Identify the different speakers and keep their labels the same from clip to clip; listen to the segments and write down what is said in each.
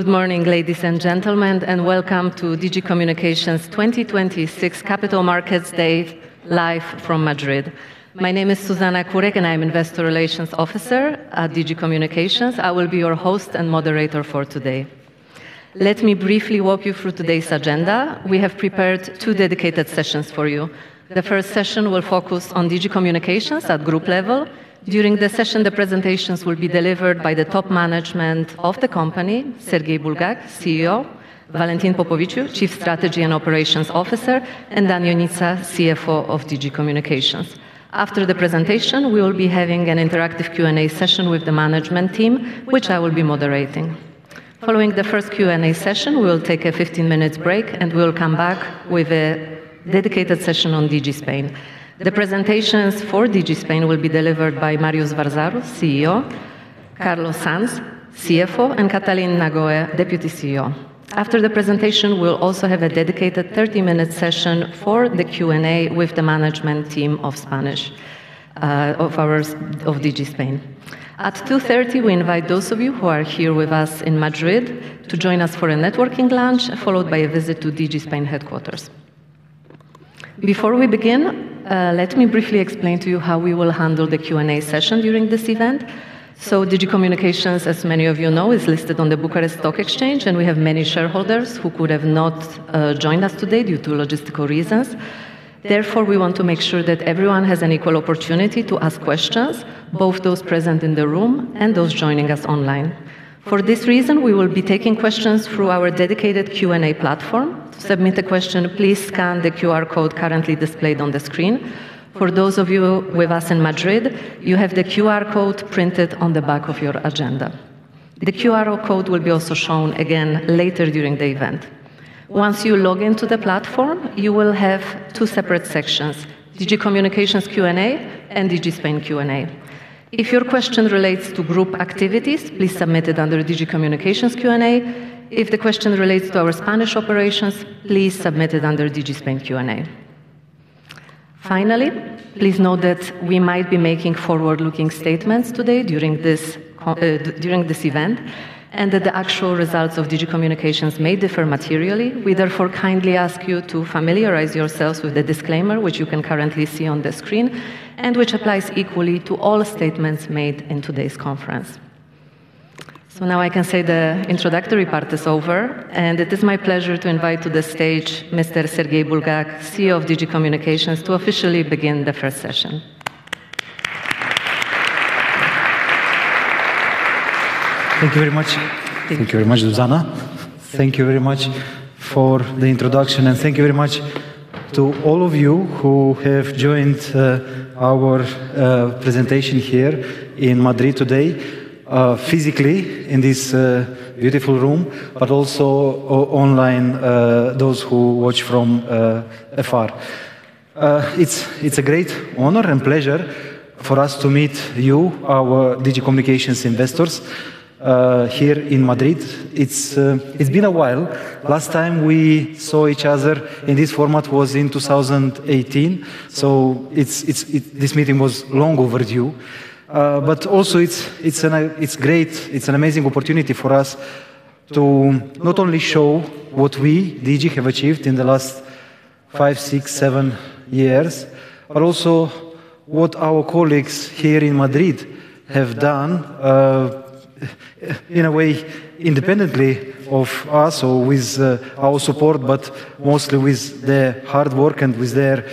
Speaker 1: Good morning, ladies and gentlemen, welcome to Digi Communications 2026 Capital Markets Day, live from Madrid. My name is Zuzanna Kurek, I am Investor Relations Officer at Digi Communications. I will be your host and moderator for today. Let me briefly walk you through today's agenda. We have prepared two dedicated sessions for you. The first session will focus on Digi Communications at group level. During the session, the presentations will be delivered by the top management of the company, Serghei Bulgac, CEO; Valentin Popoviciu, Chief Strategy and Operations Officer; and Dan Ioniță, CFO of Digi Communications. After the presentation, we will be having an interactive Q&A session with the management team, which I will be moderating. Following the first Q&A session, we will take a 15 minutes break, we will come back with a dedicated session on Digi Spain. The presentations for Digi Spain will be delivered by Marius Vărzaru, CEO; Carlos Sanz, CFO; and Cătălin Neagoe, Deputy CEO. After the presentation, we'll also have a dedicated 30-minute session for the Q&A with the management team of Digi Spain. At 2:30 P.M., we invite those of you who are here with us in Madrid to join us for a networking lunch, followed by a visit to Digi Spain headquarters. Before we begin, let me briefly explain to you how we will handle the Q&A session during this event. Digi Communications, as many of you know, is listed on the Bucharest Stock Exchange, and we have many shareholders who could have not joined us today due to logistical reasons. We want to make sure that everyone has an equal opportunity to ask questions, both those present in the room and those joining us online. For this reason, we will be taking questions through our dedicated Q&A platform. To submit a question, please scan the QR code currently displayed on the screen. For those of you with us in Madrid, you have the QR code printed on the back of your agenda. The QR code will be also shown again later during the event. Once you log in to the platform, you will have two separate sections: Digi Communications Q&A and Digi Spain Q&A. If your question relates to group activities, please submit it under Digi Communications Q&A. If the question relates to our Spanish operations, please submit it under Digi Spain Q&A. Finally, please note that we might be making forward-looking statements today during this event and that the actual results of Digi Communications may differ materially. We therefore kindly ask you to familiarize yourselves with the disclaimer, which you can currently see on the screen, and which applies equally to all statements made in today's conference. Now I can say the introductory part is over, and it is my pleasure to invite to the stage Mr. Serghei Bulgac, CEO of Digi Communications, to officially begin the first session.
Speaker 2: Thank you very much. Thank you very much, Zuzanna. Thank you very much for the introduction and thank you very much to all of you who have joined our presentation here in Madrid today, physically in this beautiful room, but also online, those who watch from afar. It's a great honor and pleasure for us to meet you, our Digi Communications investors, here in Madrid. It's been a while. Last time we saw each other in this format was in 2018. It's this meeting was long overdue. Also it's an amazing opportunity for us to not only show what we, Digi, have achieved in the last five, six, seven years, but also what our colleagues here in Madrid have done, in a way independently of us or with our support, but mostly with their hard work and with their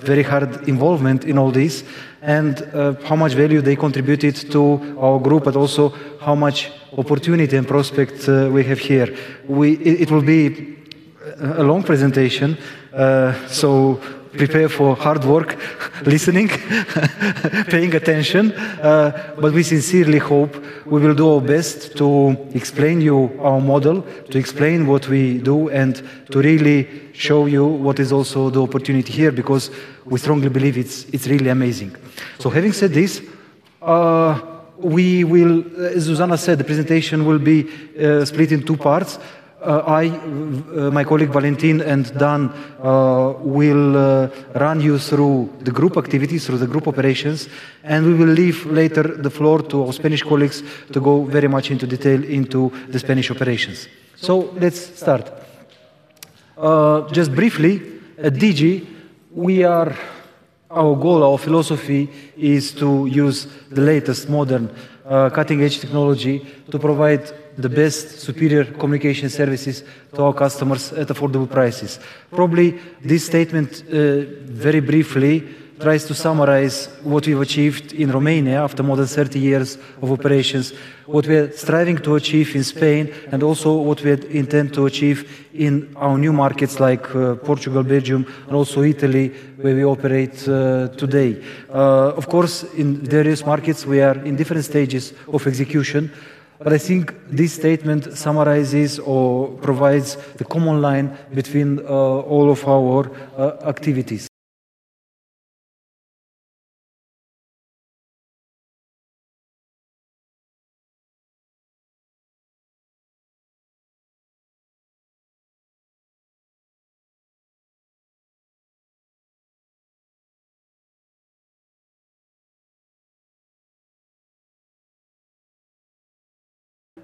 Speaker 2: very hard involvement in all this and how much value they contributed to our group, but also how much opportunity and prospects we have here. It will be a long presentation, so prepare for hard work, listening, paying attention. We sincerely hope we will do our best to explain you our model, to explain what we do, and to really show you what is also the opportunity here, because we strongly believe it's really amazing. Having said this, we will, as Zuzanna said, the presentation will be split in two parts. I, my colleague Valentin and Dan, will run you through the group activities, through the group operations, and we will leave later the floor to our Spanish colleagues to go very much into detail into the Spanish operations. Let's start. Just briefly, at Digi, our goal, our philosophy is to use the latest modern, cutting-edge technology to provide the best superior communication services to our customers at affordable prices. Probably this statement, very briefly tries to summarize what we've achieved in Romania after more than 30 years of operations, what we are striving to achieve in Spain, and also what we intend to achieve in our new markets like Portugal, Belgium, and also Italy, where we operate today. Of course, in various markets, we are in different stages of execution, but I think this statement summarizes or provides the common line between all of our activities.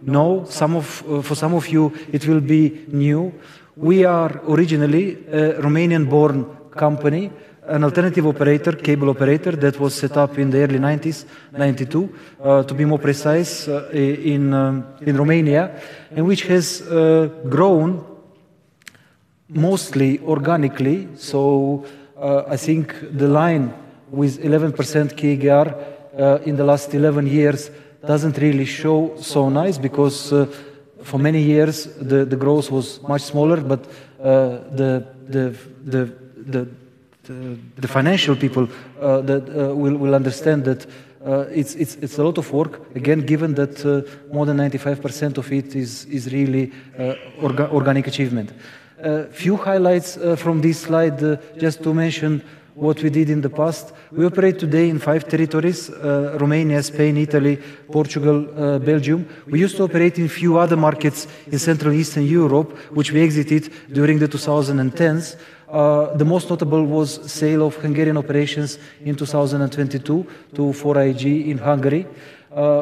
Speaker 2: No, some of, for some of you it will be new. We are originally a Romanian-born company, an alternative operator, cable operator that was set up in the early 1990s, 1992 to be more precise, in Romania, and which has grown mostly organically. I think the line with 11% CAGR in the last 11 years doesn't really show so nice because for many years the growth was much smaller. The financial people that will understand that it's a lot of work, again, given that more than 95% of it is really organic achievement. A few highlights from this slide, just to mention what we did in the past. We operate today in five territories, Romania, Spain, Italy, Portugal, Belgium. We used to operate in a few other markets in Central Eastern Europe, which we exited during the 2010s. The most notable was sale of Hungarian operations in 2022 to 4iG in Hungary.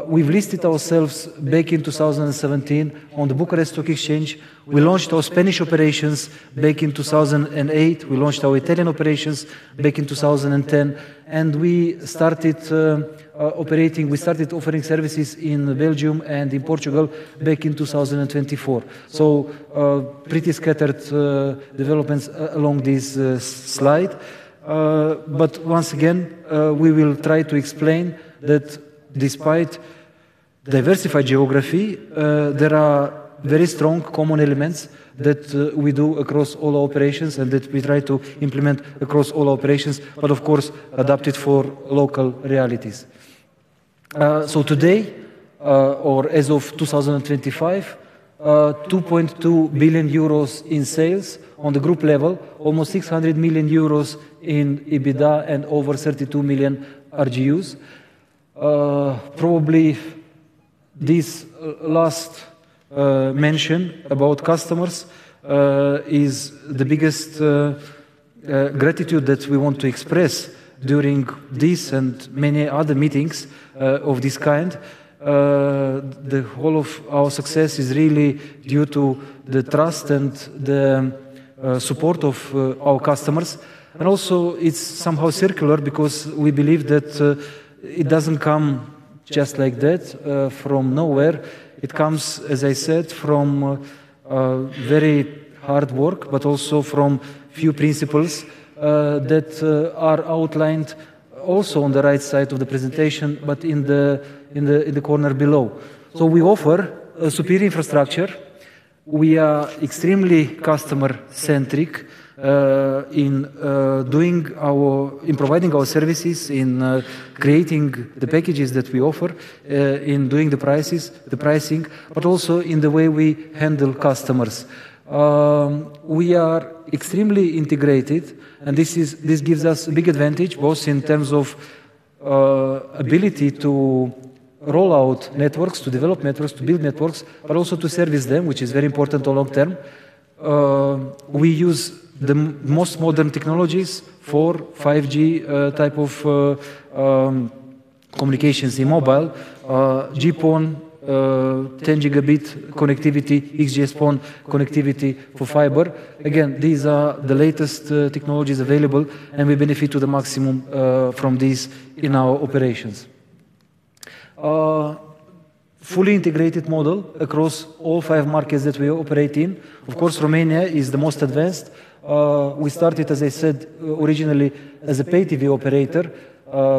Speaker 2: We've listed ourselves back in 2017 on the Bucharest Stock Exchange. We launched our Spanish operations back in 2008. We launched our Italian operations back in 2010. We started offering services in Belgium and in Portugal back in 2024. Pretty scattered developments along this slide. Once again, we will try to explain that despite diversified geography, there are very strong common elements that we do across all operations and that we try to implement across all operations, but of course, adapted for local realities. Today, or as of 2025, 2.2 billion euros in sales on the group level, almost 600 million euros in EBITDA and over 32 million RGUs. Probably this last mention about customers is the biggest gratitude that we want to express during this and many other meetings of this kind. The whole of our success is really due to the trust and the support of our customers. Also it's somehow circular because we believe that it doesn't come just like that from nowhere. It comes, as I said, from very hard work, but also from few principles that are outlined also on the right side of the presentation, but in the, in the, in the corner below. We offer a superior infrastructure. We are extremely customer-centric in providing our services, in creating the packages that we offer, in doing the prices, the pricing, but also in the way we handle customers. We are extremely integrated, and this gives us a big advantage, both in terms of ability to roll out networks, to develop networks, to build networks, but also to service them, which is very important to long term. We use the most modern technologies, 4, 5G type of communications in mobile. GPON, 10 Gb connectivity, XGS-PON connectivity for fiber. Again, these are the latest technologies available, and we benefit to the maximum from these in our operations. Fully integrated model across all five markets that we operate in. Of course, Romania is the most advanced. We started, as I said, originally as a pay TV operator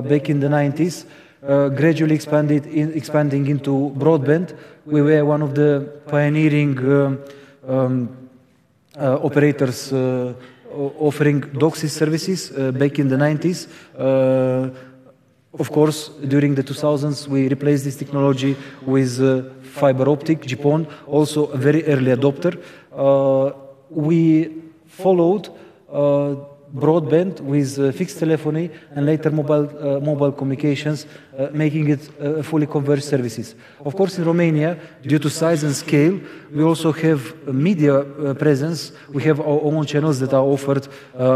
Speaker 2: back in the nineties, gradually expanded, expanding into broadband. We were one of the pioneering operators offering DOCSIS services back in the 1990s. Of course, during the 2000s we replaced this technology with fiber optic GPON, also a very early adopter. We followed broadband with fixed telephony and later mobile communications, making it fully converged services. Of course, in Romania, due to size and scale, we also have a media presence. We have our own channels that are offered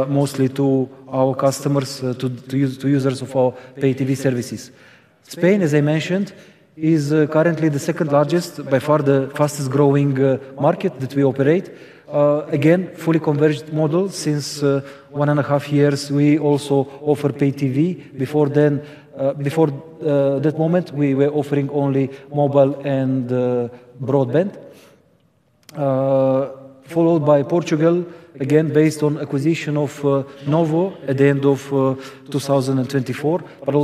Speaker 2: mostly to our customers, to users of our pay TV services. Spain, as I mentioned, is currently the second largest, by far the fastest growing market that we operate. Again, fully converged model. Since one and a half years, we also offer pay TV. Before then, before that moment, we were offering only mobile and broadband. Followed by Portugal, again based on acquisition of Nowo at the end of 2024, but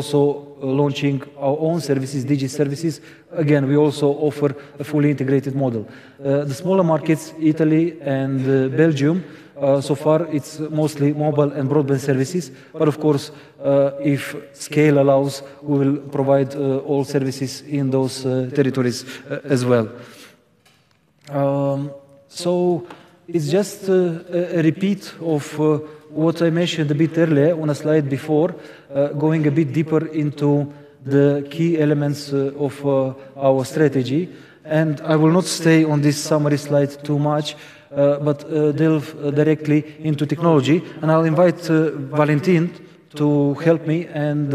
Speaker 2: also launching our own services, Digi services. Again, we also offer a fully integrated model. The smaller markets, Italy and Belgium, so far, it's mostly mobile and broadband services. Of course, if scale allows, we will provide all services in those territories as well. So it's just a repeat of what I mentioned a bit earlier on a slide before, going a bit deeper into the key elements of our strategy. I will not stay on this summary slide too much but delve directly into technology. I'll invite Valentin to help me and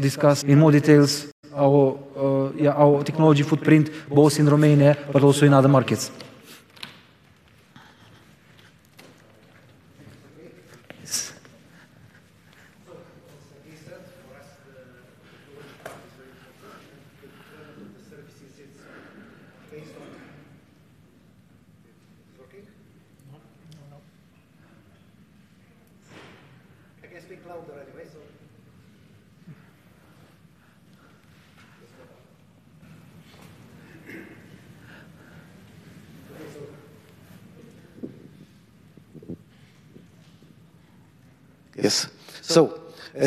Speaker 2: discuss in more details our, yeah, our technology footprint, both in Romania but also in other markets.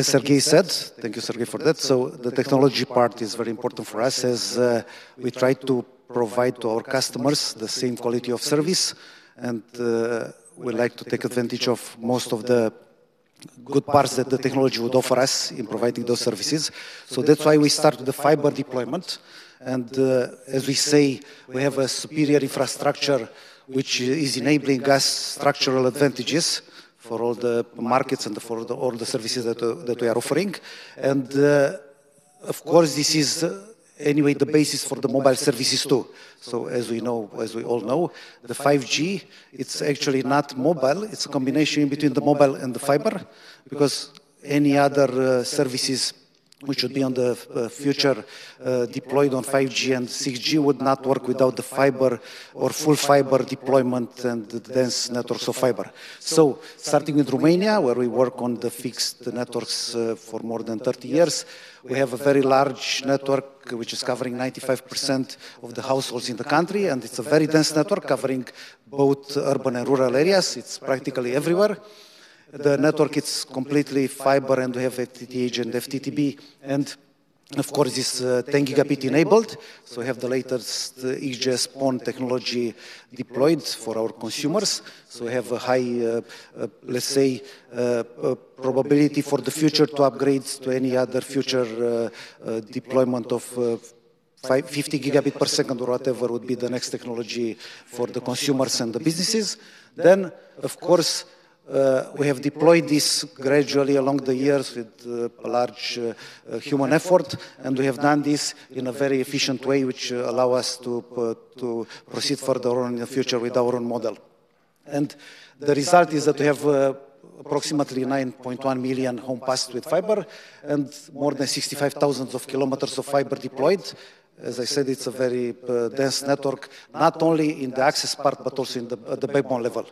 Speaker 3: As Serghei said, for us the technology is very important and in terms of the services it's based on... It's working?
Speaker 2: No. No, no.
Speaker 3: I can speak louder anyway, so. Let's go. Yes. As Serghei said, thank you, Serghei, for that. The technology part is very important for us as we try to provide to our customers the same quality of service. We like to take advantage of most of the good parts that the technology would offer us in providing those services. That's why we started the fiber deployment. As we say, we have a superior infrastructure which is enabling us structural advantages for all the markets and for the all the services that we are offering. Of course, this is anyway the basis for the mobile services too. As we know, as we all know, the 5G, it's actually not mobile. It's a combination between the mobile and the fiber, because any other services which would be on the future deployed on 5G and 6G would not work without the fiber or full fiber deployment and the dense networks of fiber. Starting with Romania, where we work on the fixed networks, for more than 30 years, we have a very large network which is covering 95% of the households in the country, and it's a very dense network covering both urban and rural areas. It's practically everywhere. The network is completely fiber, and we have FTTH and FTTB, and of course it's 10 Gb enabled. We have the latest XGS-PON technology deployed for our consumers. We have a high, let's say, probability for the future to upgrade to any other future deployment of 50 Gb per second or whatever would be the next technology for the consumers and the businesses. Of course, we have deployed this gradually along the years with a large human effort, and we have done this in a very efficient way, which allow us to proceed further on in the future with our own model. The result is that we have approximately 9.1 million homes passed with fiber and more than 65,000 kilometers of fiber deployed. As I said, it's a very dense network, not only in the access part but also at the backbone level.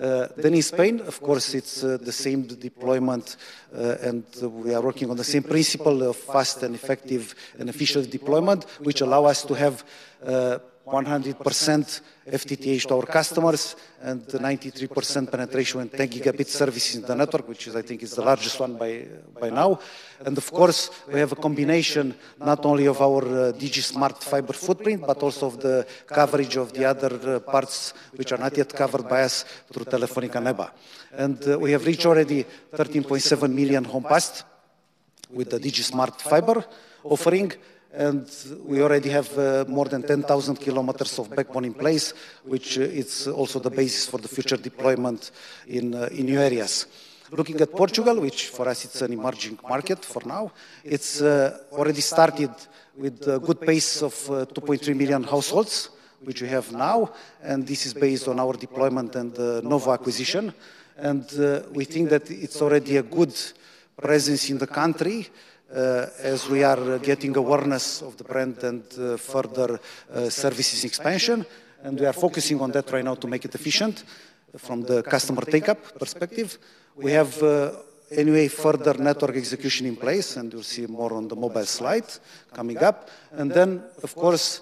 Speaker 3: Then in Spain, of course, it's the same deployment. We are working on the same principle of fast and effective and efficient deployment, which allow us to have 100% FTTH to our customers and 93% penetration with 10 Gb service in the network, which is I think is the largest one by now. Of course, we have a combination not only of our Digi SMART fiber footprint, but also of the coverage of the other parts which are not yet covered by us through Telefónica NEBA. We have reached already 13.7 million homes passed with the Digi SMART fiber offering, and we already have more than 10,000 kilometers of backbone in place, which it's also the basis for the future deployment in new areas. Looking at Portugal, which for us it's an emerging market for now. It's already started with a good pace of 2.3 million households, which we have now. This is based on our deployment and the Nowo acquisition. We think that it's already a good presence in the country as we are getting awareness of the brand and further services expansion. We are focusing on that right now to make it efficient from the customer take-up perspective. We have anyway further network execution in place, and you'll see more on the mobile slide coming up. Of course,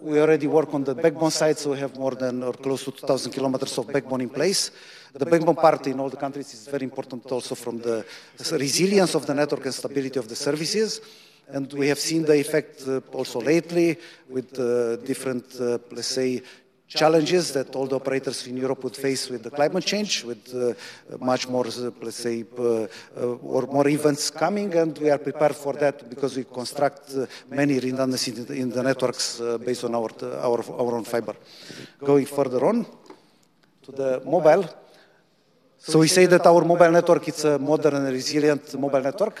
Speaker 3: we already work on the backbone side, we have more than or close to 2,000 kilometers of backbone in place. The backbone part in all the countries is very important also from the resilience of the network and stability of the services. We have seen the effect also lately with the different, let's say challenges that all the operators in Europe would face with the climate change, with much more, let's say, or more events coming. We are prepared for that because we construct many redundancies in the networks based on our own fiber. Going further on to the mobile. We say that our mobile network is a modern and resilient mobile network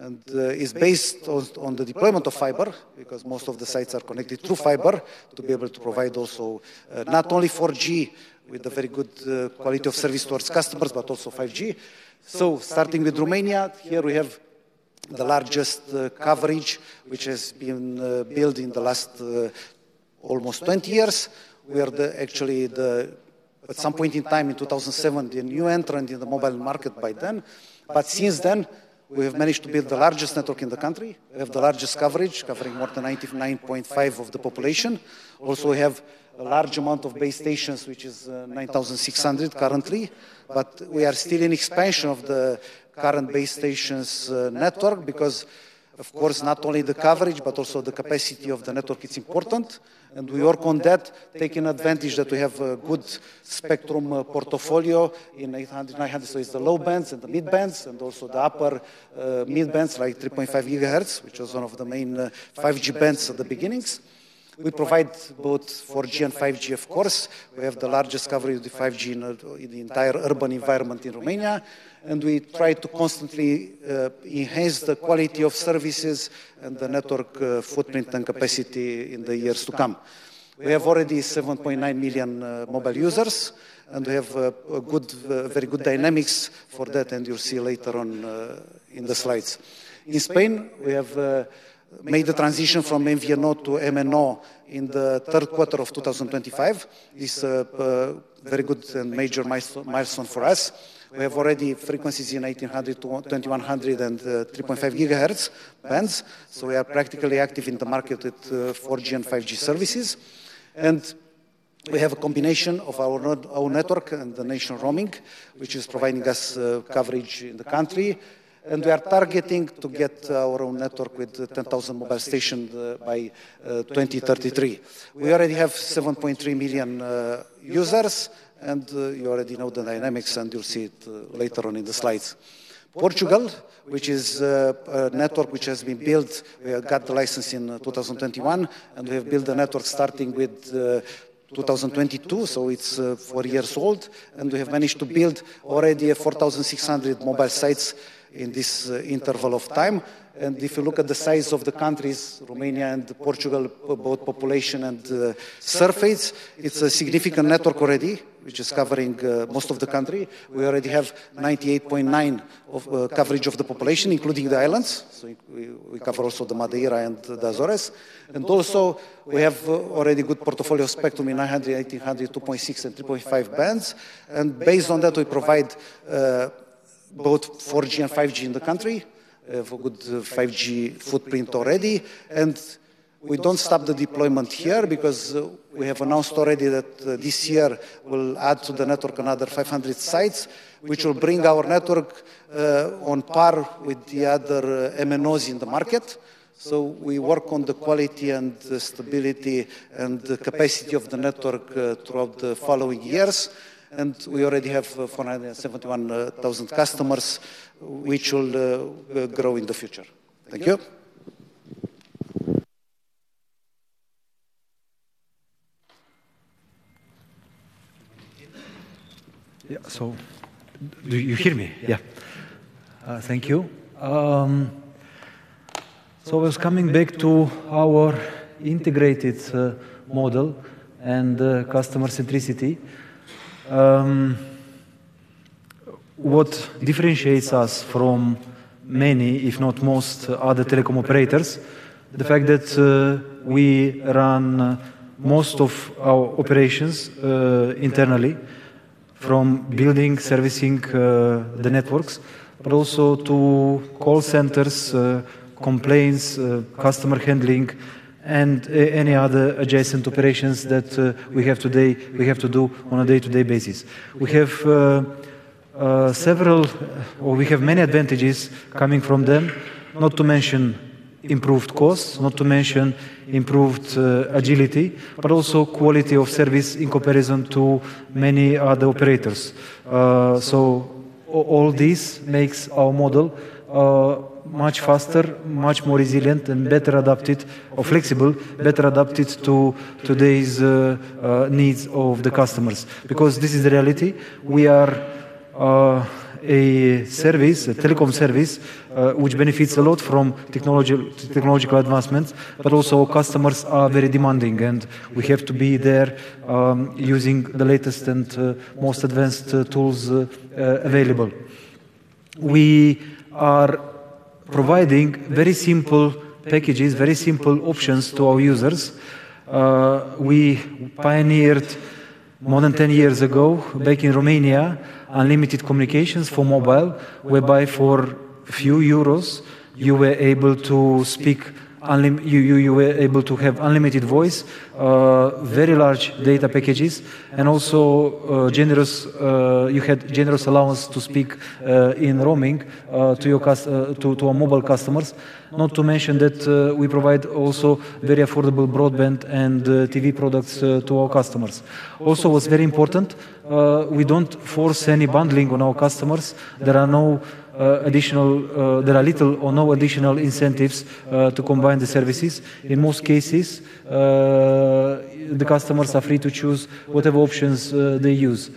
Speaker 3: and is based on the deployment of fiber because most of the sites are connected through fiber to be able to provide also not only 4G with a very good quality of service towards customers but also 5G. Starting with Romania, here we have the largest coverage which has been built in the last almost 20 years. We are the actually the, at some point in time in 2017, new entrant in the mobile market by then. Since then we have managed to build the largest network in the country. We have the largest coverage, covering more than 99.5% of the population. Also, we have a large amount of base stations, which is 9,600 currently. We are still in expansion of the current base stations network because of course, not only the coverage but also the capacity of the network is important and we work on that, taking advantage that we have a good spectrum portfolio in 800, 900. It's the low bands and the mid bands and also the upper mid bands like 3.5 GHz, which was one of the main 5G bands at the beginnings. We provide both 4G and 5G, of course. We have the largest coverage of the 5G in the entire urban environment in Romania, and we try to constantly enhance the quality of services and the network footprint and capacity in the years to come. We have already 7.9 million mobile users, and we have a good, very good dynamics for that, and you'll see later on in the slides. In Spain, we have made the transition from MVNO to MNO in the third quarter of 2025. It's a very good and major milestone for us. We have already frequencies in 1,800 to 2,100 and 3.5 GHz bands, so we are practically active in the market with 4G and 5G services. We have a combination of our non-own network and the national roaming, which is providing us coverage in the country. We are targeting to get our own network with 10,000 mobile station by 2033. We already have 7.3 million users, and you already know the dynamics, and you'll see it later on in the slides. Portugal, which is a network which has been built. We have got the license in 2021, and we have built the network starting with 2022, so it's four years old. We have managed to build already 4,600 mobile sites in this interval of time. If you look at the size of the countries, Romania and Portugal, both population and surface, it's a significant network already, which is covering most of the country. We already have 98.9% of coverage of the population, including the islands. So we cover also the Madeira and the Azores. Also, we have already good portfolio spectrum in 900, 1,800, 2.6, and 3.5 bands. Based on that, we provide both 4G and 5G in the country. We have a good 5G footprint already. We don't stop the deployment here because we have announced already that this year, we'll add to the network another 500 sites, which will bring our network on par with the other MNOs in the market. We work on the quality and the stability and the capacity of the network throughout the following years. We already have 471,000 customers, which will grow in the future. Thank you.
Speaker 2: Yeah. Do you hear me? Yeah. Thank you. I was coming back to our integrated model and customer centricity. What differentiates us from many, if not most other telecom operators, the fact that we run most of our operations internally from building, servicing, the networks, but also to call centers, complaints, customer handling, and any other adjacent operations that we have today, we have to do on a day-to-day basis. We have several or we have many advantages coming from them, not to mention improved costs, not to mention improved agility, but also quality of service in comparison to many other operators. All this makes our model much faster, much more resilient, and better adapted or flexible, better adapted to today's needs of the customers. This is the reality. We are a service, a telecom service, which benefits a lot from technology, technological advancements, but also customers are very demanding, and we have to be there, using the latest and most advanced tools available. We are providing very simple packages, very simple options to our users. We pioneered more than 10 years ago, back in Romania, unlimited communications for mobile, whereby for a few euros, you were able to have unlimited voice, very large data packages, and also, generous, you had generous allowance to speak in roaming to our mobile customers. Not to mention that we provide also very affordable broadband and TV products to our customers. Also, what's very important, we don't force any bundling on our customers. There are no additional, there are little or no additional incentives to combine the services. In most cases, the customers are free to choose whatever options they use.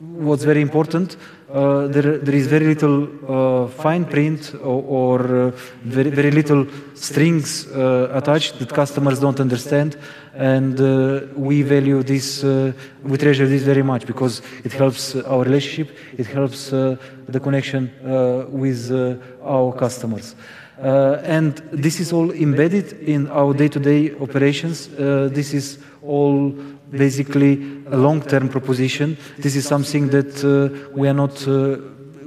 Speaker 2: What's very important, there is very little fine print or very little strings attached that customers don't understand. We value this, we treasure this very much because it helps our relationship, it helps the connection with our customers. This is all embedded in our day-to-day operations. This is all basically a long-term proposition. This is something that we are not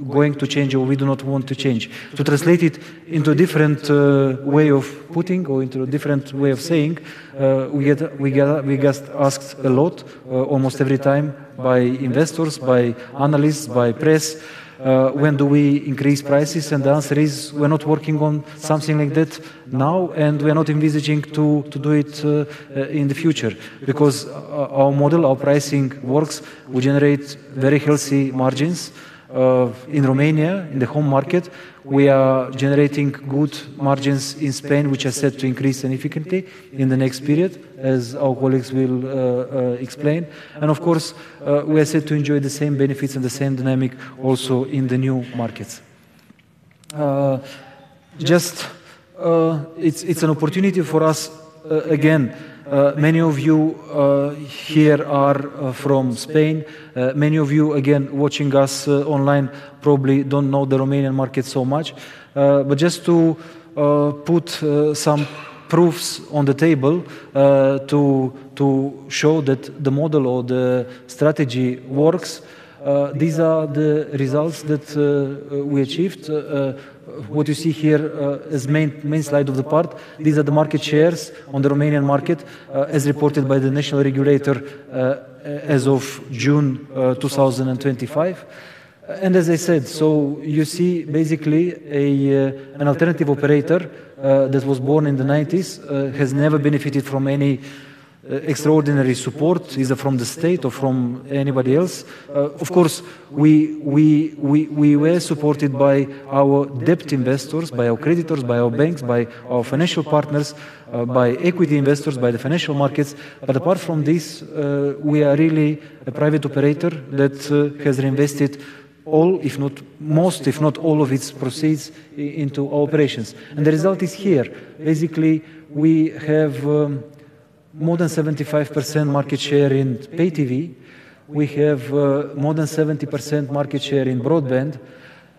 Speaker 2: going to change or we do not want to change. To translate it into a different way of putting or into a different way of saying, we get asked a lot, almost every time by investors, by analysts, by press, when do we increase prices? The answer is, we're not working on something like that now, and we are not envisaging to do it in the future because our model, our pricing works. We generate very healthy margins. In Romania, in the home market, we are generating good margins in Spain, which are set to increase significantly in the next period, as our colleagues will explain. Of course, we are set to enjoy the same benefits and the same dynamic also in the new markets. Just, it's an opportunity for us, again, many of you here are from Spain. Many of you again watching us online probably don't know the Romanian market so much. Just to put some proofs on the table, to show that the model or the strategy works, these are the results that we achieved. What you see here is main slide of the part. These are the market shares on the Romanian market, as reported by the national regulator, as of June 2025. As I said, so you see basically an alternative operator that was born in the nineties, has never benefited from any extraordinary support, either from the state or from anybody else. Of course, we were supported by our debt investors, by our creditors, by our banks, by our financial partners, by equity investors, by the financial markets. Apart from this, we are really a private operator that has reinvested all, if not most, if not all of its proceeds into our operations. The result is here. Basically, we have more than 75% market share in pay TV. We have more than 70% market share in broadband,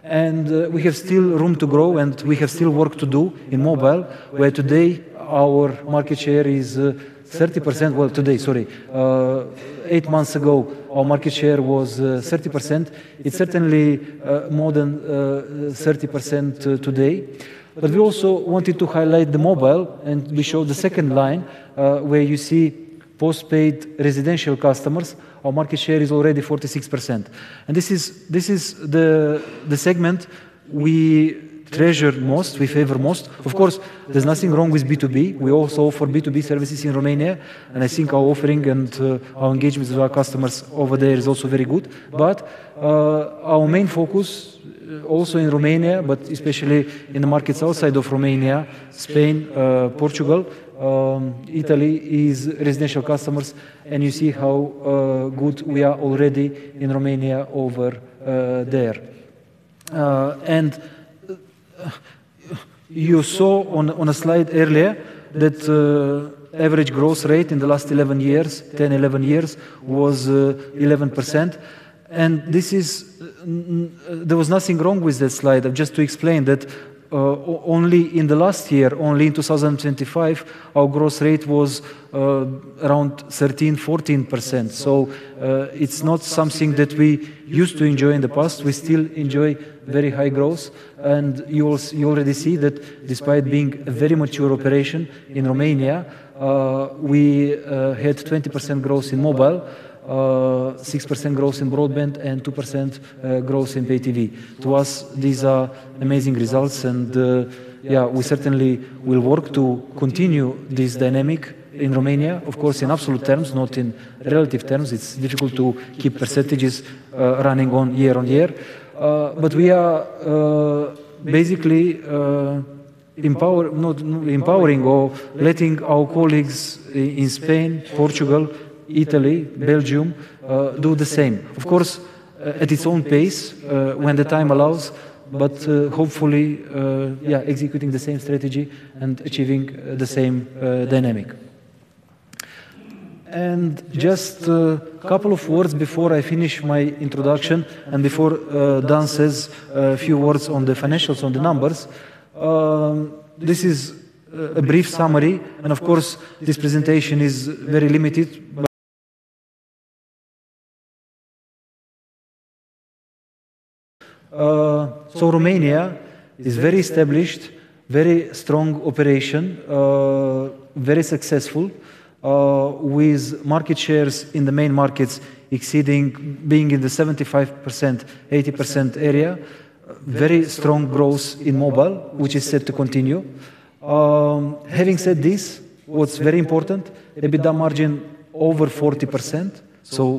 Speaker 2: and we have still room to grow, and we have still work to do in mobile, where today our market share is 30%. Well, today, sorry. Eight months ago, our market share was 30%. It's certainly more than 30% today. We also wanted to highlight the mobile, and we showed the second line, where you see postpaid residential customers. Our market share is already 46%. This is the segment we treasure most, we favor most. Of course, there's nothing wrong with B2B. We also offer B2B services in Romania, and I think our offering and our engagement with our customers over there is also very good. Our main focus also in Romania, but especially in the markets outside of Romania, Spain, Portugal, Italy, is residential customers. You see how good we are already in Romania over there. You saw on a slide earlier that average growth rate in the last 11 years, 10, 11 years was 11%. This is. There was nothing wrong with that slide. Just to explain that only in the last year, only in 2025, our growth rate was around 13%, 14%. It's not something that we used to enjoy in the past. We still enjoy very high growth. You already see that despite being a very mature operation in Romania, we had 20% growth in mobile, 6% growth in broadband and 2% growth in pay TV. To us, these are amazing results. Yeah, we certainly will work to continue this dynamic in Romania. Of course, in absolute terms, not in relative terms. It's difficult to keep percentages running year-on-year. We are basically empowering or letting our colleagues in Spain, Portugal, Italy, Belgium do the same. Of course, at its own pace when the time allows, hopefully, yeah, executing the same strategy and achieving the same dynamic. Just a couple of words before I finish my introduction and before Dan says a few words on the financials, on the numbers. This is a brief summary, and of course, this presentation is very limited. Romania is very established, very strong operation, very successful, with market shares in the main markets exceeding being in the 75%-80% area. Very strong growth in mobile, which is set to continue. Having said this, what's very important, EBITDA margin over 40%,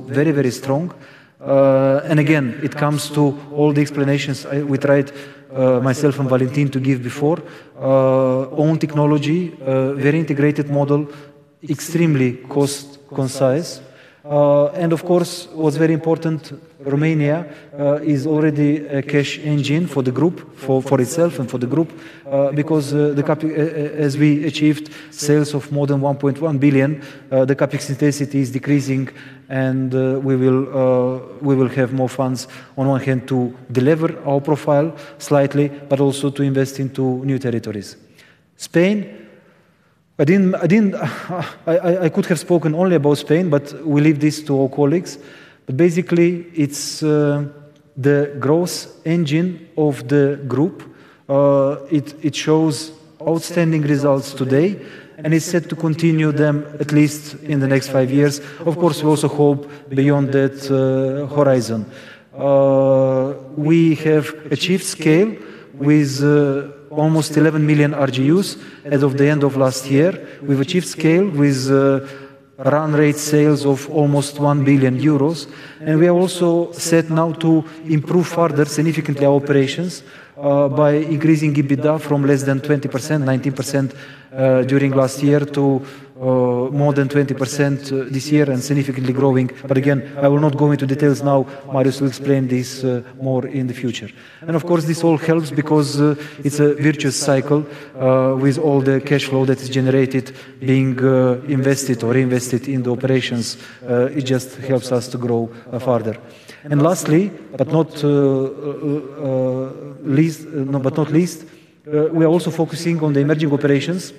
Speaker 2: very, very strong. Again, it comes to all the explanations we tried, myself and Valentin, to give before. Own technology, very integrated model, extremely cost concise. Of course, what's very important, Romania is already a cash engine for the group, for itself and for the group. Because the CapEx, as we achieved sales of more than 1.1 billion, the CapEx intensity is decreasing, we will have more funds on one hand to delever our profile slightly, but also to invest into new territories. Spain, I could have spoken only about Spain, but we leave this to our colleagues. Basically, it's the growth engine of the Group. It shows outstanding results today and is set to continue them at least in the next five years. Of course, we also hope beyond that horizon. We have achieved scale with almost 11 million RGUs as of the end of last year. We've achieved scale with run rate sales of almost 1 billion euros, and we are also set now to improve further significantly our operations by increasing EBITDA from less than 20%, 19% during last year to more than 20% this year and significantly growing. Again, I will not go into details now. Marius will explain this more in the future. Of course, this all helps because it's a virtuous cycle with all the cash flow that is generated being invested or reinvested in the operations. It just helps us to grow further. Lastly, but not least, we are also focusing on the emerging operations.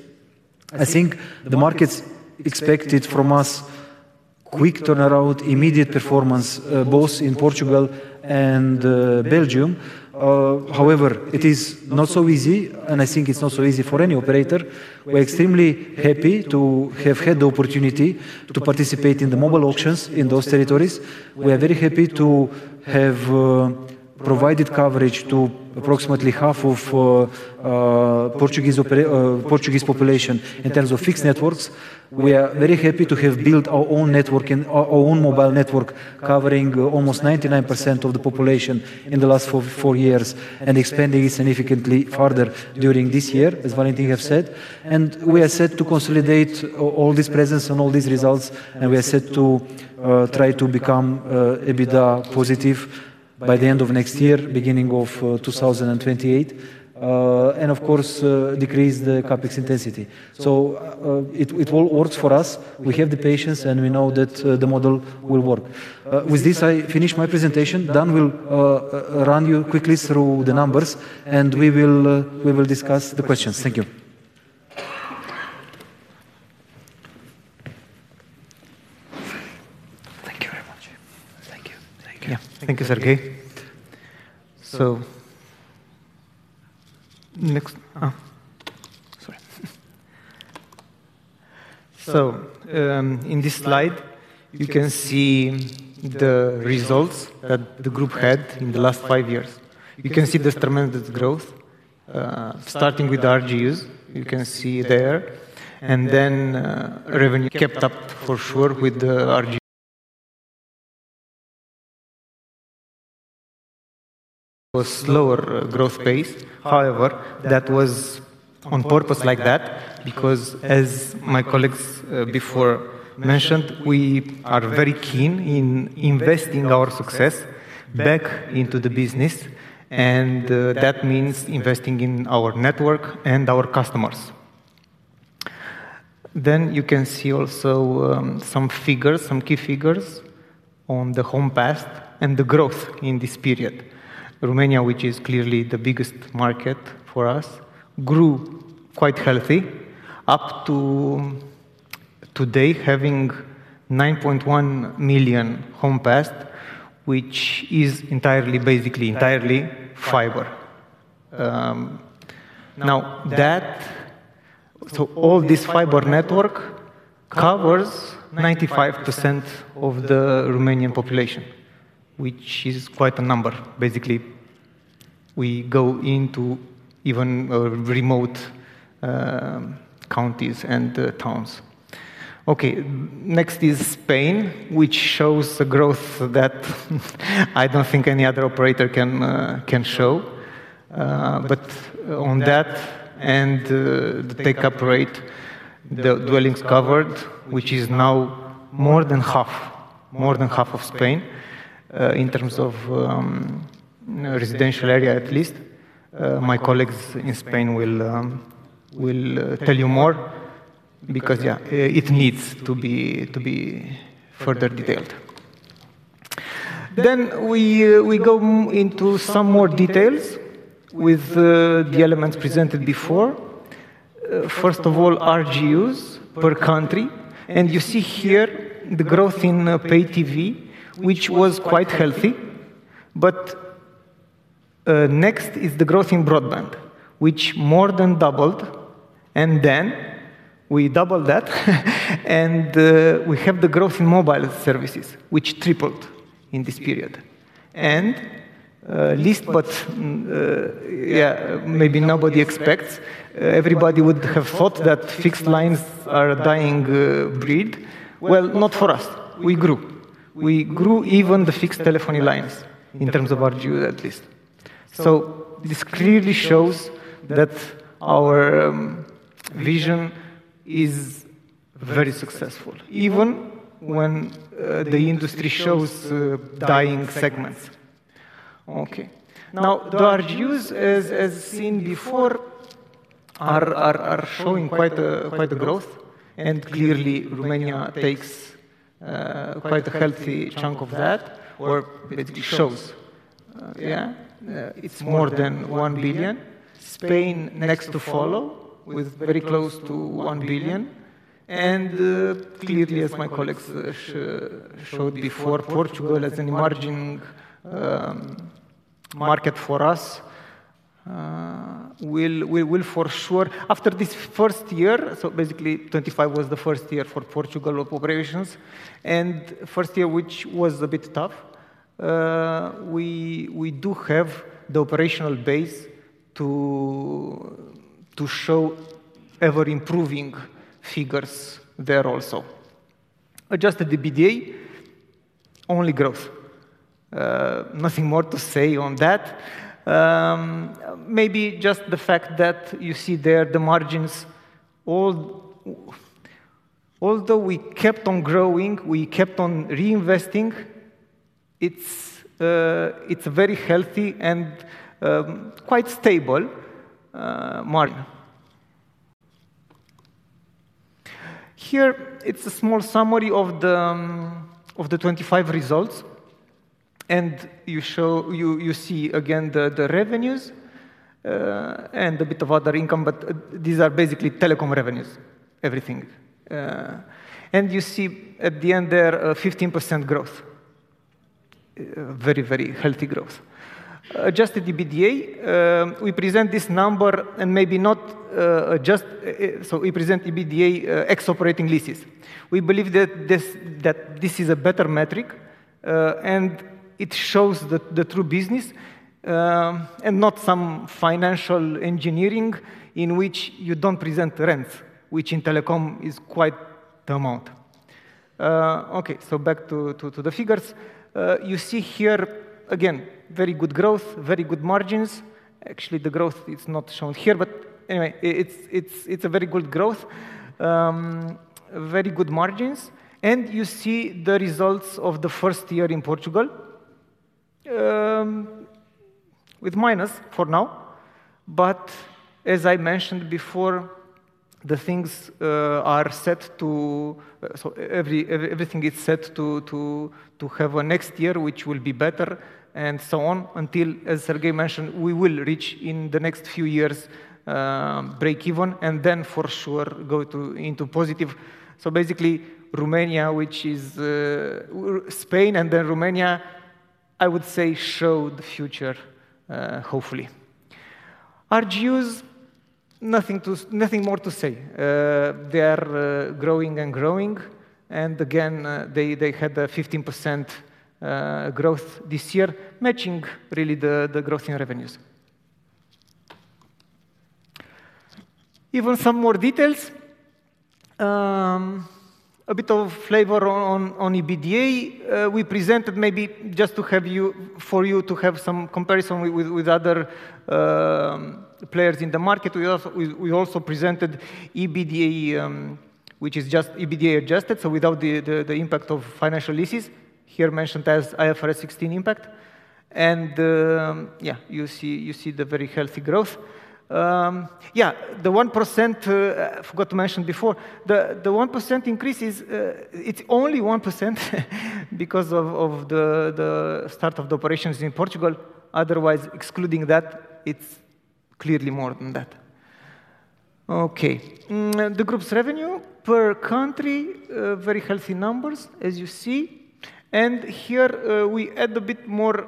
Speaker 2: I think the markets expected from us quick turnaround, immediate performance, both in Portugal and Belgium. However, it is not so easy, and I think it's not so easy for any operator. We're extremely happy to have had the opportunity to participate in the mobile auctions in those territories. We are very happy to have provided coverage to approximately half of Portuguese population in terms of fixed networks. We are very happy to have built our own network and our own mobile network, covering almost 99% of the population in the last four years and expanding it significantly further during this year, as Valentin have said. We are set to consolidate all this presence and all these results, we are set to try to become EBITDA positive by the end of next year, beginning of 2028. Of course, decrease the CapEx intensity. It all works for us. We have the patience, and we know that the model will work. With this, I finish my presentation. Dan will run you quickly through the numbers, and we will discuss the questions. Thank you.
Speaker 4: Thank you. Thank you. Thank you. Yeah. Thank you, Serghei. Next. Sorry. In this slide, you can see the results that the group had in the last five years. You can see the tremendous growth, starting with RGUs, you can see there, and then revenue kept up for sure with the RGU. A slower growth pace. However, that was on purpose like that because, as my colleagues before mentioned, we are very keen in investing our success back into the business, and that means investing in our network and our customers. You can see also some figures, some key figures on the homes passed and the growth in this period. Romania, which is clearly the biggest market for us, grew quite healthy, up to today, having 9.1 million homes passed, which is entirely, basically entirely fiber. All this fiber network covers 95% of the Romanian population, which is quite a number. Basically, we go into even remote counties and towns. Next is Spain, which shows the growth that I don't think any other operator can show. But on that and the take-up rate, the dwellings covered, which is now more than half, more than half of Spain, in terms of residential area, at least. My colleagues in Spain will tell you more because, yeah, it needs to be further detailed. We go into some more details with the elements presented before. First of all, RGUs per country. You see here the growth in pay TV, which was quite healthy. Next is the growth in broadband, which more than doubled, we double that, we have the growth in mobile services, which tripled in this period. Least but yeah, maybe nobody expects, everybody would have thought that fixed lines are a dying breed. Well, not for us. We grew. We grew even the fixed telephony lines in terms of RGU, at least. This clearly shows that our vision is very successful, even when the industry shows dying segments. Okay. The RGUs, as seen before, are showing quite a growth. Clearly, Romania takes quite a healthy chunk of that, or it shows. Yeah, it's more than 1 billion. Spain next to follow with very close to 1 billion. Clearly, as my colleagues showed before, Portugal as an emerging market for us, we will for sure after this first year, so basically 2025 was the first year for Portugal operations, and first year, which was a bit tough, we do have the operational base to show ever-improving figures there also. Adjusted EBITDA, only growth. Nothing more to say on that. Maybe just the fact that you see there the margins. Although we kept on growing, we kept on reinvesting, it's a very healthy and quite stable margin. Here it's a small summary of the 2025 results. You see again the revenues and a bit of other income, but these are basically telecom revenues, everything. You see at the end there a 15% growth. Very, very healthy growth. Adjusted EBITDA, we present this number and maybe not. We present EBITDA ex-operating leases. We believe that this is a better metric and it shows the true business and not some financial engineering in which you don't present rent, which in telecom is quite the amount. Back to the figures. You see here again, very good growth, very good margins. Actually, the growth is not shown here, but anyway, it's a very good growth. Very good margins. You see the results of the first year in Portugal with minus for now. As I mentioned before, the things are set to, everything is set to have a next year, which will be better and so on, until, as Serghei mentioned, we will reach in the next few years, breakeven and then for sure go into positive. Basically Romania, which is, Spain and then Romania, I would say show the future, hopefully. RGUs, nothing more to say. They are growing and growing, and again, they had a 15% growth this year, matching really the growth in revenues. Even some more details. A bit of flavor on EBITDA. We presented maybe just to have you, for you to have some comparison with other players in the market. We also presented EBITDA, which is just EBITDA adjusted, so without the impact of financial leases, here mentioned as IFRS 16 impact. Yeah, you see the very healthy growth. Yeah, the 1% I forgot to mention before, the 1% increase is only 1% because of the start of the operations in Portugal. Otherwise, excluding that, it's clearly more than that. Okay. The group's revenue per country, very healthy numbers, as you see. Here, we add a bit more,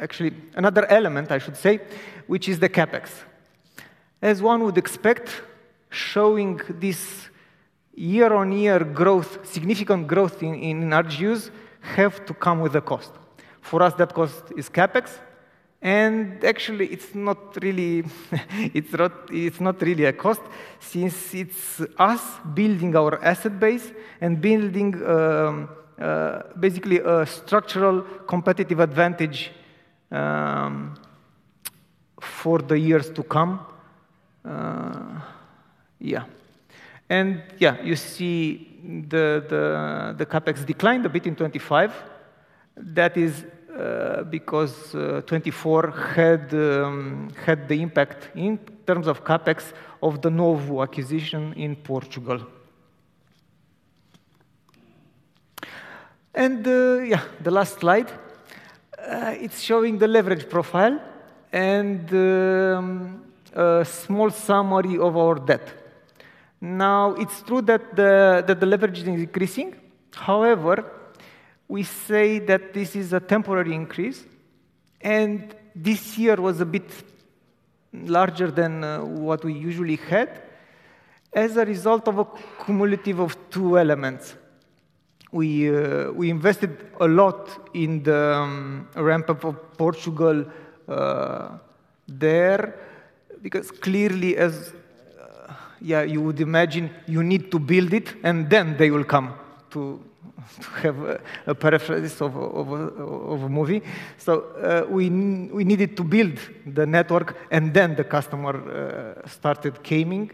Speaker 4: actually another element, I should say, which is the CapEx. As one would expect, showing this year-on-year growth, significant growth in RGUs have to come with a cost. For us, that cost is CapEx. Actually, it's not really, it's not really a cost since it's us building our asset base and building, basically a structural competitive advantage for the years to come. Yeah. You see the CapEx declined a bit in 2025. That is because 2024 had the impact in terms of CapEx of the Nowo acquisition in Portugal. The last slide, it's showing the leverage profile and a small summary of our debt. Now, it's true that the leverage is increasing. However, we say that this is a temporary increase, and this year was a bit larger than what we usually had as a result of a cumulative of two elements. We invested a lot in the ramp-up of Portugal there, because clearly as you would imagine you need to build it and then they will come to have a paraphrase of a movie. We needed to build the network and then the customer started coming.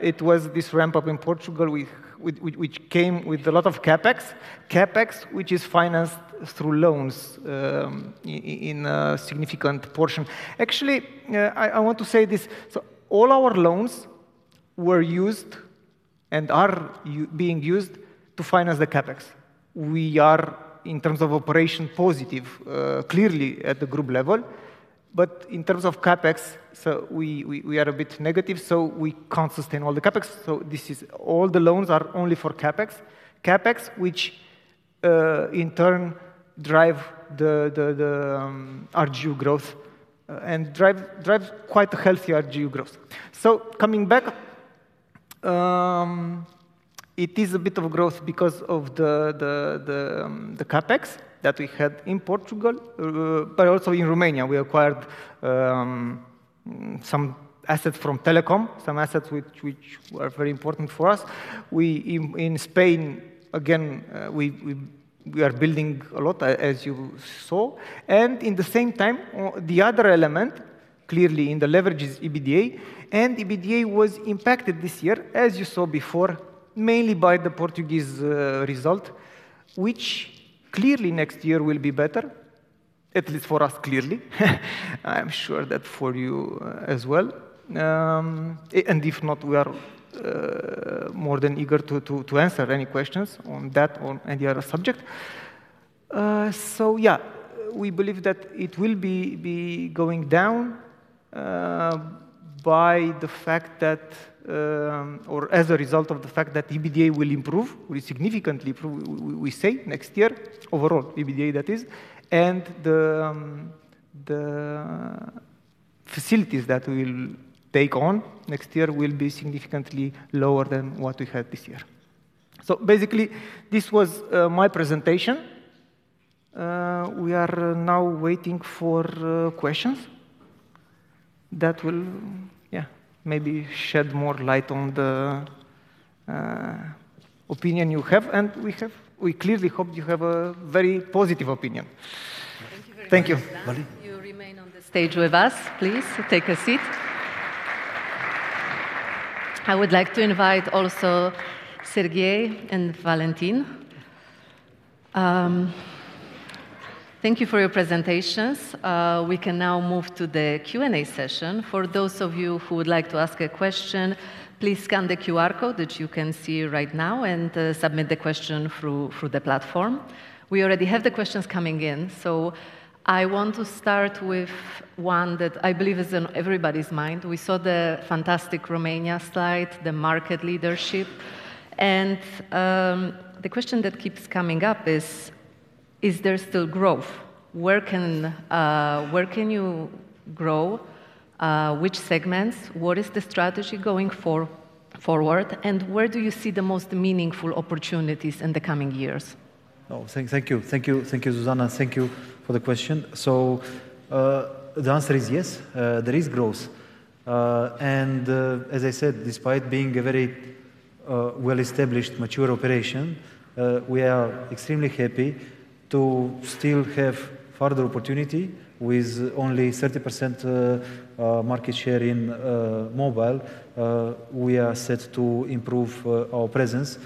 Speaker 4: It was this ramp-up in Portugal which came with a lot of CapEx, which is financed through loans in a significant portion. Actually, I want to say this. All our loans were used and are being used to finance the CapEx. We are, in terms of operation, positive, clearly at the group level. In terms of CapEx, we are a bit negative, we can't sustain all the CapEx. This is all the loans are only for CapEx. CapEx, which in turn drive the RGU growth and drive quite healthy RGU growth. Coming back, it is a bit of a growth because of the CapEx that we had in Portugal, but also in Romania. We acquired some assets from Telekom, some assets which were very important for us. We, in Spain, again, we are building a lot, as you saw. In the same time, the other element clearly in the leverage is EBITDA. EBITDA was impacted this year, as you saw before, mainly by the Portuguese result, which clearly next year will be better. At least for us, clearly. I'm sure that for you as well. If not, we are more than eager to answer any questions on that, on any other subject. We believe that it will be going down by the fact that or as a result of the fact that EBITDA will improve, will significantly improve we say next year, overall EBITDA that is, and the facilities that we'll take on next year will be significantly lower than what we had this year. Basically, this was my presentation. We are now waiting for questions that will, maybe shed more light on the opinion you have, and we have, we clearly hope you have a very positive opinion. Thank you very much.
Speaker 1: Thank you. Dan, you remain on the stage with us. Please take a seat. I would like to invite also Serghei and Valentin. Thank you for your presentations. We can now move to the Q&A session. For those of you who would like to ask a question, please scan the QR code that you can see right now and submit the question through the platform. We already have the questions coming in, so I want to start with one that I believe is on everybody's mind. We saw the fantastic Romania slide, the market leadership. The question that keeps coming up is there still growth? Where can you grow? Which segments? What is the strategy going forward, and where do you see the most meaningful opportunities in the coming years?
Speaker 2: Thank you. Thank you. Thank you, Zuzanna. Thank you for the question. The answer is yes; there is growth. As I said, despite being a very well-established, mature operation, we are extremely happy to still have further opportunity with only 30% market share in mobile. We are set to improve our presence,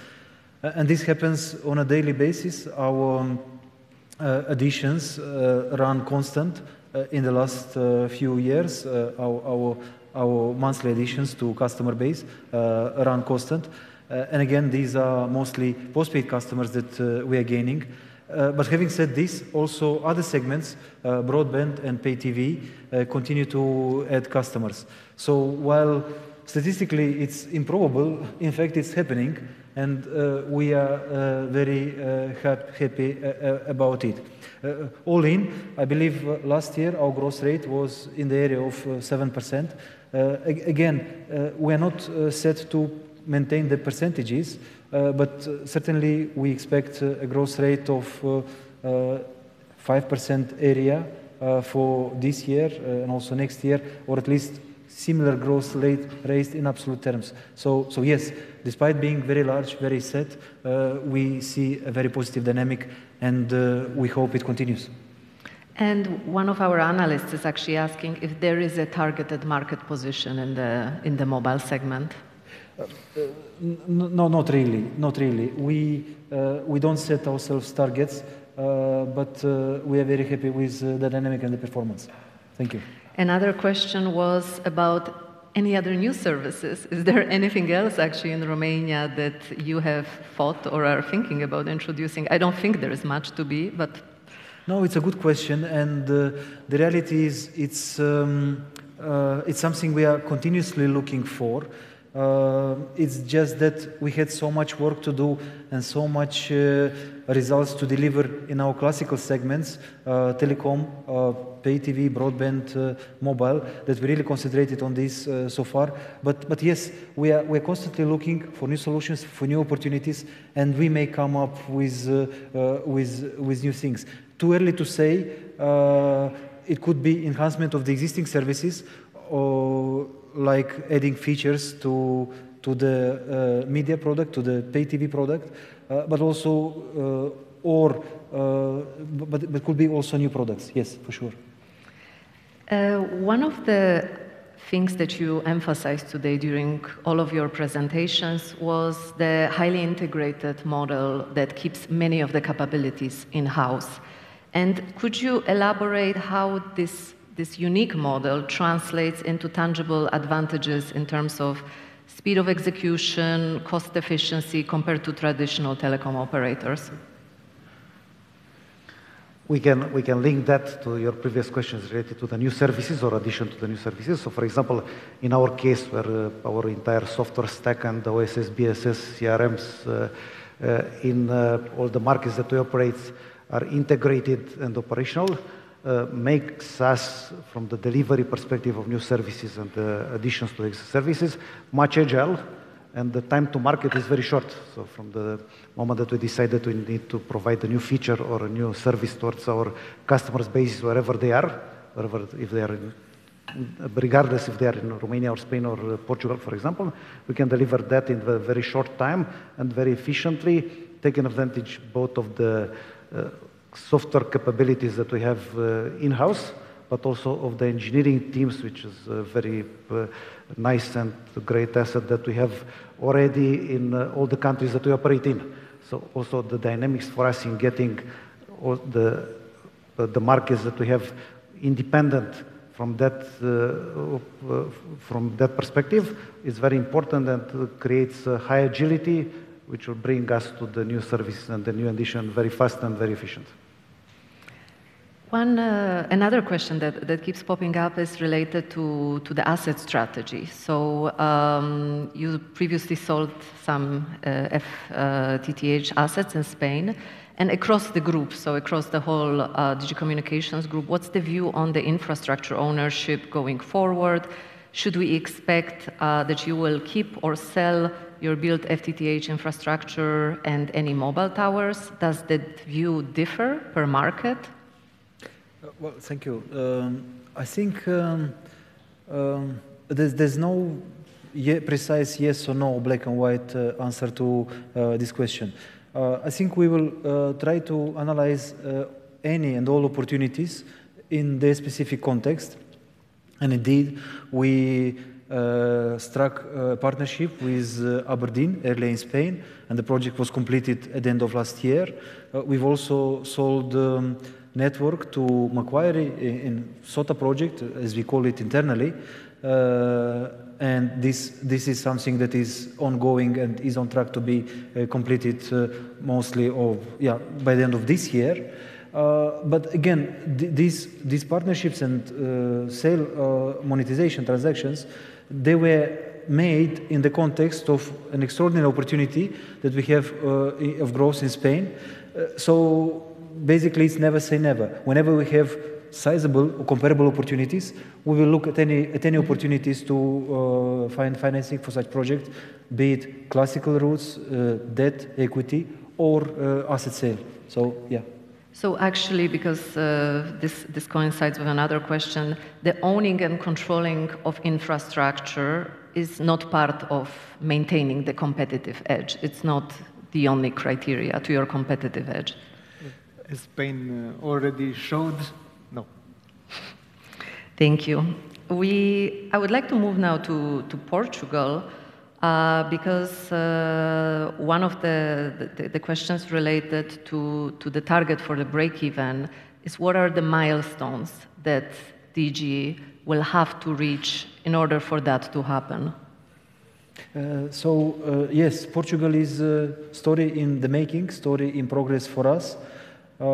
Speaker 2: and this happens on a daily basis. Our additions run constant in the last few years. Our monthly additions to customer base run constant. And again, these are mostly postpaid customers that we are gaining. Having said this, also other segments, broadband and pay TV, continue to add customers. While statistically it's improbable, in fact it's happening and we are very happy about it. All in, I believe last year our growth rate was in the area of 7%. Again, we are not set to maintain the percentages, but certainly we expect a growth rate of 5% area for this year, and also next year, or at least similar growth rate raised in absolute terms. Yes, despite being very large, very set, we see a very positive dynamic and we hope it continues.
Speaker 1: One of our analysts is actually asking if there is a targeted market position in the mobile segment?
Speaker 2: No, not really. Not really. We don't set ourselves targets, but we are very happy with the dynamic and the performance. Thank you.
Speaker 1: Another question was about any other new services. Is there anything else actually in Romania that you have thought or are thinking about introducing? I don't think there is much to be, but...
Speaker 2: No, it's a good question, and the reality is it's something we are continuously looking for. It's just that we had so much work to do and so much results to deliver in our classical segments, telecom, pay TV, broadband, mobile, that we really concentrated on this so far. Yes, we are, we're constantly looking for new solutions, for new opportunities, and we may come up with new things. Too early to say. It could be enhancement of the existing services or like adding features to the media product, to the pay TV product. Also, or, but it could be also new products. Yes, for sure.
Speaker 1: One of the things that you emphasized today during all of your presentations was the highly integrated model that keeps many of the capabilities in-house. Could you elaborate how this unique model translates into tangible advantages in terms of speed of execution, cost efficiency compared to traditional telecom operators?
Speaker 2: We can link that to your previous questions related to the new services or addition to the new services. For example, in our case where our entire software stack and the OSS, BSS, CRMs in all the markets that we operate are integrated and operational, makes us from the delivery perspective of new services and additions to existing services, much agile and the time to market is very short. From the moment that we decide that we need to provide a new feature or a new service towards our customers base, wherever they are, wherever, if they are in, regardless if they're in Romania or Spain or Portugal, for example, we can deliver that in a very short time and very efficiently, taking advantage both of the software capabilities that we have in-house, but also of the engineering teams, which is a very nice and great asset that we have already in all the countries that we operate in. Also the dynamics for us in getting the markets that we have independent from that from that perspective is very important and creates a high agility, which will bring us to the new service and the new addition very fast and very efficient.
Speaker 1: One, another question that keeps popping up is related to the asset strategy. You previously sold some FTTH assets in Spain and across the group, across the whole Digi Communications group. What's the view on the infrastructure ownership going forward? Should we expect that you will keep or sell your built FTTH infrastructure and any mobile towers? Does that view differ per market?
Speaker 2: Well, thank you. I think there's no precise yes or no black and white answer to this question. I think we will try to analyze any and all opportunities in their specific context. Indeed, we struck a partnership with abrdn early in Spain, and the project was completed at the end of last year. We've also sold network to Macquarie in SOTA project, as we call it internally. This is something that is ongoing and is on track to be completed mostly of by the end of this year. Again, these partnerships and sale monetization transactions, they were made in the context of an extraordinary opportunity that we have of growth in Spain. Basically, it's never say never. Whenever we have sizable or comparable opportunities, we will look at any opportunities to find financing for such project, be it classical routes, debt, equity, or asset sale. Yeah.
Speaker 1: Actually, because, this coincides with another question, the owning and controlling of infrastructure is not part of maintaining the competitive edge. It's not the only criteria to your competitive edge.
Speaker 2: As Spain already showed, no.
Speaker 1: Thank you. I would like to move now to Portugal, because one of the questions related to the target for the breakeven is what are the milestones that DG will have to reach in order for that to happen?
Speaker 2: Yes, Portugal is a story in the making, story in progress for us. We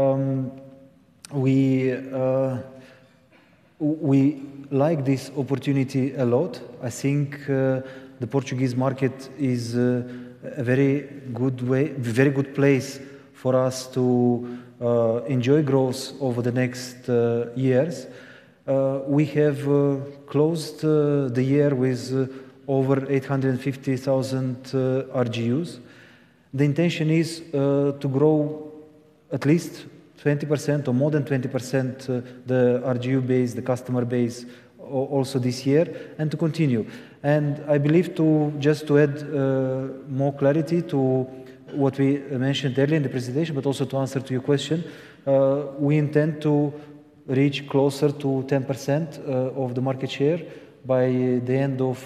Speaker 2: like this opportunity a lot. I think the Portuguese market is a very good way, very good place for us to enjoy growth over the next years. We have closed the year with over 850,000 RGUs. The intention is to grow at least 20% or more than 20%, the RGU base, the customer base, also this year, and to continue. I believe to, just to add more clarity to what we mentioned earlier in the presentation, but also to answer to your question, we intend to reach closer to 10%, of the market share by the end of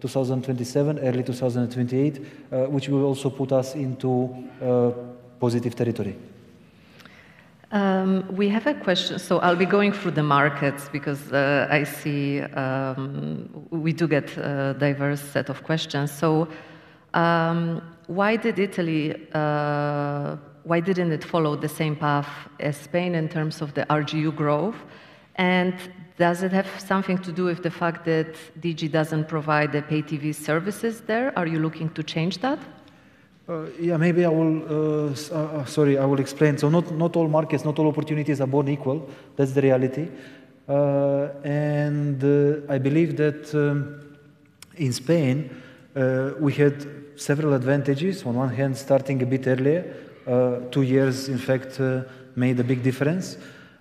Speaker 2: 2027, early 2028, which will also put us into positive territory.
Speaker 1: We have a question. I'll be going through the markets because I see we do get a diverse set of questions. Why did Italy, why didn't it follow the same path as Spain in terms of the RGU growth? Does it have something to do with the fact that DG doesn't provide the pay TV services there? Are you looking to change that?
Speaker 2: Yeah, maybe I will, sorry, I will explain. Not, not all markets, not all opportunities are born equal. That's the reality. And I believe that in Spain, we had several advantages. On one hand, starting a bit earlier, two years, in fact, made a big difference.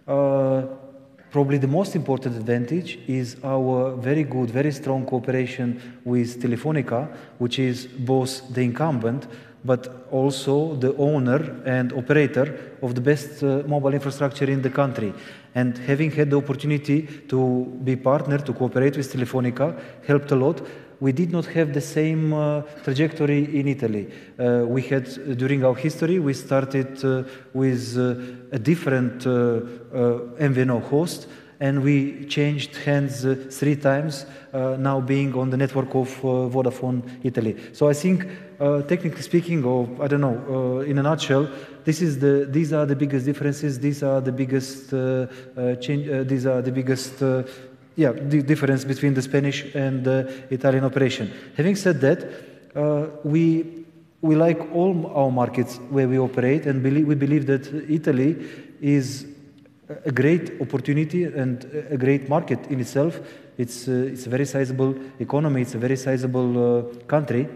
Speaker 2: Probably the most important advantage is our very good, very strong cooperation with Telefónica, which is both the incumbent, but also the owner and operator of the best mobile infrastructure in the country. Having had the opportunity to be partner, to cooperate with Telefónica helped a lot. We did not have the same trajectory in Italy. We had, during our history, we started with a different MVNO host, and we changed hands three times, now being on the network of Vodafone Italia. I think, technically speaking, or I don't know, in a nutshell, these are the biggest differences. These are the biggest change; these are the biggest difference between the Spanish and the Italian operation. Having said that, we like all our markets where we operate, and we believe that Italy is a great opportunity and a great market in itself. It's a very sizable economy. It's a very sizable country.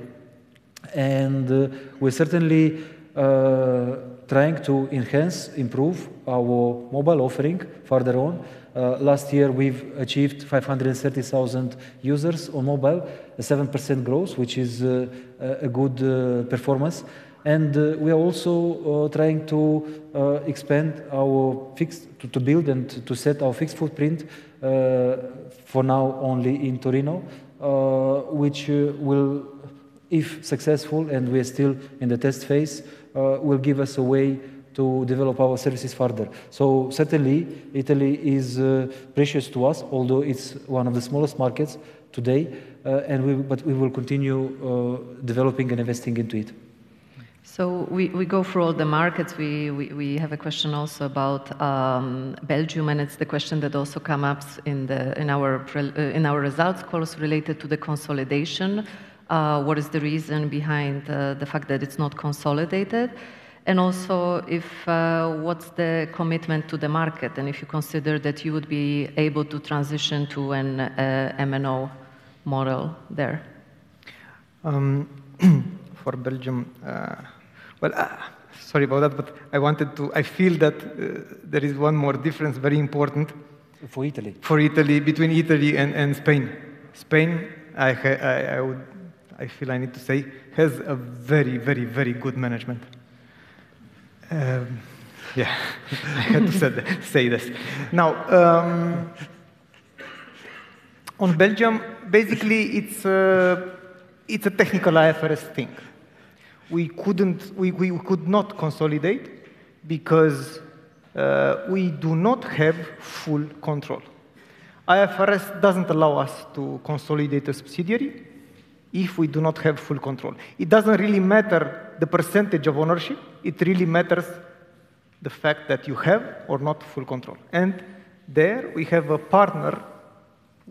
Speaker 2: We're certainly trying to enhance, improve our mobile offering further on. Last year, we've achieved 530,000 users on mobile, a 7% growth, which is a good performance. We are also trying to expand our fixed, to build and to set our fixed footprint for now only in Torino, which If successful, and we are still in the test phase, will give us a way to develop our services further. Certainly, Italy is precious to us, although it's one of the smallest markets today. But we will continue developing and investing into it.
Speaker 1: We go through all the markets. We have a question also about Belgium. It's the question that also come ups in our results calls related to the consolidation. What is the reason behind the fact that it's not consolidated? Also, if what's the commitment to the market, and if you consider that you would be able to transition to an MNO model there?
Speaker 2: For Belgium, well, sorry about that, but I feel that there is one more difference, very important...
Speaker 3: For Italy.
Speaker 4: For Italy, between Italy and Spain. Spain, I feel I need to say, has a very, very, very good management. Yeah. I had to say this. On Belgium, basically it's a technical IFRS thing. We could not consolidate because we do not have full control. IFRS doesn't allow us to consolidate a subsidiary if we do not have full control. It doesn't really matter the percentage of ownership; it really matters the fact that you have or not full control. There we have a partner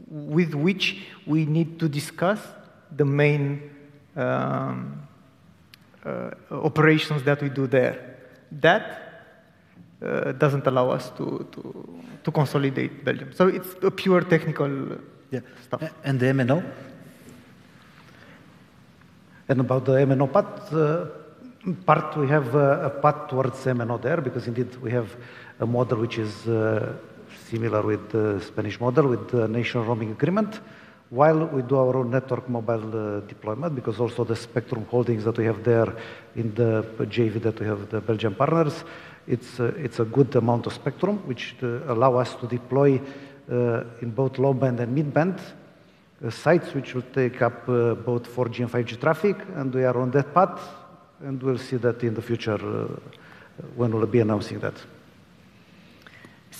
Speaker 4: with which we need to discuss the main operations that we do there. That doesn't allow us to consolidate Belgium. It's a pure technical stuff.
Speaker 2: And the MNO?
Speaker 3: About the MNO part, we have a path towards MNO there because indeed we have a model which is similar with the Spanish model, with the national roaming agreement, while we do our own network mobile deployment because also the spectrum holdings that we have there in the JV that we have with the Belgian partners, it's a good amount of spectrum which allow us to deploy in both low band and mid band sites which will take up both 4G and 5G traffic, and we are on that path, and we'll see that in the future when we'll be announcing that.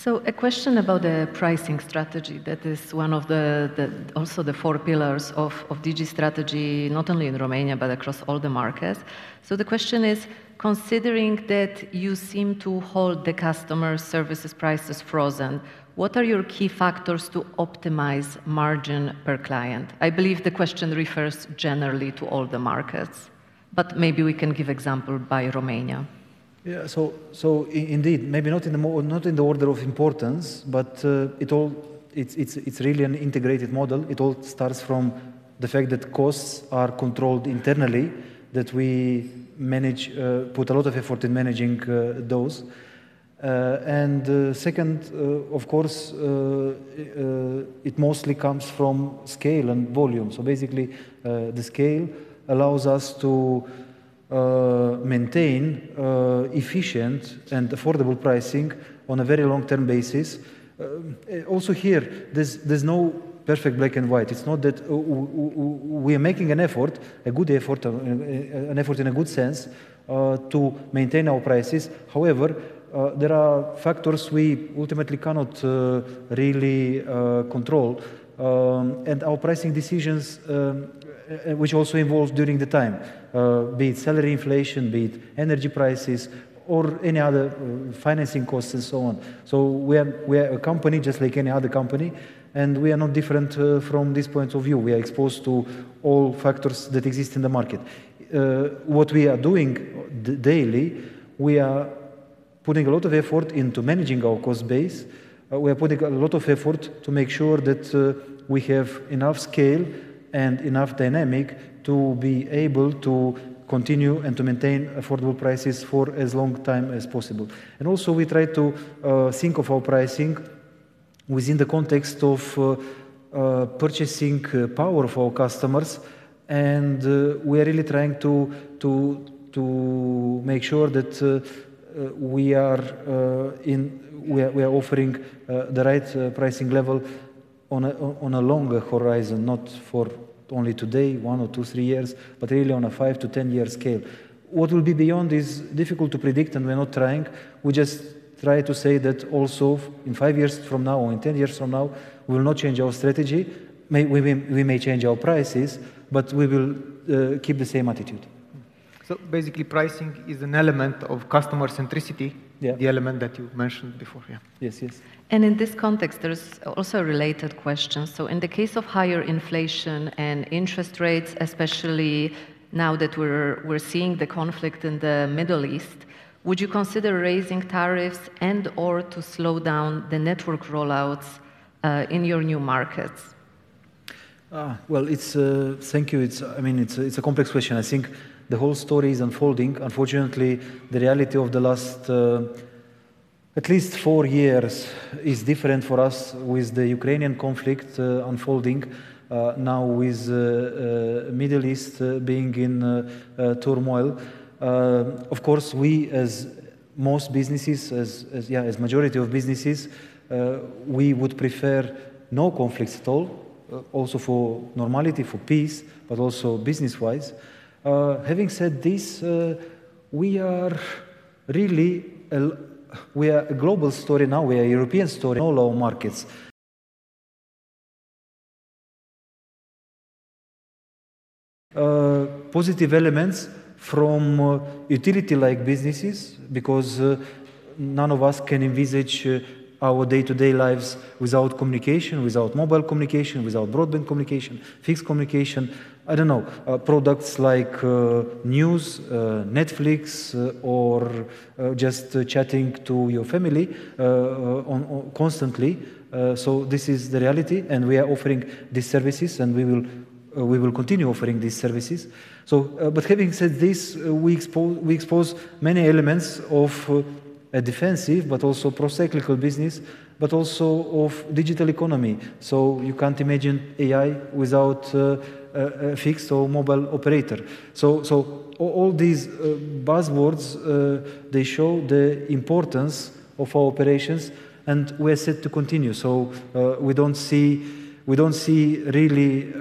Speaker 1: A question about the pricing strategy that is one of the also the four pillars of Digi strategy, not only in Romania, but across all the markets. The question is, considering that you seem to hold the customer services prices frozen, what are your key factors to optimize margin per client? I believe the question refers generally to all the markets, but maybe we can give example by Romania.
Speaker 2: Indeed, maybe not in the order of importance, but, it all, it's, it's really an integrated model. It all starts from the fact that costs are controlled internally, that we manage, put a lot of effort in managing, those. And, second, of course, it mostly comes from scale and volume. Basically, the scale allows us to maintain efficient and affordable pricing on a very long-term basis. Also here, there's no perfect black and white. It's not that we are making an effort, a good effort of, an effort in a good sense, to maintain our prices. However, there are factors we ultimately cannot really control. Our pricing decisions, which also evolves during the time, be it salary inflation, be it energy prices or any other financing costs and so on. We are a company just like any other company, and we are not different from this point of view. We are exposed to all factors that exist in the market. What we are doing daily, we are putting a lot of effort into managing our cost base. We are putting a lot of effort to make sure that we have enough scale and enough dynamic to be able to continue and to maintain affordable prices for as long time as possible. Also, we try to think of our pricing within the context of purchasing power for our customers and we are really trying to make sure that we are offering the right pricing level on a longer horizon, not for only today, one or two, three years, but really on a five to 10-year scale. What will be beyond is difficult to predict, and we're not trying. We just try to say that also in five years from now or in 10 years from now, we will not change our strategy. We will, we may change our prices, but we will keep the same attitude.
Speaker 3: Basically, pricing is an element of customer centricity.
Speaker 2: Yeah...
Speaker 3: the element that you mentioned before. Yeah.
Speaker 2: Yes, yes.
Speaker 1: In this context, there is also a related question. In the case of higher inflation and interest rates, especially now that we're seeing the conflict in the Middle East, would you consider raising tariffs and/or to slow down the network rollouts in your new markets?
Speaker 2: Well, it's, thank you. I mean, it's a complex question. I think the whole story is unfolding. Unfortunately, the reality of the last, at least four years, is different for us with the Ukrainian conflict unfolding now with Middle East being in turmoil. Of course, most businesses, as majority of businesses, we would prefer no conflicts at all, also for normality, for peace, but also business-wise. Having said this, we are really a global story now, we are a European story in all our markets. Positive elements from utility like businesses because none of us can envisage our day-to-day lives without communication, without mobile communication, without broadband communication, fixed communication. I don't know, products like, news, Netflix, or just chatting to your family, on constantly. This is the reality, and we are offering these services, and we will continue offering these services. Having said this, we expose many elements of a defensive but also procyclical business, but also of digital economy. You can't imagine AI without a fixed or mobile operator. All these buzzwords, they show the importance of our operations, and we're set to continue. We don't see really,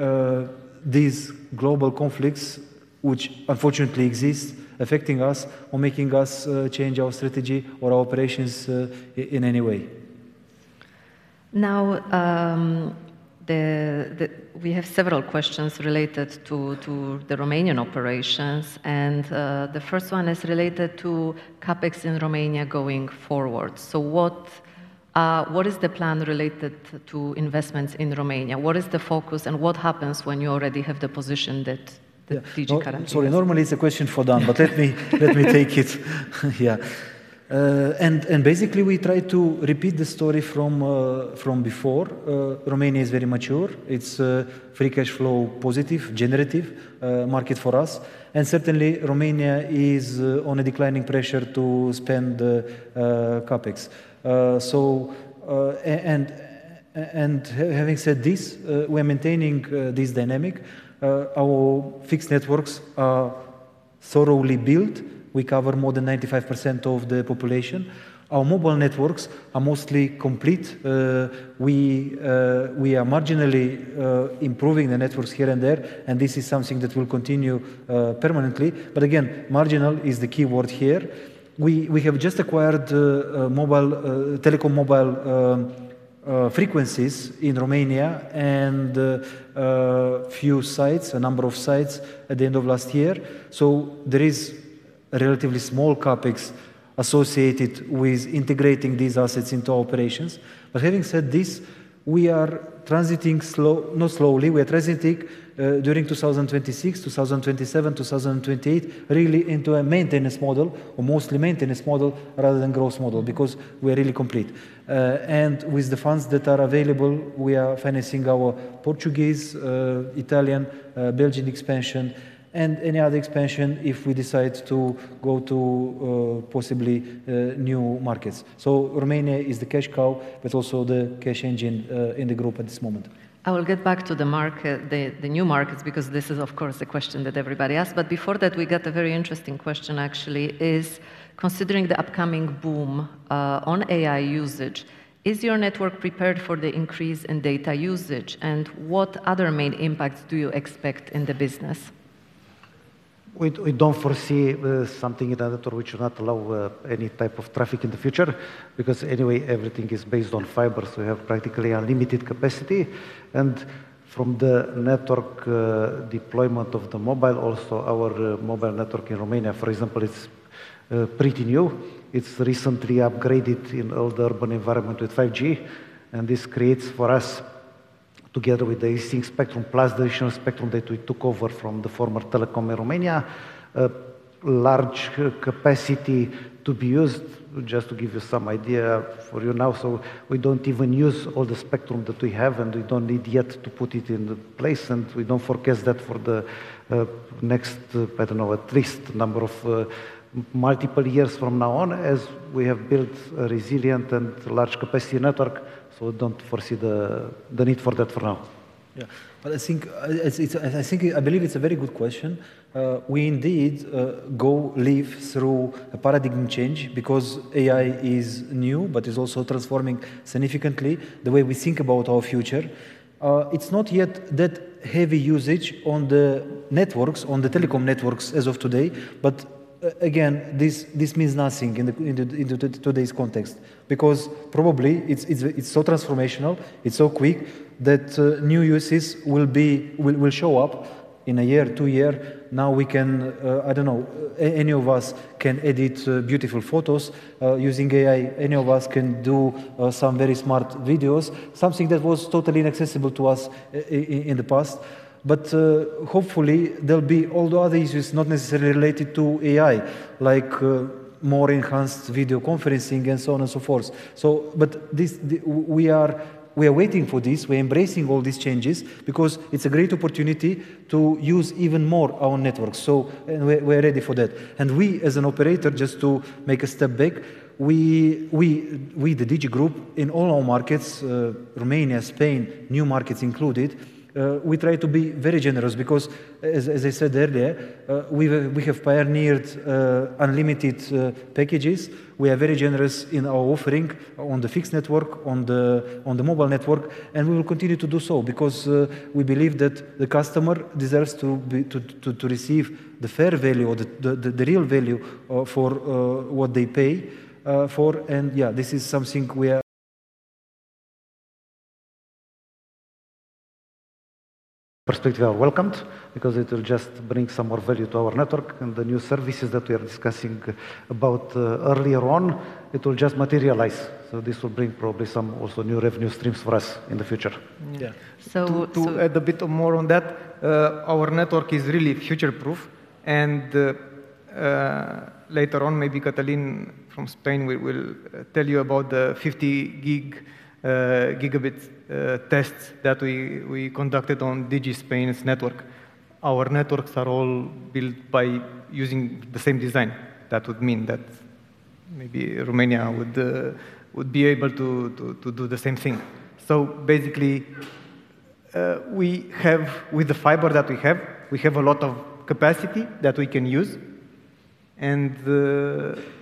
Speaker 2: these global conflicts which unfortunately exist affecting us or making us, change our strategy or our operations, in any way.
Speaker 1: We have several questions related to the Romanian operations, and the first one is related to CapEx in Romania going forward. What is the plan related to investments in Romania? What is the focus, and what happens when you already have the position.
Speaker 2: Yeah
Speaker 1: that Digi currently has?
Speaker 2: Sorry. Normally it's a question for Dan, but let me take it. Yeah. Basically, we try to repeat the story from before. Romania is very mature. It's free cash flow positive, generative market for us. Certainly, Romania is on a declining pressure to spend CapEx. Having said this, we're maintaining this dynamic. Our fixed networks are thoroughly built. We cover more than 95% of the population. Our mobile networks are mostly complete. We are marginally improving the networks here and there, and this is something that will continue permanently. Again, marginal is the key word here. We have just acquired mobile telecom mobile frequencies in Romania and few sites, a number of sites at the end of last year. There is a relatively small CapEx associated with integrating these assets into operations. Having said this, we are transiting not slowly, we are transiting during 2026, 2027, 2028, really into a maintenance model or mostly maintenance model rather than growth model because we're really complete. With the funds that are available, we are financing our Portuguese, Italian, Belgian expansion and any other expansion if we decide to go to possibly new markets. Romania is the cash cow, but also the cash engine in the group at this moment.
Speaker 1: I will get back to the new markets, because this is of course the question that everybody asks. Before that, we got a very interesting question actually, is considering the upcoming boom on AI usage, is your network prepared for the increase in data usage, and what other main impacts do you expect in the business?
Speaker 3: We don't foresee something in the network which would not allow any type of traffic in the future, because anyway, everything is based on fiber, so we have practically unlimited capacity. From the network deployment of the mobile, also our mobile network in Romania, for example, it's pretty new. It's recently upgraded in all the urban environment with 5G, this creates for us, together with the existing spectrum plus the additional spectrum that we took over from the former Telekom Romania, a large capacity to be used, just to give you some idea for you now. We don't even use all the spectrum that we have, and we don't need yet to put it into place, and we don't forecast that for the next, I don't know, at least number of multiple years from now on as we have built a resilient and large capacity network, so don't foresee the need for that for now.
Speaker 2: Yeah. I think, I believe it's a very good question. We indeed go live through a paradigm change because AI is new but is also transforming significantly the way we think about our future. It's not yet that heavy usage on the networks, on the telecom networks as of today, but again, this means nothing in today's context. Probably it's so transformational, it's so quick that new uses will show up in one year or two year. Now we can, I don't know, any of us can edit beautiful photos using AI. Any of us can do some very smart videos, something that was totally inaccessible to us in the past. Hopefully, there'll be all the other uses not necessarily related to AI, like more enhanced video conferencing and so on and so forth. This, we are waiting for this. We're embracing all these changes because it's a great opportunity to use even more our network. We're ready for that. We as an operator, just to make a step back, we the Digi Group in all our markets, Romania, Spain, new markets included, we try to be very generous because as I said earlier, we have pioneered unlimited packages. We are very generous in our offering on the fixed network, on the mobile network, and we will continue to do so because we believe that the customer deserves to receive the fair value or the real value for what they pay for. Perspective are welcomed because it will just bring some more value to our network, and the new services that we are discussing about earlier on, it will just materialize. This will bring probably some also new revenue streams for us in the future.
Speaker 4: Yeah.
Speaker 1: So, so-
Speaker 4: To add a bit more on that, our network is really future-proof and later on, maybe Catalin from Spain will tell you about the 50 Gb tests that we conducted on Digi Spain's network. Our networks are all built by using the same design. That would mean that maybe Romania would be able to do the same thing. Basically, with the fiber that we have, we have a lot of capacity that we can use and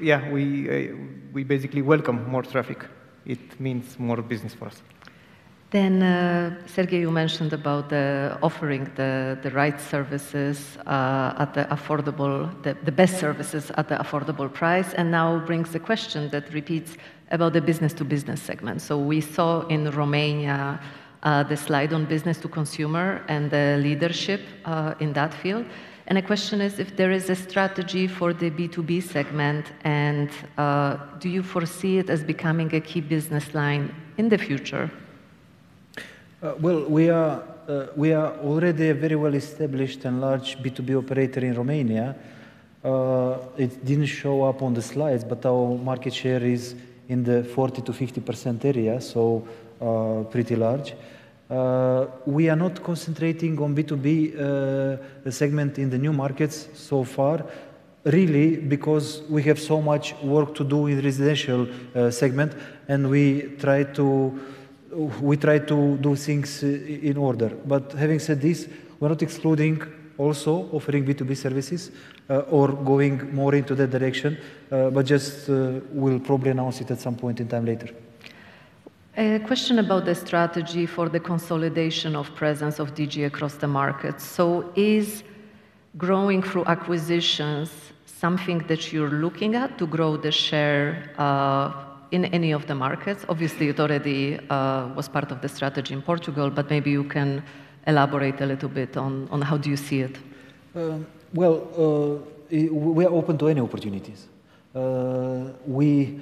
Speaker 4: yeah, we basically welcome more traffic. It means more business for us.
Speaker 1: Serghei, you mentioned about offering the right services at the affordable, the best services at the affordable price. Now brings the question that repeats about the business-to-business segment. We saw in Romania the slide on business-to-consumer and the leadership in that field. The question is, if there is a strategy for the B2B segment, and do you foresee it as becoming a key business line in the future?
Speaker 2: Well, we are already a very well-established and large B2B operator in Romania. It didn't show up on the slides, but our market share is in the 40%-50% area, pretty large. We are not concentrating on B2B segment in the new markets so far, really because we have so much work to do in residential segment, and we try to do things in order. Having said this, we're not excluding also offering B2B services, or going more into that direction, but just, we'll probably announce it at some point in time later.
Speaker 1: A question about the strategy for the consolidation of presence of Digi across the markets. Is growing through acquisitions something that you're looking at to grow the share in any of the markets? Obviously, it already was part of the strategy in Portugal, but maybe you can elaborate a little bit on how do you see it.
Speaker 2: Well, we are open to any opportunities. Well, we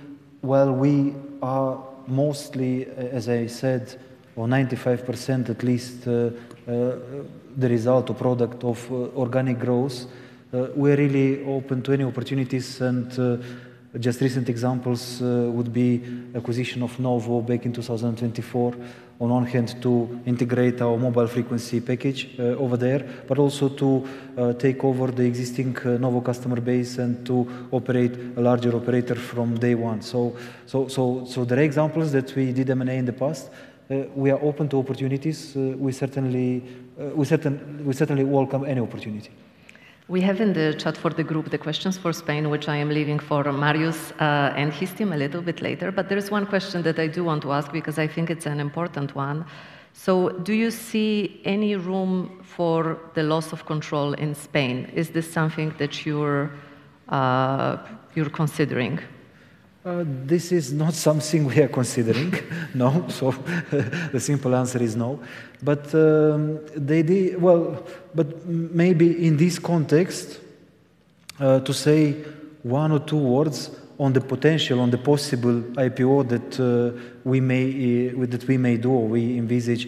Speaker 2: are mostly, as I said, or 95% at least, the result or product of organic growth. We're really open to any opportunities. Just recent examples would be acquisition of Nowo back in 2024, on one hand to integrate our mobile frequency package over there, but also to take over the existing Nowo customer base and to operate a larger operator from day one. There are examples that we did M&A in the past. We are open to opportunities. We certainly welcome any opportunity.
Speaker 1: We have in the chat for the group the questions for Spain, which I am leaving for Marius, and his team a little bit later. There is one question that I do want to ask because I think it's an important one. Do you see any room for the loss of control in Spain? Is this something that you're considering?
Speaker 2: This is not something we are considering. No. The simple answer is no. The idea. Maybe in this context, to say one or two words on the potential, on the possible IPO that we may do or we envisage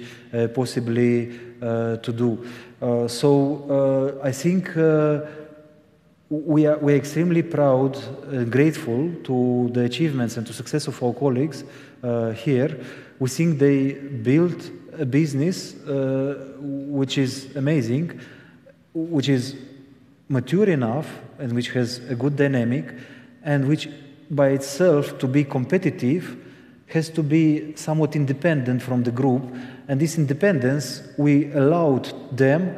Speaker 2: possibly to do. I think, we're extremely proud and grateful to the achievements and to success of our colleagues here. We think they built a business which is amazing, which is mature enough and which has a good dynamic, and which by itself to be competitive, has to be somewhat independent from the Group. This independence, we allowed them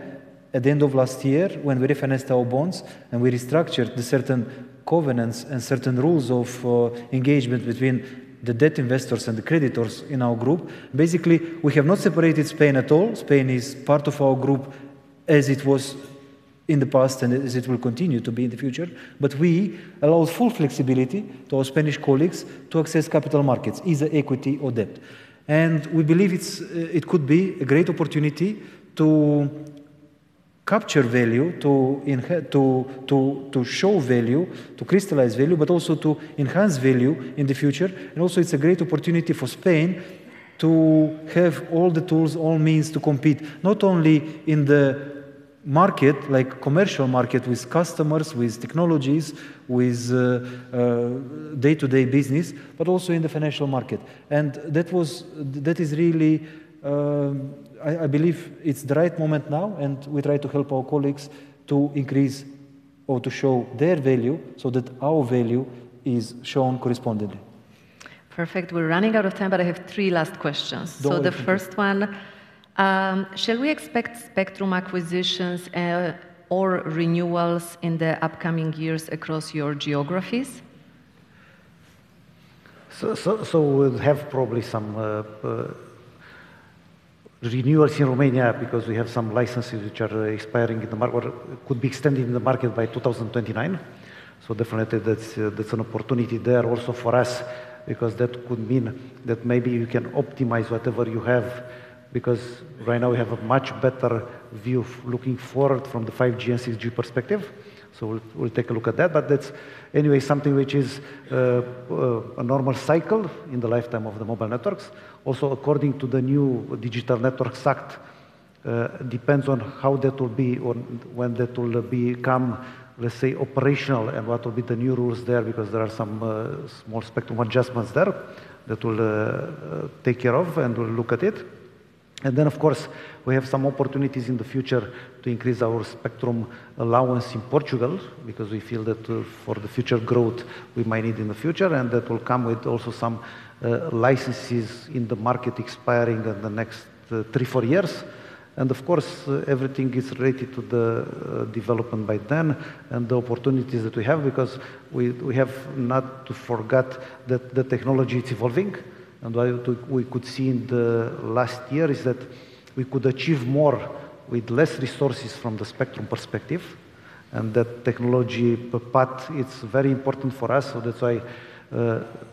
Speaker 2: at the end of last year when we refinanced our bonds and we restructured the certain covenants and certain rules of engagement between the debt investors and the creditors in our group. We have not separated Spain at all. Spain is part of our group as it was in the past and as it will continue to be in the future. We allowed full flexibility to our Spanish colleagues to access capital markets, either equity or debt. We believe it's, it could be a great opportunity to capture value, to show value, to crystallize value, but also to enhance value in the future. Also, it's a great opportunity for Spain to have all the tools, all means to compete, not only in the market, like commercial market with customers, with technologies, with day-to-day business, but also in the financial market. That is really, I believe it's the right moment now, and we try to help our colleagues to increase or to show their value so that our value is shown correspondingly.
Speaker 1: Perfect. We're running out of time, but I have three last questions.
Speaker 2: Go ahead, please.
Speaker 1: The first one, shall we expect spectrum acquisitions, or renewals in the upcoming years across your geographies?
Speaker 3: We'll have probably some renewals in Romania because we have some licenses which are expiring or could be extending the market by 2029. Definitely that's an opportunity there also for us because that could mean that maybe you can optimize whatever you have, because right now we have a much better view of looking forward from the 5G and 6G perspective. We'll take a look at that. That's anyway, something which is a normal cycle in the lifetime of the mobile networks. According to the new Digital Networks Act, depends on how that will be or when that will become, let's say, operational and what will be the new rules there because there are some small spectrum adjustments there that we'll take care of and we'll look at it. Of course, we have some opportunities in the future to increase our spectrum allowance in Portugal because we feel that for the future growth we might need in the future and that will come with also some licenses in the market expiring in the next three, four years. Of course, everything is related to the development by then and the opportunities that we have because we have not to forget that the technology is evolving. What we could see in the last year is that we could achieve more with less resources from the spectrum perspective and that technology path, it's very important for us. That's why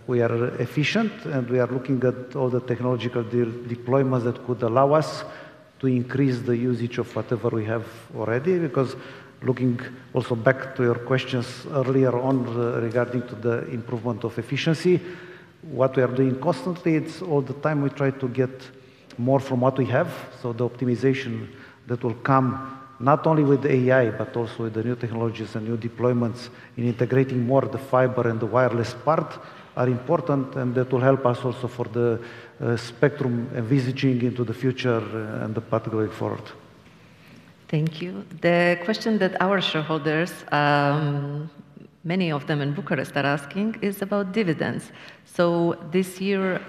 Speaker 3: we are efficient and we are looking at all the technological deployments that could allow us to increase the usage of whatever we have already because looking also back to your questions earlier on regarding to the improvement of efficiency, what we are doing constantly, it's all the time we try to get more from what we have. The optimization that will come not only with AI, but also with the new technologies and new deployments in integrating more of the fiber and the wireless part are important and that will help us also for the spectrum envisaging into the future and the path going forward.
Speaker 1: Thank you. The question that our shareholders, many of them in Bucharest are asking is about dividends. This year,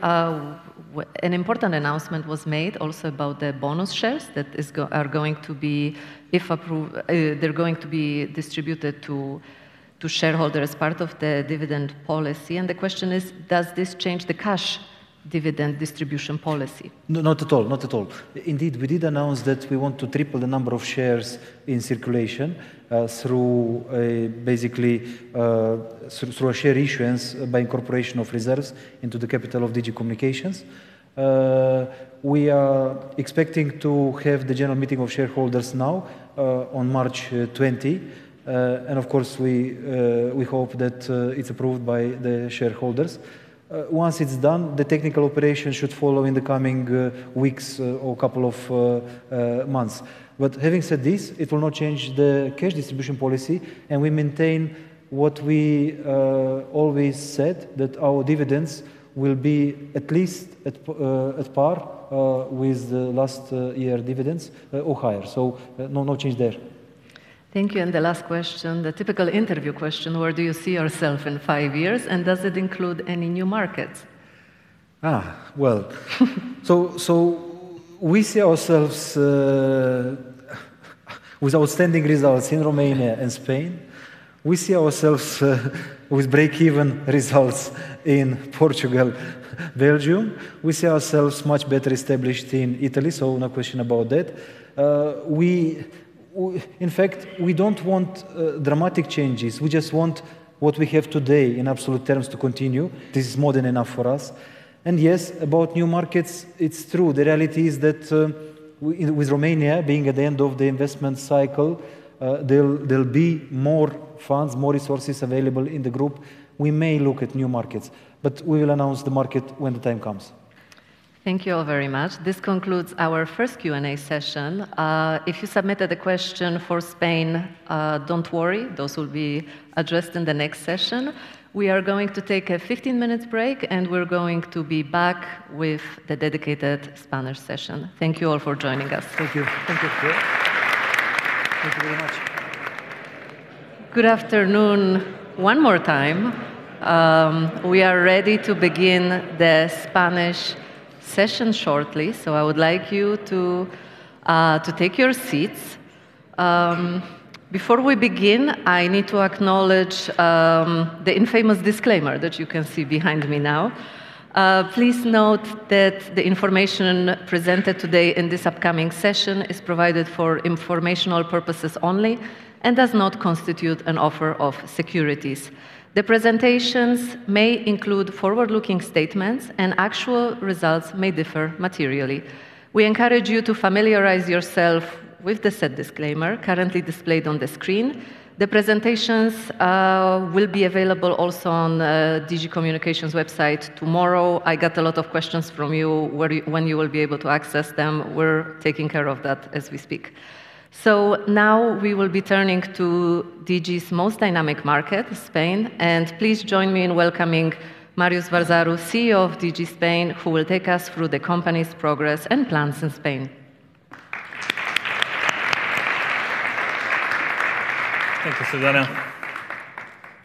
Speaker 1: an important announcement was made also about the bonus shares that are going to be, if they're going to be distributed to shareholders as part of the dividend policy. The question is, does this change the cash dividend distribution policy?
Speaker 2: No, not at all. Not at all. Indeed, we did announce that we want to triple the number of shares in circulation, through basically, through a share issuance by incorporation of reserves into the capital of Digi Communications. We are expecting to have the general meeting of shareholders now on March 20. Of course, we hope that it's approved by the shareholders. Once it's done, the technical operation should follow in the coming weeks or couple of months. Having said this, it will not change the cash distribution policy and we maintain what we always said that our dividends will be at least at par with the last year dividends or higher. No, no change there.
Speaker 1: Thank you. The last question, the typical interview question, where do you see yourself in five years and does it include any new markets?
Speaker 2: Well, we see ourselves with outstanding results in Romania and Spain. We see ourselves with break-even results in Portugal, Belgium. We see ourselves much better established in Italy, no question about that. In fact, we don't want dramatic changes. We just want what we have today in absolute terms to continue. This is more than enough for us. Yes, about new markets, it's true. The reality is that with Romania being at the end of the investment cycle, there'll be more funds, more resources available in the group. We may look at new markets, but we will announce the market when the time comes.
Speaker 1: Thank you all very much. This concludes our first Q&A session. If you submitted a question for Spain, don't worry, those will be addressed in the next session. We are going to take a 15 minute break and we're going to be back with the dedicated Spanish session. Thank you all for joining us.
Speaker 3: Thank you. Thank you. Thank you very much.
Speaker 1: Good afternoon one more time. We are ready to begin the Spanish session shortly. I would like you to take your seats. Before we begin, I need to acknowledge the infamous disclaimer that you can see behind me now. Please note that the information presented today in this upcoming session is provided for informational purposes only and does not constitute an offer of securities. The presentations may include forward-looking statements and actual results may differ materially. We encourage you to familiarize yourself with the said disclaimer currently displayed on the screen. The presentations will be available also on Digi Communications website tomorrow. I got a lot of questions from you when you will be able to access them. We're taking care of that as we speak. Now we will be turning to Digi's most dynamic market, Spain, and please join me in welcoming Marius Vărzaru, CEO of Digi Spain, who will take us through the company's progress and plans in Spain.
Speaker 5: Thank you, Zuzanna.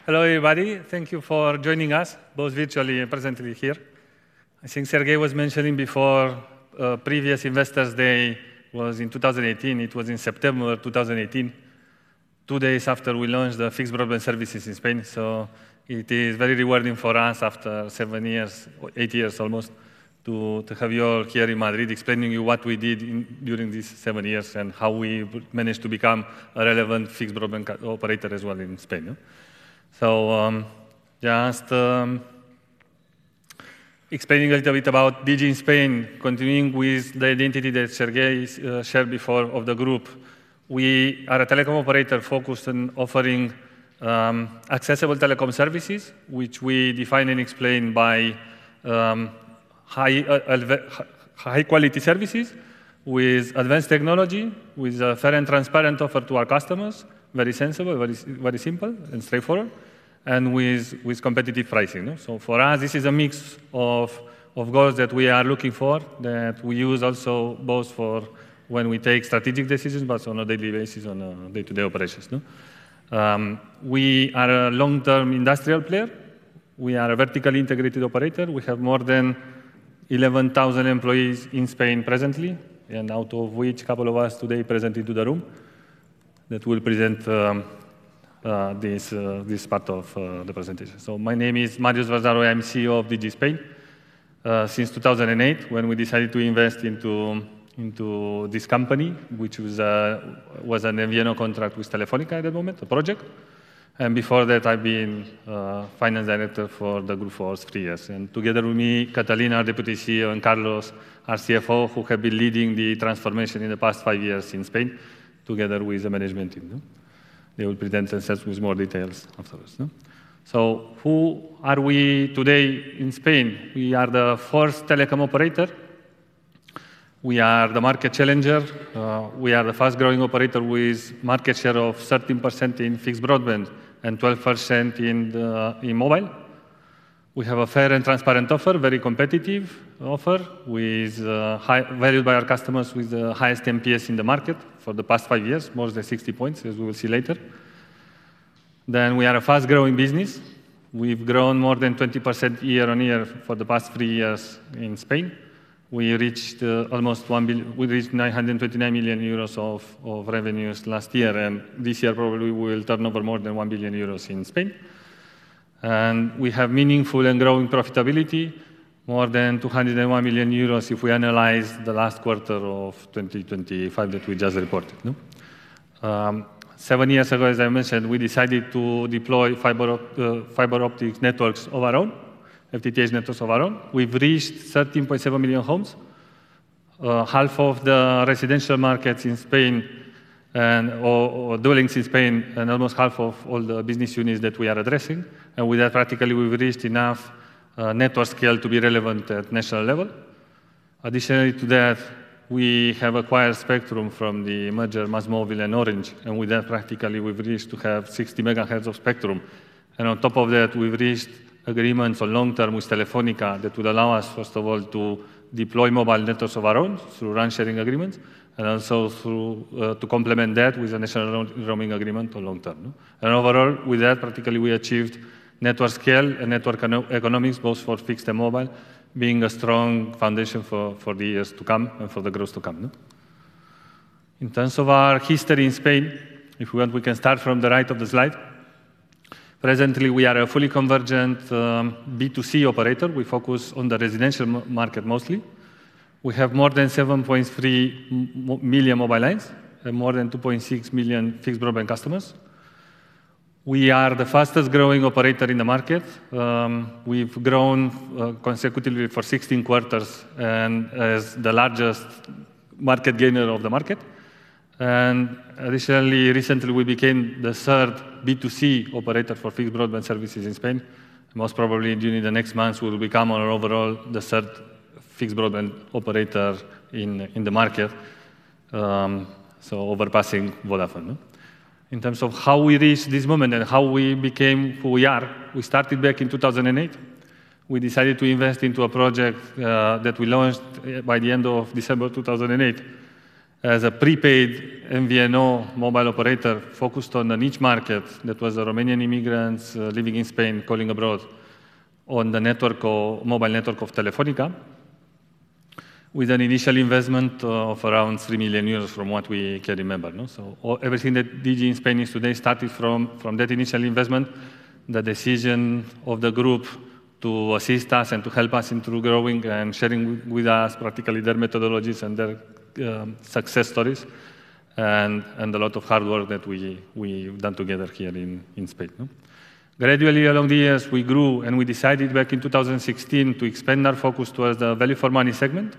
Speaker 5: Hello, everybody. Thank you for joining us, both virtually and presently here. I think Serghei was mentioning before, previous Investors Day was in 2018. It was in September of 2018. Two days after we launched the fixed broadband services in Spain. It is very rewarding for us after seven years or eight years almost to have you all here in Madrid explaining you what we did in, during these seven years and how we managed to become a relevant fixed broadband operator as well in Spain. Just explaining a little bit about Digi in Spain, continuing with the identity that Serghei's shared before of the group. We are a telecom operator focused on offering accessible telecom services, which we define and explain by high quality services with advanced technology, with a fair and transparent offer to our customers, very sensible, very simple and straightforward, and with competitive pricing, yeah? For us, this is a mix of goals that we are looking for, that we use also both for when we take strategic decisions, but on a daily basis on day-to-day operations, no? We are a long-term industrial player. We are a vertically integrated operator. We have more than 11,000 employees in Spain presently, out of which couple of us today present into the room that will present this part of the presentation. My name is Marius Vărzaru. I'm CEO of Digi Spain. Since 2008, when we decided to invest into this company, which was an MVNO contract with Telefónica at the moment, a project. Before that, I've been Finance Director for the group for three years. Together with me, Cătălin, Deputy CEO, and Carlos, our CFO, who have been leading the transformation in the past five years in Spain, together with the management team. They will present themselves with more details afterwards. Who are we today in Spain? We are the first telecom operator. We are the market challenger. We are the fast-growing operator with market share of 13% in fixed broadband and 12% in mobile. We have a fair and transparent offer, very competitive offer, with, high, valued by our customers with the highest NPS in the market for the past five years, more than 60 points, as we will see later. We are a fast-growing business. We've grown more than 20% year-on-year for the past three years in Spain. We reached almost we reached 929 million euros of revenues last year, and this year probably we will turn over more than 1 billion euros in Spain. We have meaningful and growing profitability, more than 201 million euros if we analyze the last quarter of 2025 that we just reported. Seven years ago, as I mentioned, we decided to deploy fiber optic networks of our own, FTTH networks of our own. We've reached 13.7 million homes, half of the residential markets in Spain or dwellings in Spain, and almost half of all the business units that we are addressing. Practically we've reached enough network scale to be relevant at national level. We have acquired spectrum from the merger MásMóvil and Orange, practically we've reached to have 60 MHz of spectrum. On top of that, we've reached agreements for long term with Telefónica that will allow us, first of all, to deploy mobile networks of our own through RAN sharing agreements, and also through to complement that with a national roaming agreement for long term, no? Overall, with that particularly, we achieved network scale and network eco-economics both for fixed and mobile, being a strong foundation for the years to come and for the growth to come, no? In terms of our history in Spain, if we want, we can start from the right of the slide. Presently, we are a fully convergent B2C operator. We focus on the residential market mostly. We have more than 7.3 million mobile lines and more than 2.6 million fixed broadband customers. We are the fastest-growing operator in the market. We've grown consecutively for 16 quarters and as the largest market gainer of the market. Additionally, recently we became the third B2C operator for fixed broadband services in Spain. Most probably during the next months, we will become our overall the third fixed broadband operator in the market, overpassing Vodafone, no? In terms of how we reached this moment and how we became who we are, we started back in 2008. We decided to invest into a project that we launched by the end of December 2008 as a prepaid MVNO mobile operator focused on a niche market that was the Romanian immigrants living in Spain calling abroad on the mobile network of Telefónica with an initial investment of around 3 million euros from what we can remember, no? Everything that Digi Spain is today started from that initial investment, the decision of the group to assist us and to help us in through growing and sharing with us practically their methodologies and their success stories and a lot of hard work that we've done together here in Spain, no? Gradually along the years, we grew, and we decided back in 2016 to expand our focus towards the value for money segment.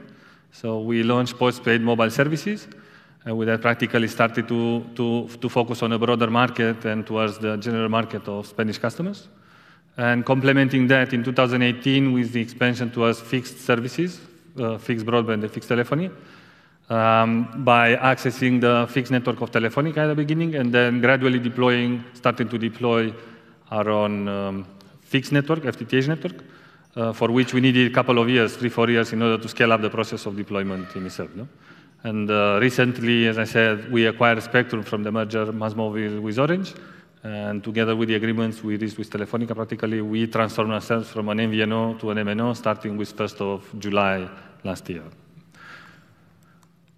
Speaker 5: We launched postpaid mobile services, and with that practically started to focus on a broader market and towards the general market of Spanish customers. Complementing that in 2018 with the expansion towards fixed services, fixed broadband and fixed telephony, by accessing the fixed network of Telefónica at the beginning, and then gradually deploying, starting to deploy our own fixed network, FTTH network, for which we needed a couple of years, three, four years, in order to scale up the process of deployment in itself, no? Recently, as I said, we acquired spectrum from the merger MásMóvil with Orange, and together with the agreements we reached with Telefónica particularly, we transformed ourselves from an MVNO to an MNO starting with 1st of July last year.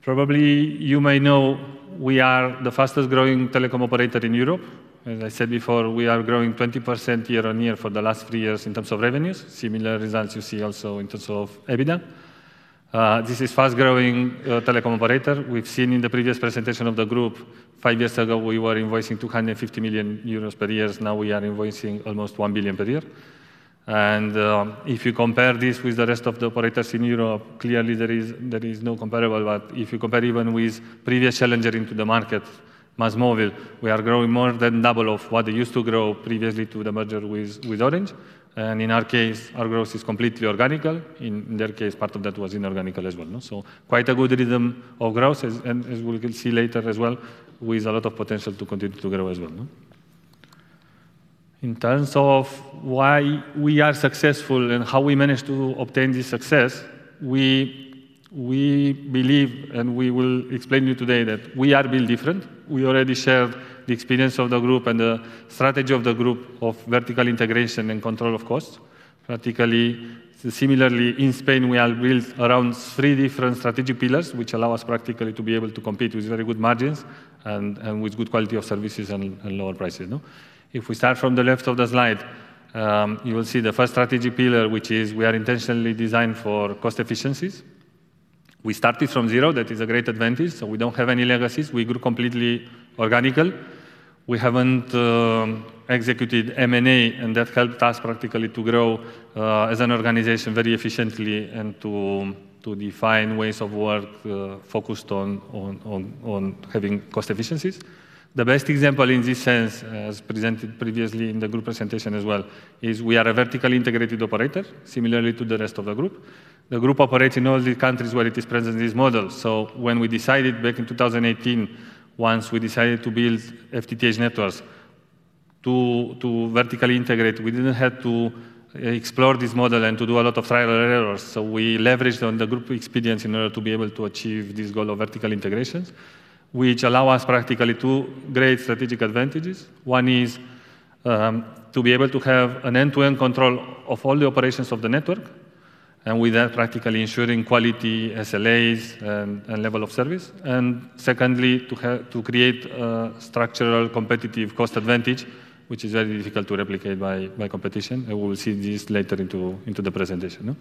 Speaker 5: Probably you may know we are the fastest growing telecom operator in Europe. As I said before, we are growing 20% year-on-year for the last three years in terms of revenues. Similar results you see also in terms of EBITDA. This is fast-growing telecom operator. We've seen in the previous presentation of the group five years ago we were invoicing 250 million euros per year. Now we are invoicing almost 1 billion per year. If you compare this with the rest of the operators in Europe, clearly there is, there is no comparable. If you compare even with previous challenger into the market, MásMóvil, we are growing more than double of what they used to grow previously to the merger with Orange. In our case, our growth is completely organic. In their case, part of that was inorganic as well, no? Quite a good rhythm of growth as, and as we can see later as well, with a lot of potential to continue to grow as well, no? In terms of why we are successful and how we managed to obtain this success, we believe, and we will explain you today, that we are built different. We already shared the experience of the group and the strategy of the group of vertical integration and control of costs. Practically, similarly, in Spain we are built around three different strategic pillars which allow us practically to be able to compete with very good margins and with good quality of services and lower prices, no? If we start from the left of the slide, you will see the first strategic pillar which is we are intentionally designed for cost efficiencies. We started from zero. That is a great advantage. We don't have any legacies. We grew completely organically. We haven't executed M&A and that helped us practically to grow as an organization very efficiently and to define ways of work focused on having cost efficiencies. The best example in this sense, as presented previously in the group presentation as well, is we are a vertically integrated operator similarly to the rest of the group. The group operates in all the countries where it is present in this model. When we decided back in 2018, once we decided to build FTTH networks to vertically integrate, we didn't have to explore this model and to do a lot of trial and error. We leveraged on the group experience in order to be able to achieve this goal of vertical integrations, which allow us practically two great strategic advantages. One is to be able to have an end-to-end control of all the operations of the network and with that practically ensuring quality SLAs and level of service. Secondly, to create a structural competitive cost advantage which is very difficult to replicate by competition, and we will see this later into the presentation.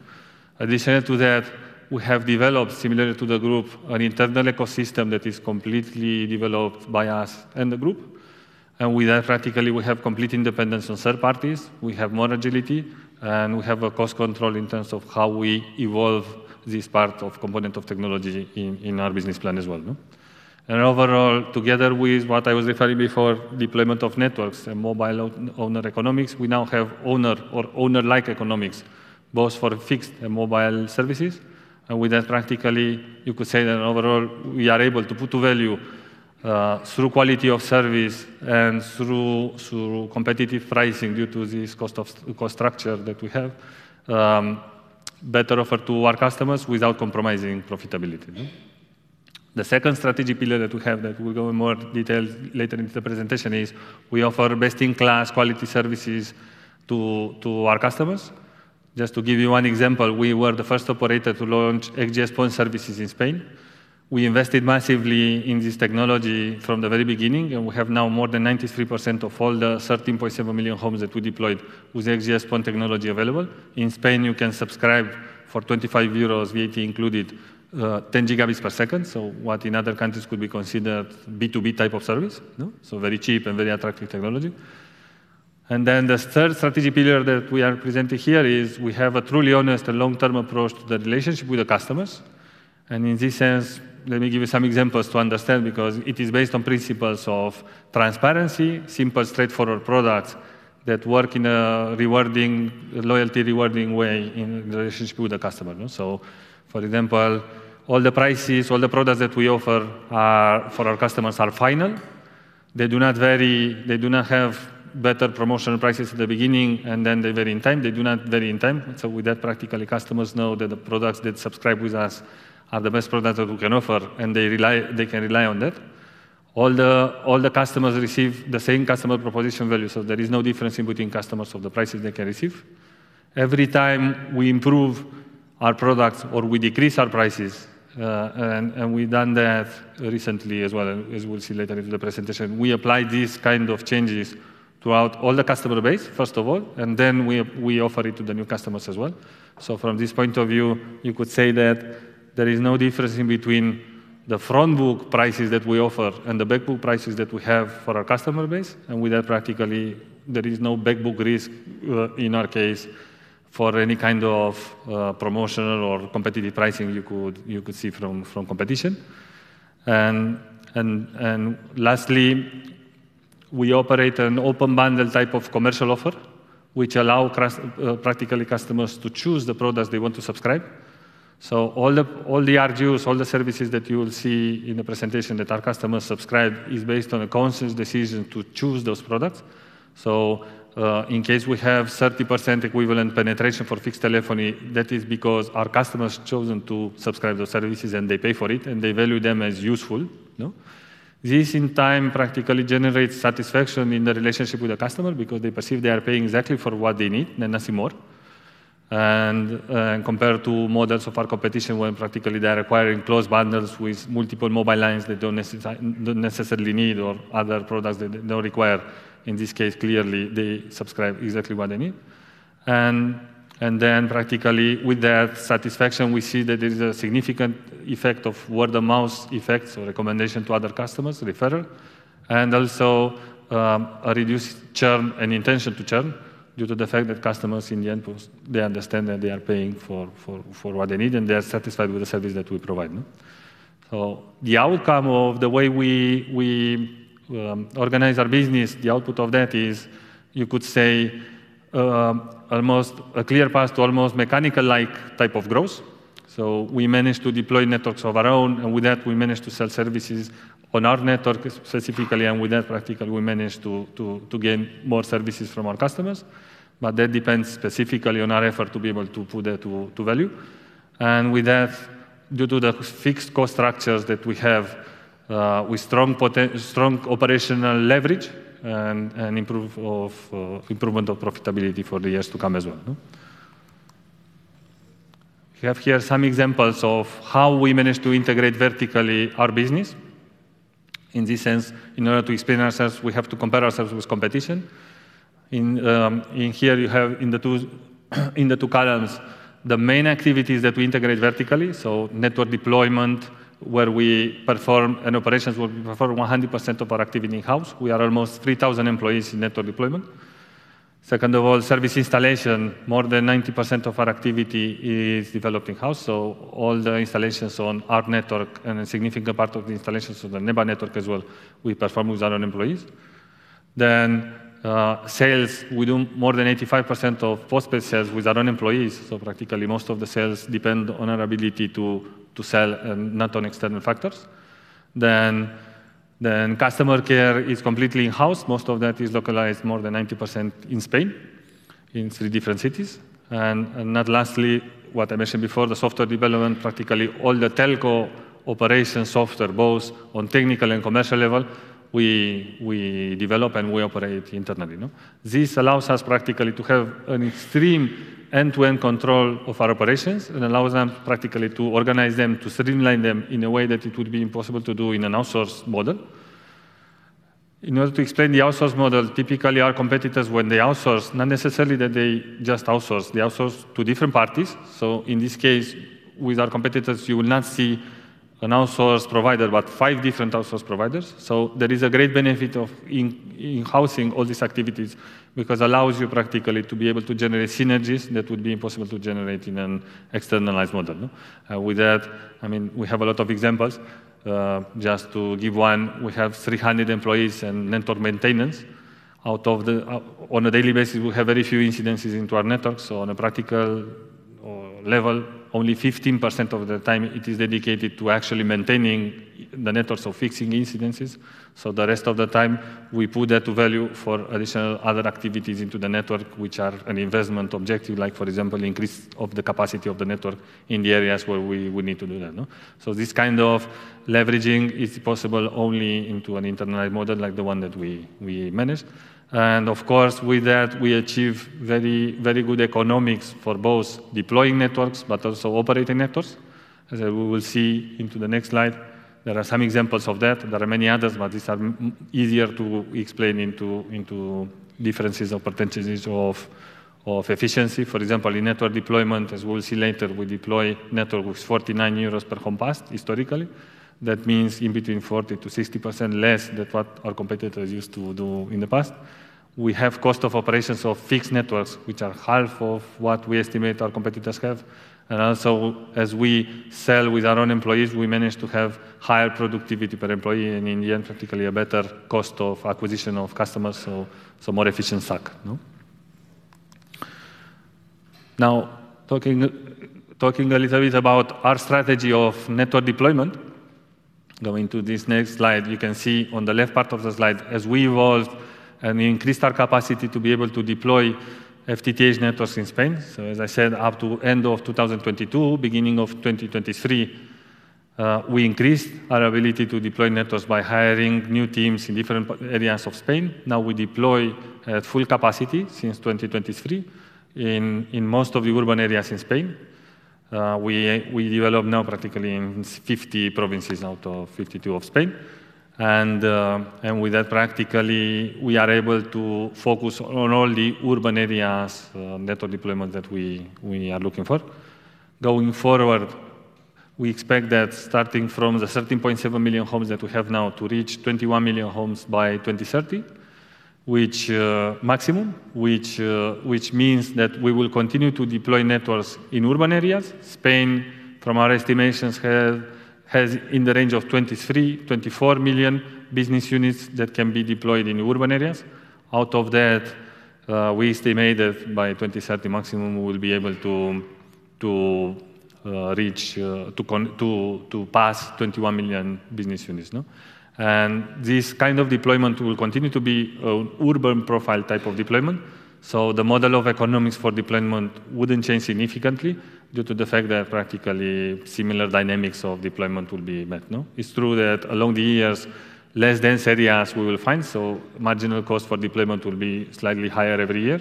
Speaker 5: Additional to that, we have developed similarly to the group an internal ecosystem that is completely developed by us and the group. With that practically we have complete independence from third parties. We have more agility and we have a cost control in terms of how we evolve this part of component of technology in our business plan as well. Overall, together with what I was referring before deployment of networks and mobile owner economics we now have owner or owner-like economics both for fixed and mobile services. With that practically you could say that overall, we are able to put to value through quality of service and through competitive pricing due to this cost structure that we have, better offer to our customers without compromising profitability, no? The second strategic pillar that we have that we go in more detail later into the presentation is we offer best-in-class quality services to our customers. Just to give you one example, we were the first operator to launch XGS-PON services in Spain. We invested massively in this technology from the very beginning, and we have now more than 93% of all the 13.7 million homes that we deployed with XGS-PON technology available. In Spain you can subscribe for 25 euros, VAT included, 10 Gb per second. What in other countries could be considered B2B type of service, no? Very cheap and very attractive technology. The third strategic pillar that we are presenting here is we have a truly honest and long-term approach to the relationship with the customers. In this sense, let me give you some examples to understand because it is based on principles of transparency, simple straightforward products that work in a rewarding, loyalty rewarding way in relationship with the customer, no? For example, all the prices, all the products that we offer for our customers are final. They do not vary. They do not have better promotional prices at the beginning and then they vary in time. They do not vary in time. With that practically customers know that the products they subscribe with us are the best products that we can offer and they rely, they can rely on that. All the customers receive the same customer proposition value. There is no difference in between customers or the prices they can receive. Every time we improve our products or we decrease our prices, and we've done that recently as well and as we'll see later into the presentation. We apply these kind of changes throughout all the customer base first of all and then we offer it to the new customers as well. From this point of view, you could say that there is no difference in between the front book prices that we offer and the back book prices that we have for our customer base. With that practically there is no back book risk in our case for any kind of promotional or competitive pricing you could see from competition. Lastly, we operate an open bundle type of commercial offer which allow practically customers to choose the products they want to subscribe. All the RGUs, all the services that you will see in the presentation that our customers subscribe is based on a conscious decision to choose those products. In case we have 30% equivalent penetration for fixed telephony that is because our customers chosen to subscribe those services and they pay for it and they value them as useful, no? This in time practically generates satisfaction in the relationship with the customer because they perceive they are paying exactly for what they need and nothing more. Compared to models of our competition, when practically they are acquiring closed bundles with multiple mobile lines they don't necessarily need or other products they don't require, in this case, clearly, they subscribe exactly what they need. And then practically with their satisfaction, we see that there is a significant effect of word-of-mouth effects or recommendation to other customers, referral, and also a reduced churn and intention to churn due to the fact that customers in the end they understand that they are paying for what they need, and they are satisfied with the service that we provide, no? The outcome of the way we organize our business, the output of that is, you could say, almost a clear path to almost mechanical-like type of growth. We managed to deploy networks of our own, and with that we managed to sell services on our network specifically, and with that practically we managed to gain more services from our customers. That depends specifically on our effort to be able to put that to value. With that, due to the fixed cost structures that we have, with strong operational leverage and improve of improvement of profitability for the years to come as well. You have here some examples of how we managed to integrate vertically our business. In this sense, in order to explain ourselves, we have to compare ourselves with competition. In here you have in the two columns the main activities that we integrate vertically, so network deployment, where we perform, and operations where we perform 100% of our activity in-house. We are almost 3,000 employees in network deployment. Second of all, service installation, more than 90% of our activity is developed in-house, so all the installations on our network and a significant part of the installations on the neighbor network as well, we perform with our own employees. Then sales, we do more than 85% of postpaid sales with our own employees, so practically most of the sales depend on our ability to sell and not on external factors. Then customer care is completely in-house. Most of that is localized more than 90% in Spain in three different cities. Then lastly, what I mentioned before, the software development, practically all the telco operation software, both on technical and commercial level, we develop and we operate internally, no? This allows us practically to have an extreme end-to-end control of our operations and allows them practically to organize them, to streamline them in a way that it would be impossible to do in an outsourced model. In order to explain the outsourced model, typically our competitors when they outsource, not necessarily that they just outsource, they outsource to different parties. In this case, with our competitors, you will not see an outsourced provider, but five different outsourced providers. There is a great benefit of in-housing all these activities because allows you practically to be able to generate synergies that would be impossible to generate in an externalized model, no. With that, I mean, we have a lot of examples. Just to give one, we have 300 employees in network maintenance. Out of the on a daily basis, we have very few incidences into our network. On a practical level, only 15% of the time it is dedicated to actually maintaining the network, so fixing incidences. The rest of the time, we put that to value for additional other activities into the network which are an investment objective, like for example, increase of the capacity of the network in the areas where we need to do that, no? This kind of leveraging is possible only into an internalized model like the one that we manage. Of course, with that we achieve very, very good economics for both deploying networks but also operating networks. As we will see into the next slide, there are some examples of that. There are many others, these are easier to explain into differences or percentages of efficiency. For example, in network deployment, as we will see later, we deploy network with 49 euros per homes passed historically. That means in between 40%-60% less than what our competitors used to do in the past. We have cost of operations of fixed networks which are half of what we estimate our competitors have. Also, as we sell with our own employees, we manage to have higher productivity per employee and in the end, particularly a better cost of acquisition of customers, so more efficient SAC, no? Now, talking a little bit about our strategy of network deployment, going to this next slide, you can see on the left part of the slide, as we evolved and increased our capacity to be able to deploy FTTH networks in Spain. As I said, up to end of 2022, beginning of 2023, we increased our ability to deploy networks by hiring new teams in different areas of Spain. Now we deploy at full capacity since 2023 in most of the urban areas in Spain. We develop now practically in 50 provinces out of 52 of Spain. With that practically we are able to focus on all the urban areas, network deployment that we are looking for. Going forward, we expect that starting from the 13.7 million homes that we have now to reach 21 million homes by 2030, which maximum, which means that we will continue to deploy networks in urban areas. Spain, from our estimations, has in the range of 23 million-24 million business units that can be deployed in urban areas. Out of that, we estimate that by 2030 maximum we will be able to reach to pass 21 million business units, no? This kind of deployment will continue to be urban profile type of deployment. The model of economics for deployment wouldn't change significantly due to the fact that practically similar dynamics of deployment will be met, no? It's true that along the years, less dense areas we will find, so marginal cost for deployment will be slightly higher every year.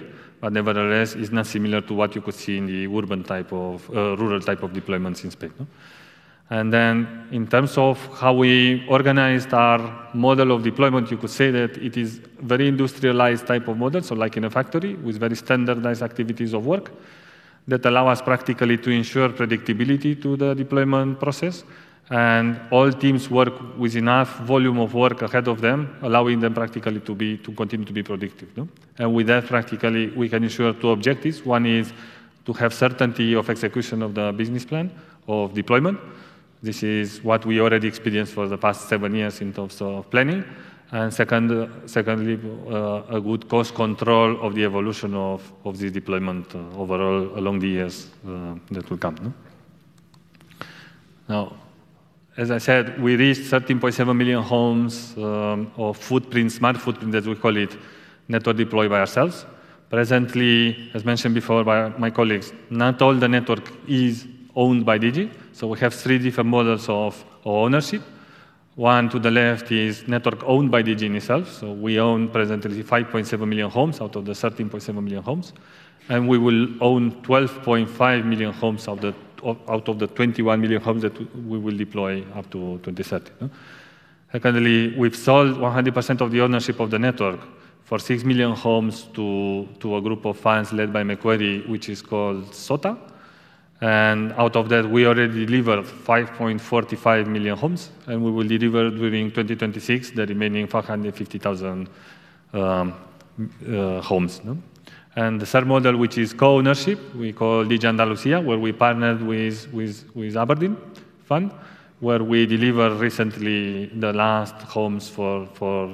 Speaker 5: Nevertheless, it's not similar to what you could see in the urban type of rural type of deployments in Spain, no? In terms of how we organized our model of deployment, you could say that it is very industrialized type of model, so like in a factory with very standardized activities of work that allow us practically to ensure predictability to the deployment process and all teams work with enough volume of work ahead of them, allowing them practically to be, to continue to be predictive, no? With that, practically, we can ensure two objectives. One is to have certainty of execution of the business plan of deployment. This is what we already experienced for the past seven years in terms of planning. Secondly, a good cost control of the evolution of the deployment overall along the years, that will come, no? As I said, we reached 13.7 million homes, or footprint, Smart footprint as we call it, network deployed by ourselves. Presently, as mentioned before by my colleagues, not all the network is owned by Digi. We have three different models of ownership. One to the left is network owned by Digi itself. We own presently 5.7 million homes out of the 13.7 million homes, and we will own 12.5 million homes out of the 21 million homes that we will deploy up to 2030, no? Secondly, we've sold 100% of the ownership of the network for 6 million homes to a group of funds led by Macquarie, which is called SOTA. Out of that, we already delivered 5.45 million homes, and we will deliver during 2026 the remaining 450,000 homes, no? The third model, which is co-ownership, we call Digi Andalucía, where we partnered with abrdn, where we delivered recently the last homes for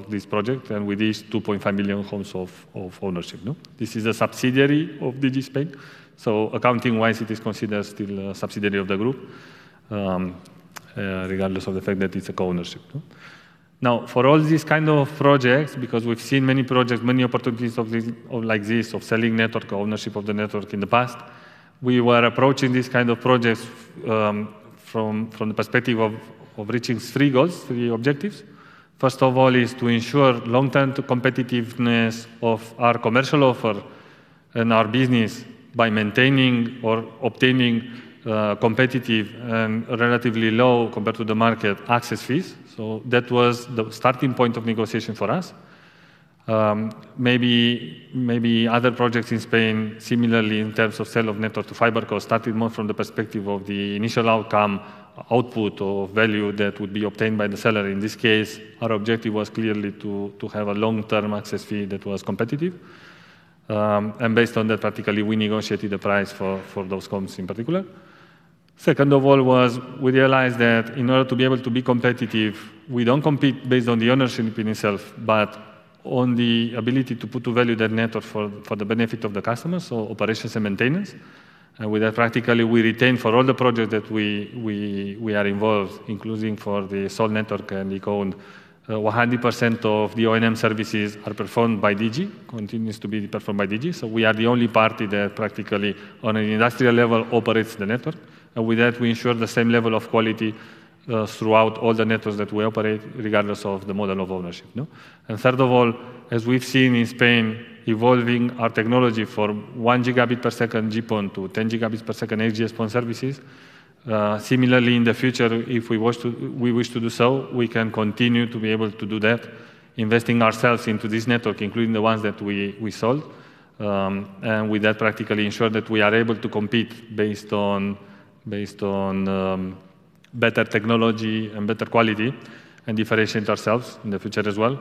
Speaker 5: this project and with these 2.5 million homes of ownership, no? This is a subsidiary of Digi Spain, so accounting-wise it is considered still a subsidiary of the group, regardless of the fact that it's a co-ownership, no? For all these kind of projects, because we've seen many projects, many opportunities of this, like this, of selling network, ownership of the network in the past, we were approaching these kind of projects, from the perspective of reaching three goals, three objectives. First of all is to ensure long-term competitiveness of our commercial offer and our business by maintaining or obtaining competitive and relatively low compared to the market access fees. That was the starting point of negotiation for us. Maybe other projects in Spain similarly in terms of sale of network to fiber co started more from the perspective of the initial outcome, output or value that would be obtained by the seller. In this case, our objective was clearly to have a long-term access fee that was competitive. Based on that, practically, we negotiated the price for those homes in particular. Second of all was we realized that in order to be able to be competitive, we don't compete based on the ownership in itself, but on the ability to put to value that network for the benefit of the customers, so operations and maintenance. With that, practically, we retain for all the projects that we are involved, including for the sold network and the co-owned. 100% of the O&M services are performed by Digi, continues to be performed by Digi. We are the only party that practically, on an industrial level, operates the network. With that, we ensure the same level of quality throughout all the networks that we operate, regardless of the model of ownership, no? Third of all, as we've seen in Spain, evolving our technology from 1 Gb per second GPON to 10 Gb per second XGS-PON services. Similarly in the future, if we wish to do so, we can continue to be able to do that, investing ourselves into this network, including the ones that we sold. With that practically ensure that we are able to compete based on better technology and better quality and differentiate ourselves in the future as well.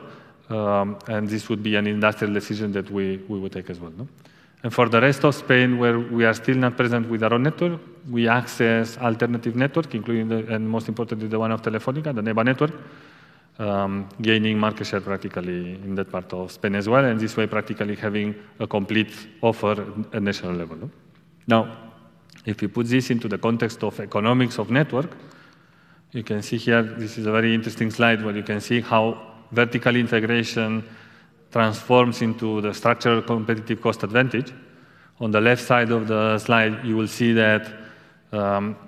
Speaker 5: This would be an industrial decision that we would take as well, no? For the rest of Spain, where we are still not present with our own network, we access alternative network, including the, and most importantly, the one of Telefónica, the NEBA network, gaining market share practically in that part of Spain as well, and this way practically having a complete offer at national level, no? Now, if you put this into the context of economics of network, you can see here, this is a very interesting slide where you can see how vertical integration transforms into the structural competitive cost advantage. On the left side of the slide, you will see that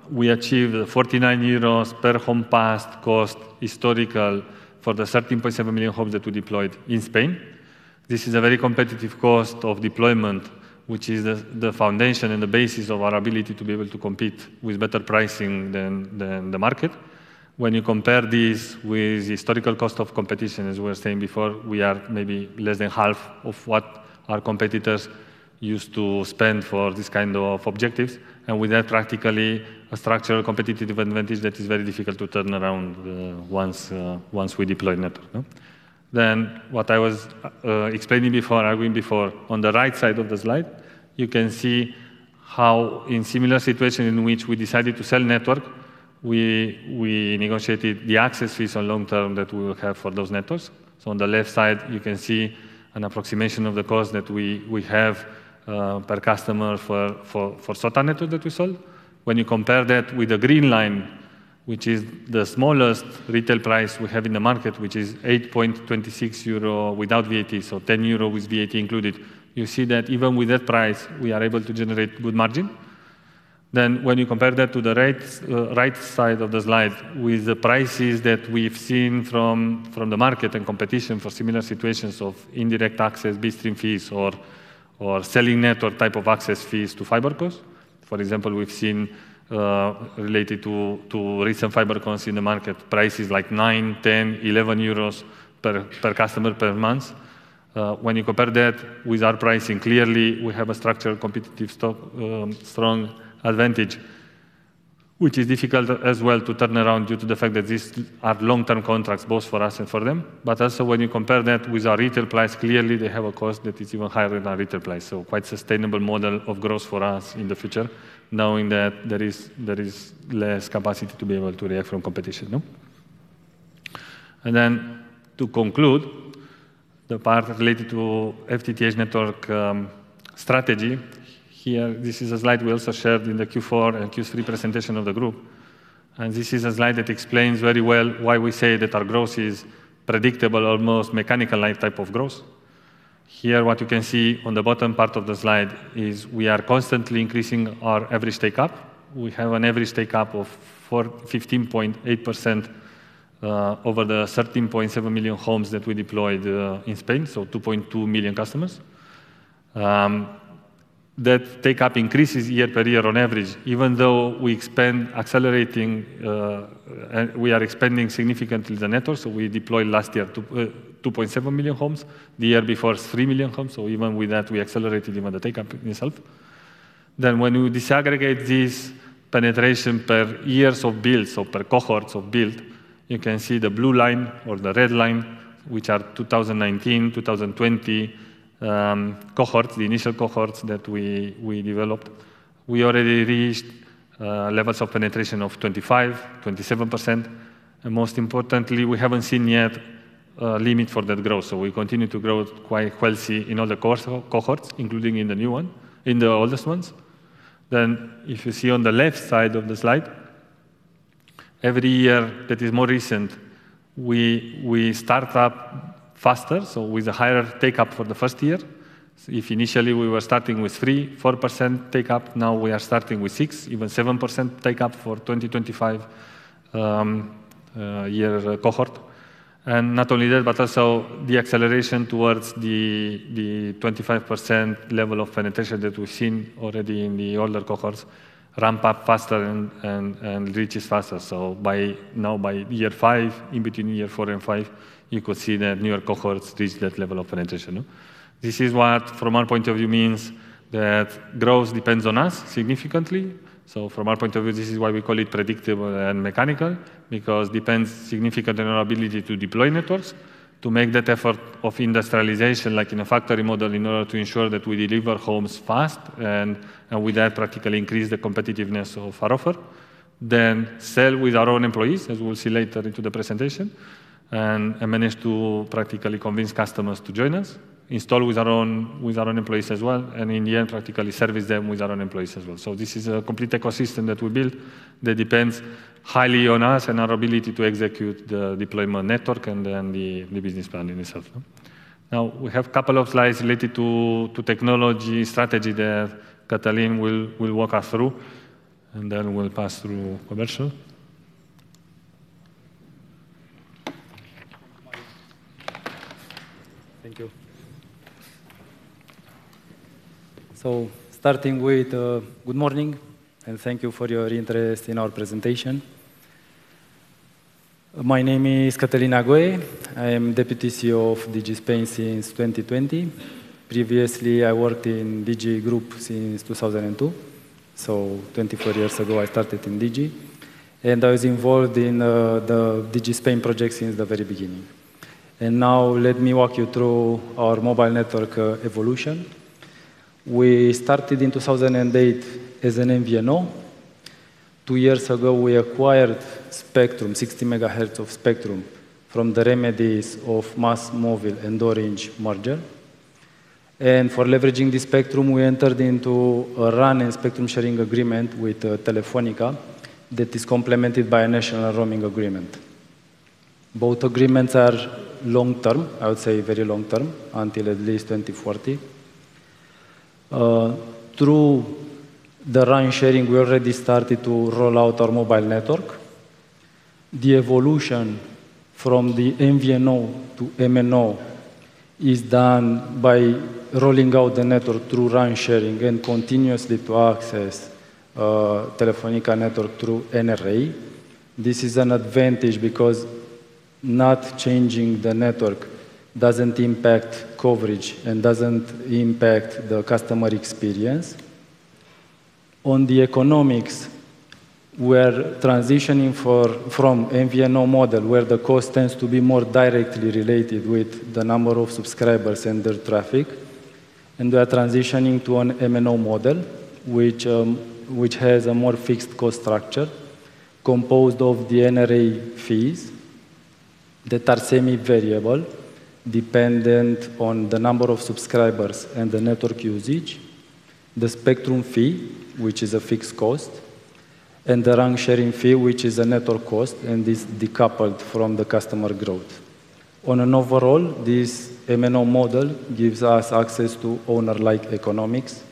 Speaker 5: we achieved 49 euros per homes passed cost historical for the 13.7 million homes that we deployed in Spain. This is a very competitive cost of deployment, which is the foundation and the basis of our ability to be able to compete with better pricing than the market. When you compare this with historical cost of competition, as we were saying before, we are maybe less than half of what our competitors used to spend for this kind of objectives. With that, practically a structural competitive advantage that is very difficult to turn around once we deploy network, no? What I was explaining before, arguing before, on the right side of the slide, you can see how in similar situation in which we decided to sell network, we negotiated the access fees on long term that we will have for those networks. On the left side, you can see an approximation of the cost that we have per customer for SOTA network that we sold. When you compare that with the green line, which is the smallest retail price we have in the market, which is 8.26 euro without VAT, so 10 euro with VAT included, you see that even with that price, we are able to generate good margin. When you compare that to the right side of the slide with the prices that we've seen from the market and competition for similar situations of indirect access, bitstream fees or selling network type of access fees to fibercos. For example, we've seen related to recent fibercos in the market, prices like 9, 10, 11 euros per customer per month. When you compare that with our pricing, clearly we have a structural competitive stock, strong advantage, which is difficult as well to turn around due to the fact that these are long-term contracts, both for us and for them. Also when you compare that with our retail price, clearly they have a cost that is even higher than our retail price. Quite sustainable model of growth for us in the future, knowing that there is less capacity to be able to react from competition. To conclude the part related to FTTH network strategy. Here, this is a slide we also shared in the Q4 and Q3 presentation of the group. This is a slide that explains very well why we say that our growth is predictable, almost mechanical-like type of growth. Here, what you can see on the bottom part of the slide is we are constantly increasing our average take-up. We have an average take-up of 15.8% over the 13.7 million homes that we deployed in Spain, so 2.2 million customers. That take-up increases year per year on average, even though we expand accelerating, and we are expanding significantly the network. We deployed last year 2.7 million homes. The year before, it's 3 million homes. Even with that, we accelerated even the take-up itself. When we disaggregate this penetration per years of build, so per cohorts of build, you can see the blue line or the red line, which are 2019, 2020 cohort, the initial cohorts that we developed. We already reached levels of penetration of 25%, 27%. Most importantly, we haven't seen yet a limit for that growth. We continue to grow quite healthy in all the course of cohorts, including in the new one, in the oldest ones. If you see on the left side of the slide, every year that is more recent, we start up faster, so with a higher take-up for the first year. If initially we were starting with 3%, 4% take-up, now we are starting with 6%, even 7% take-up for 2025 year cohort. Not only that, but also the acceleration towards the 25% level of penetration that we've seen already in the older cohorts ramp up faster and reaches faster. By now, by year five, in between year four and five, you could see that newer cohorts reach that level of penetration, no? This is what from our point of view means that growth depends on us significantly. From our point of view, this is why we call it predictable and mechanical, because depends significantly on our ability to deploy networks, to make that effort of industrialization, like in a factory model, in order to ensure that we deliver homes fast and with that practically increase the competitiveness of our offer. Sell with our own employees, as we'll see later into the presentation, and manage to practically convince customers to join us, install with our own employees as well, and in the end, practically service them with our own employees as well. This is a complete ecosystem that we built that depends highly on us and our ability to execute the deployment network and then the business plan in itself, no? We have couple of slides related to technology strategy that Catalin will walk us through, and then we'll pass through commercial.
Speaker 6: Thank you. Good morning and thank you for your interest in our presentation. My name is Cătălin Neagoe. I am Deputy CEO of Digi Spain since 2020. Previously, I worked in Digi Group since 2002. 24 years ago, I started in Digi, and I was involved in the Digi Spain project since the very beginning. Now let me walk you through our mobile network evolution. We started in 2008 as an MVNO. Two years ago, we acquired spectrum, 60 MHz of spectrum, from the remedies of MásMóvil and Orange merger. For leveraging this spectrum, we entered into a RAN and spectrum sharing agreement with Telefónica that is complemented by a national roaming agreement. Both agreements are long-term, I would say very long-term, until at least 2040. Through the RAN sharing, we already started to roll out our mobile network. The evolution from the MVNO to MNO is done by rolling out the network through RAN sharing and continuously to access Telefónica network through NRA. This is an advantage because not changing the network doesn't impact coverage and doesn't impact the customer experience. On the economics, we're transitioning from MVNO model, where the cost tends to be more directly related with the number of subscribers and their traffic, and we are transitioning to an MNO model, which has a more fixed cost structure composed of the NRA fees that are semi-variable, dependent on the number of subscribers and the network usage, the spectrum fee, which is a fixed cost. The RAN sharing fee which is a network cost and is decoupled from the customer growth. On an overall, this MNO model gives us access to owner-like economics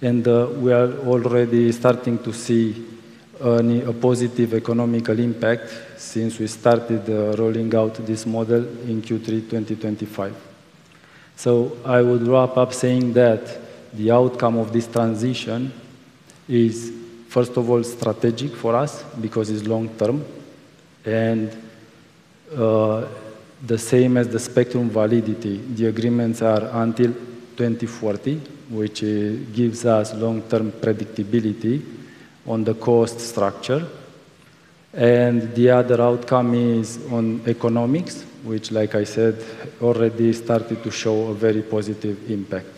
Speaker 6: and we are already starting to see a positive economical impact since we started rolling out this model in Q3 2025. I would wrap up saying that the outcome of this transition is first of all strategic for us because it's long-term and the same as the spectrum validity. The agreements are until 2040, which gives us long-term predictability on the cost structure. The other outcome is on economics, which like I said, already started to show a very positive impact.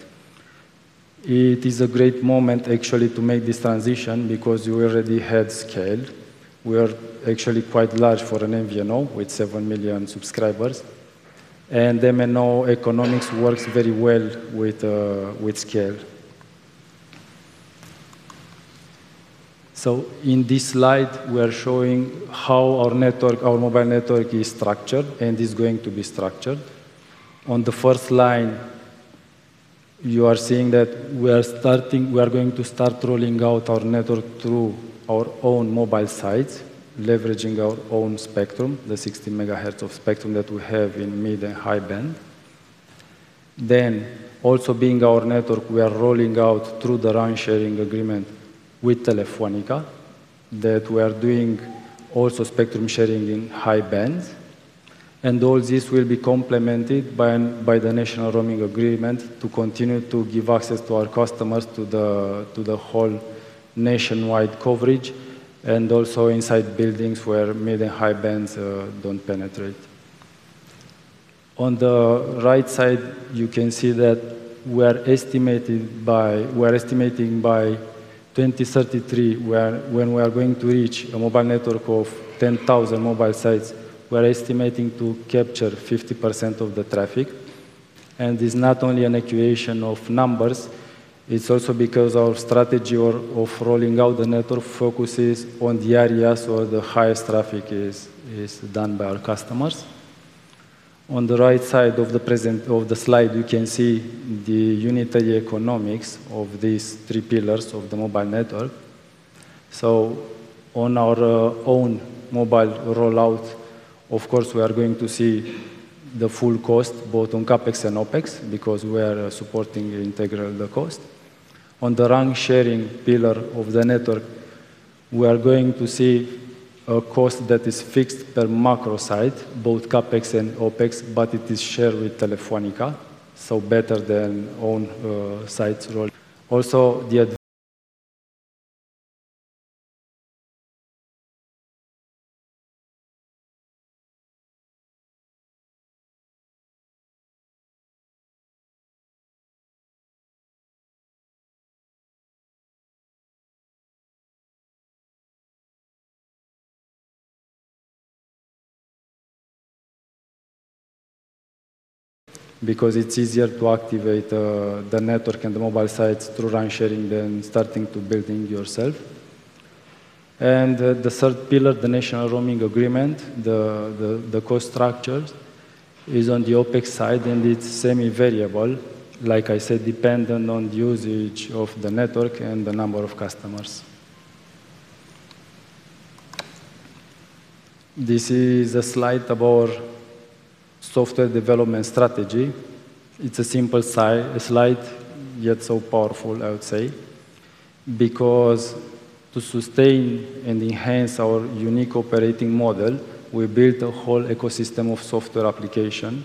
Speaker 6: It is a great moment actually to make this transition because we already had scale. We are actually quite large for an MVNO with 7 million subscribers, and MNO economics works very well with scale. In this slide we are showing how our network, our mobile network is structured and is going to be structured. On the first line, you are seeing that we are going to start rolling out our network through our own mobile sites, leveraging our own spectrum, the 60 MHz of spectrum that we have in mid and high band. Also being our network, we are rolling out through the RAN sharing agreement with Telefónica that we are doing also spectrum sharing in high bands. All this will be complemented by the national roaming agreement to continue to give access to our customers to the whole nationwide coverage and also inside buildings where mid and high bands don't penetrate. On the right side, you can see that we are estimating by 2033 when we are going to reach a mobile network of 10,000 mobile sites, we are estimating to capture 50% of the traffic. It's not only an actuation of numbers, it's also because our strategy or of rolling out the network focuses on the areas where the highest traffic is done by our customers. On the right side of the slide, you can see the unitary economics of these three pillars of the mobile network. On our own mobile rollout, of course, we are going to see the full cost both on CapEx and OpEx because we are supporting integral the cost. On the RAN sharing pillar of the network, we are going to see a cost that is fixed per macro site, both CapEx and OpEx, but it is shared with Telefónica, so better than own sites roll. Because it's easier to activate the network and the mobile sites through RAN sharing than starting to building yourself. The third pillar, the national roaming agreement, the cost structure is on the OpEx side and it's semi-variable, like I said, dependent on the usage of the network and the number of customers. This is a slide about software development strategy. It's a simple slide, yet so powerful I would say. To sustain and enhance our unique operating model, we built a whole ecosystem of software application.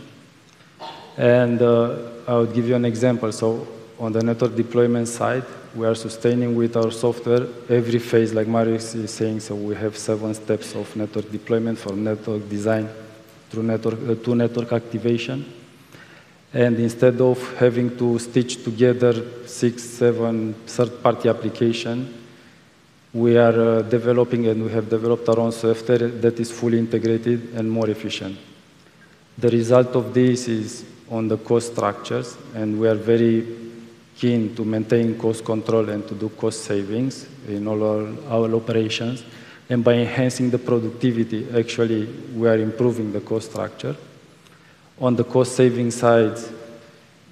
Speaker 6: I would give you an example. On the network deployment side, we are sustaining with our software every phase, like Marius is saying. We have seven steps of network deployment from network design through network, to network activation. Instead of having to stitch together six, seven third-party application, we are developing and we have developed our own software that is fully integrated and more efficient. The result of this is on the cost structures, and we are very keen to maintain cost control and to do cost savings in all our operations. By enhancing the productivity, actually we are improving the cost structure. On the cost saving side,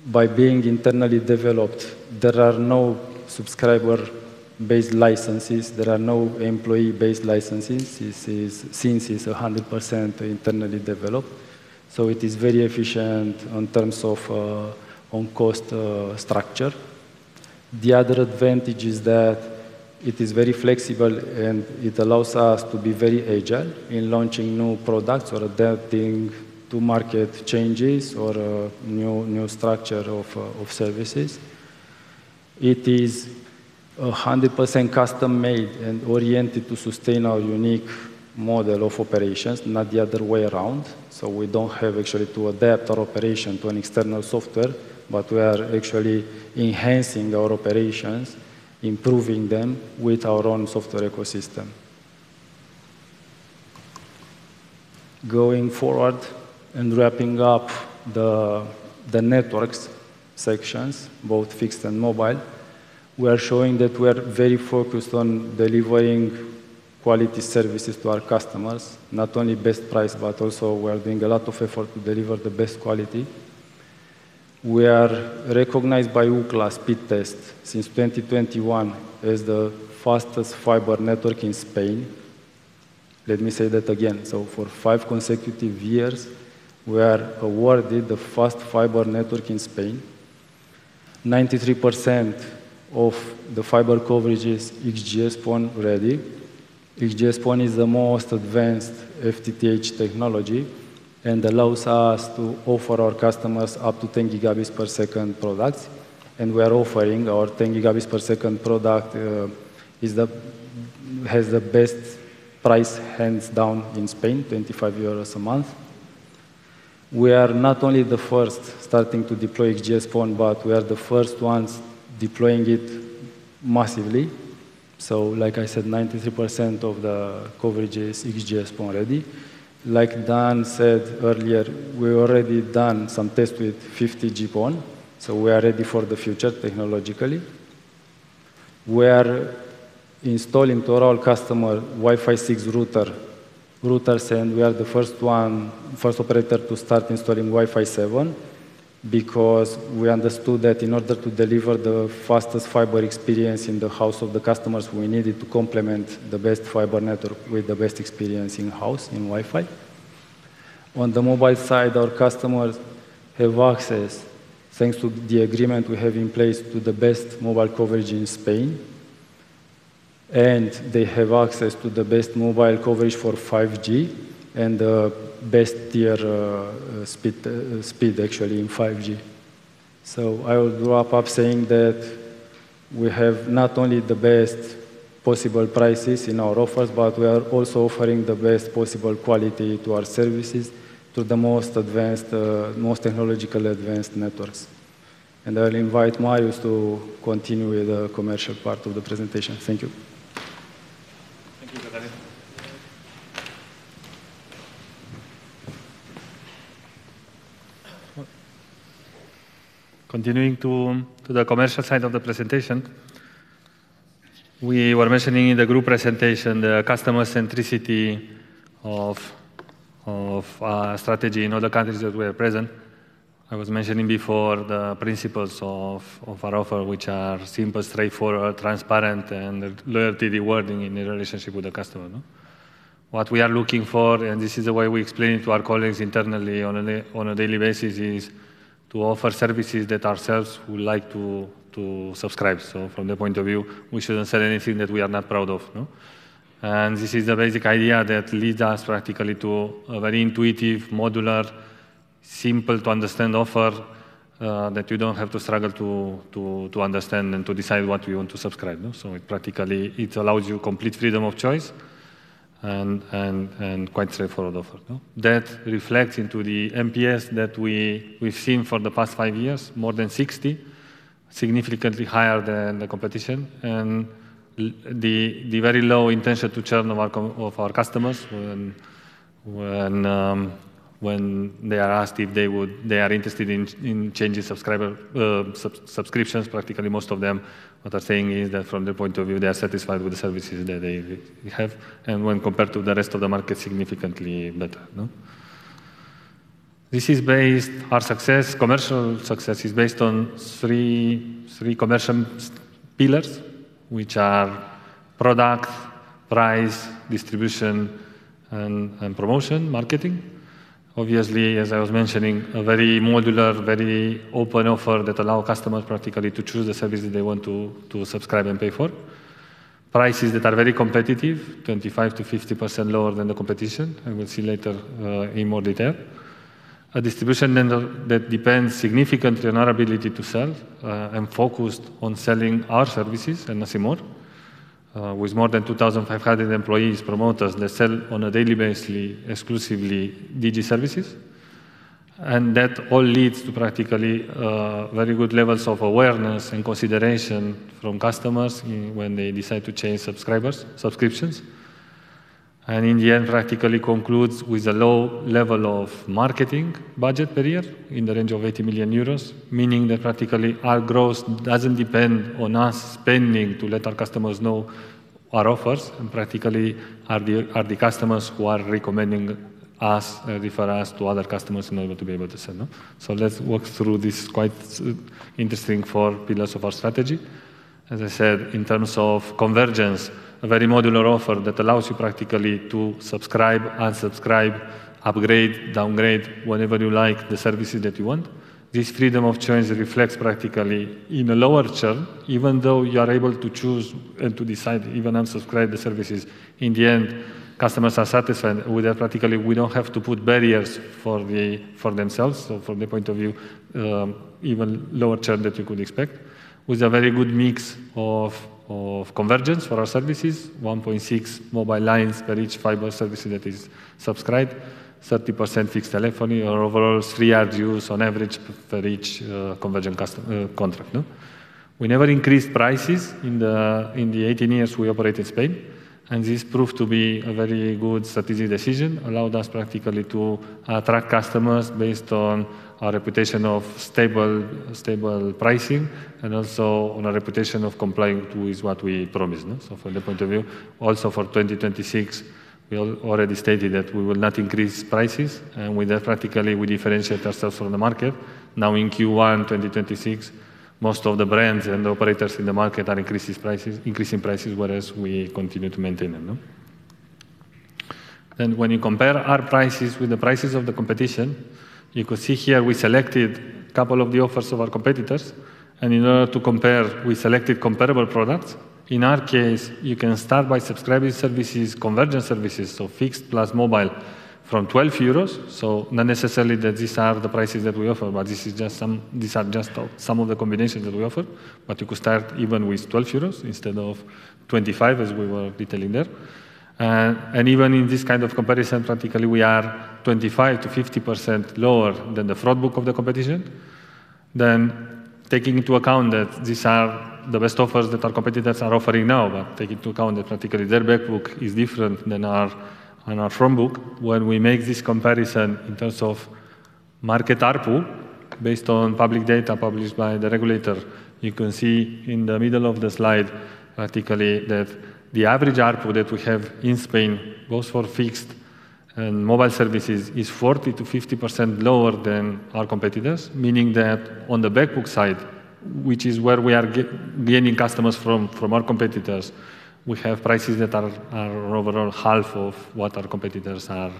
Speaker 6: by being internally developed, there are no subscriber-based licenses, there are no employee-based licenses. Since it's 100% internally developed, so it is very efficient in terms of on cost structure. The other advantage is that it is very flexible and it allows us to be very agile in launching new products or adapting to market changes or new structure of services. It is 100% custom-made and oriented to sustain our unique model of operations, not the other way around. We don't have actually to adapt our operation to an external software, but we are actually enhancing our operations, improving them with our own software ecosystem. Going forward and wrapping up the networks sections, both fixed and mobile, we are showing that we are very focused on delivering quality services to our customers. Not only best price, but also we are doing a lot of effort to deliver the best quality. We are recognized by Ookla Speedtest since 2021 as the fastest fiber network in Spain. Let me say that again. For five consecutive years, we are awarded the fast fiber network in Spain. 93% of the fiber coverage is XGS-PON ready. XGS-PON is the most advanced FTTH technology and allows us to offer our customers up to 10 Gb per second products, and we are offering our 10 Gb per second product has the best price hands down in Spain, 25 euros a month. We are not only the first starting to deploy XGS-PON, but we are the first ones deploying it massively. Like I said, 93% of the coverage is XGS-PON ready. Like Dan said earlier, we already done some tests with 50G-PON, so we are ready for the future technologically. We are installing to all customer Wi-Fi 6 router, routers, and we are the first one, first operator to start installing Wi-Fi 7 because we understood that in order to deliver the fastest fiber experience in the house of the customers, we needed to complement the best fiber network with the best experience in-house in Wi-Fi. On the mobile side, our customers have access, thanks to the agreement we have in place, to the best mobile coverage in Spain, and they have access to the best mobile coverage for 5G and the best tier, speed actually in 5G. I will wrap up saying that we have not only the best possible prices in our offers, but we are also offering the best possible quality to our services through the most advanced, most technologically advanced networks. I'll invite Marius to continue with the commercial part of the presentation. Thank you.
Speaker 5: Thank you, Cătălin. Continuing to the commercial side of the presentation, we were mentioning in the group presentation the customer centricity of our strategy in other countries that we are present. I was mentioning before the principles of our offer, which are simple, straightforward, transparent, and loyalty rewarding in the relationship with the customer, no? What we are looking for, and this is the way we explain it to our colleagues internally on a daily basis, is to offer services that ourselves would like to subscribe. From that point of view, we shouldn't sell anything that we are not proud of, no? This is the basic idea that leads us practically to a very intuitive, modular, simple to understand offer that you don't have to struggle to understand and to decide what you want to subscribe, no? It practically, it allows you complete freedom of choice and quite straightforward offer, no? That reflects into the NPS that we've seen for the past five years, more than 60, significantly higher than the competition and the very low intention to churn of our customers when they are asked if they would, they are interested in changing subscriptions, practically most of them, what they're saying is that from their point of view, they are satisfied with the services that they have, and when compared to the rest of the market, significantly better, no? This is based, our success, commercial success is based on three commercial pillars, which are product, price, distribution, and promotion, marketing. Obviously, as I was mentioning, a very modular, very open offer that allow customers practically to choose the services they want to subscribe and pay for. Prices that are very competitive, 25%-50% lower than the competition, and we'll see later in more detail. A distribution model that depends significantly on our ability to sell and focused on selling our services and nothing more. With more than 2,500 employees, promoters that sell on a daily basely exclusively Digi services. That all leads to practically very good levels of awareness and consideration from customers when they decide to change subscribers, subscriptions. In the end, practically concludes with a low level of marketing budget per year in the range of 80 million euros, meaning that practically our growth doesn't depend on us spending to let our customers know our offers, practically are the customers who are recommending us, refer us to other customers in order to be able to sell, no. Let's walk through these quite interesting four pillars of our strategy. As I said, in terms of convergence, a very modular offer that allows you practically to subscribe, unsubscribe, upgrade, downgrade whenever you like the services that you want. This freedom of choice reflects practically in a lower churn, even though you are able to choose and to decide, even unsubscribe the services. In the end, customers are satisfied with that. Practically, we don't have to put barriers for the, for themselves. From their point of view, even lower churn that you could expect. With a very good mix of convergence for our services, 1.6 mobile lines per each fiber service that is subscribed, 30% fixed telephony or overall three RGUs on average per each convergent contract. We never increased prices in the 18 years we operate in Spain. This proved to be a very good strategic decision, allowed us practically to attract customers based on our reputation of stable pricing and also on a reputation of complying to is what we promised, you know. From that point of view, also for 2026, we already stated that we will not increase prices, and with that practically we differentiate ourselves from the market. In Q1 2026, most of the brands and operators in the market are increasing prices, whereas we continue to maintain them, no? When you compare our prices with the prices of the competition, you could see here we selected a couple of the offers of our competitors. In order to compare, we selected comparable products. In our case, you can start by subscribing services, convergence services, so fixed plus mobile from 12 euros. Not necessarily that these are the prices that we offer, but these are just some of the combinations that we offer. You could start even with 12 euros EUR instead of 25, as we were detailing there. Even in this kind of comparison, practically we are 25%-50% lower than the front book of the competition. Taking into account that these are the best offers that our competitors are offering now but take into account that practically their back book is different than our front book. When we make this comparison in terms of market ARPU based on public data published by the regulator, you can see in the middle of the slide practically that the average ARPU that we have in Spain, both for fixed and mobile services, is 40%-50% lower than our competitors, meaning that on the back book side, which is where we are gaining customers from our competitors, we have prices that are over half of what our competitors are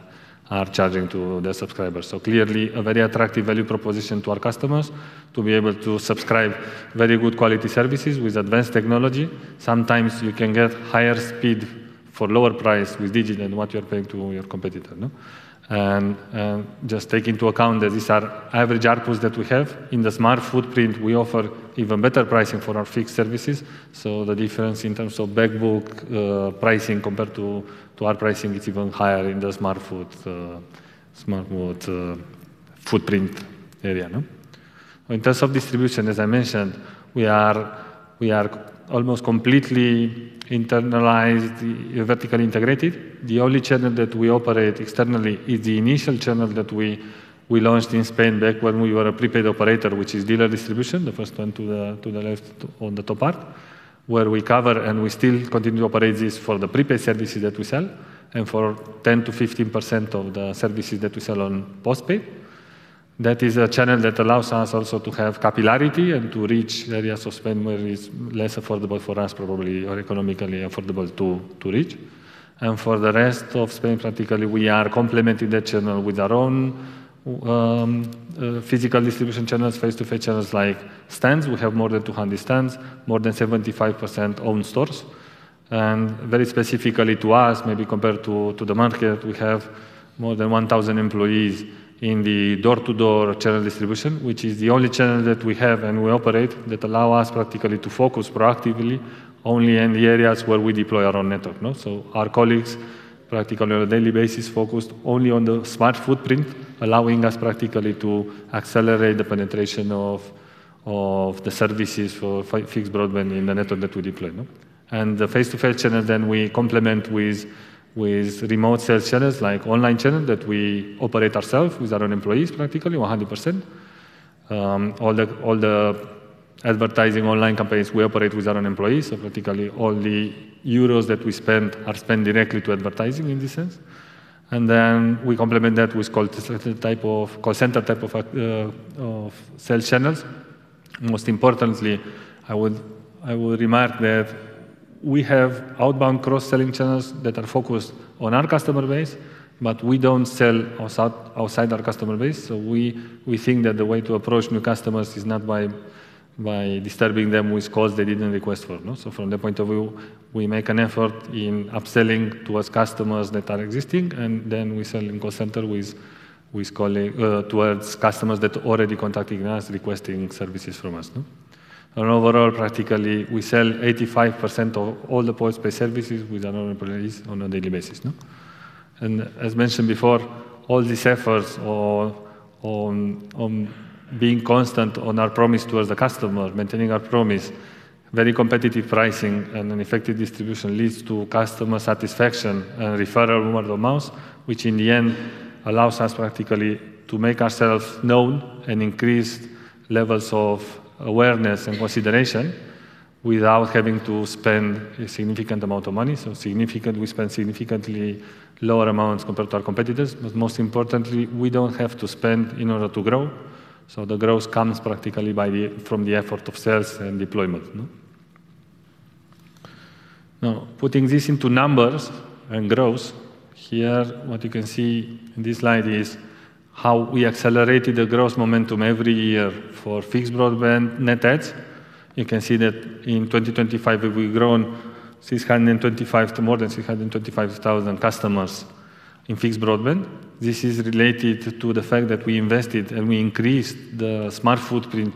Speaker 5: charging to their subscribers. Clearly a very attractive value proposition to our customers to be able to subscribe very good quality services with advanced technology. Sometimes you can get higher speed for lower price with Digi than what you're paying to your competitor, no? Just take into account that these are average ARPUs that we have. In the SMART footprint, we offer even better pricing for our fixed services, so the difference in terms of back book, pricing compared to our pricing is even higher in the smart foot, smart mode, footprint area, no? In terms of distribution, as I mentioned, we are almost completely internalized, vertically integrated. The only channel that we operate externally is the initial channel that we launched in Spain back when we were a prepaid operator, which is dealer distribution, the first one to the left on the top part, where we cover and we still continue to operate this for the prepaid services that we sell and for 10%-15% of the services that we sell on postpaid. That is a channel that allows us also to have capillarity and to reach areas of Spain where it's less affordable for us probably or economically affordable to reach. For the rest of Spain, practically we are complementing that channel with our own physical distribution channels, face-to-face channels like stands. We have more than 200 stands, more than 75% own stores. Very specifically to us, maybe compared to the market, we have more than 1,000 employees in the door-to-door channel distribution, which is the only channel that we have and we operate that allow us practically to focus proactively only in the areas where we deploy our own network, no? Our colleagues practically on a daily basis focused only on the SMART footprint, allowing us practically to accelerate the penetration of fixed broadband in the network that we deploy, no? The face-to-face channel then we complement with remote sales channels like online channel that we operate ourself with our own employees practically 100%. All the advertising online campaigns we operate with our own employees. Practically all the euros that we spend are spent directly to advertising in this sense. We complement that with call center type of sales channels. Most importantly, I would remark that we have outbound cross-selling channels that are focused on our customer base, but we don't sell outside our customer base. We think that the way to approach new customers is not by disturbing them with calls they didn't request for, no? From that point of view, we make an effort in upselling towards customers that are existing, and then we sell in call center with calling towards customers that already contacting us, requesting services from us, no? Overall, practically, we sell 85% of all the postpaid services with our own employees on a daily basis, no? As mentioned before, all these efforts on being constant on our promise towards the customer, maintaining our promise, very competitive pricing and an effective distribution leads to customer satisfaction and referral word of mouth, which in the end allows us practically to make ourselves known and increase levels of awareness and consideration without having to spend a significant amount of money. Significant, we spend significantly lower amounts compared to our competitors, but most importantly, we don't have to spend in order to grow. The growth comes practically from the effort of sales and deployment, no? Putting this into numbers and growth, here what you can see in this slide is how we accelerated the growth momentum every year for fixed broadband net adds. You can see that in 2025 we've grown 625 to more than 625,000 customers in fixed broadband. This is related to the fact that we invested, and we increased the SMART footprint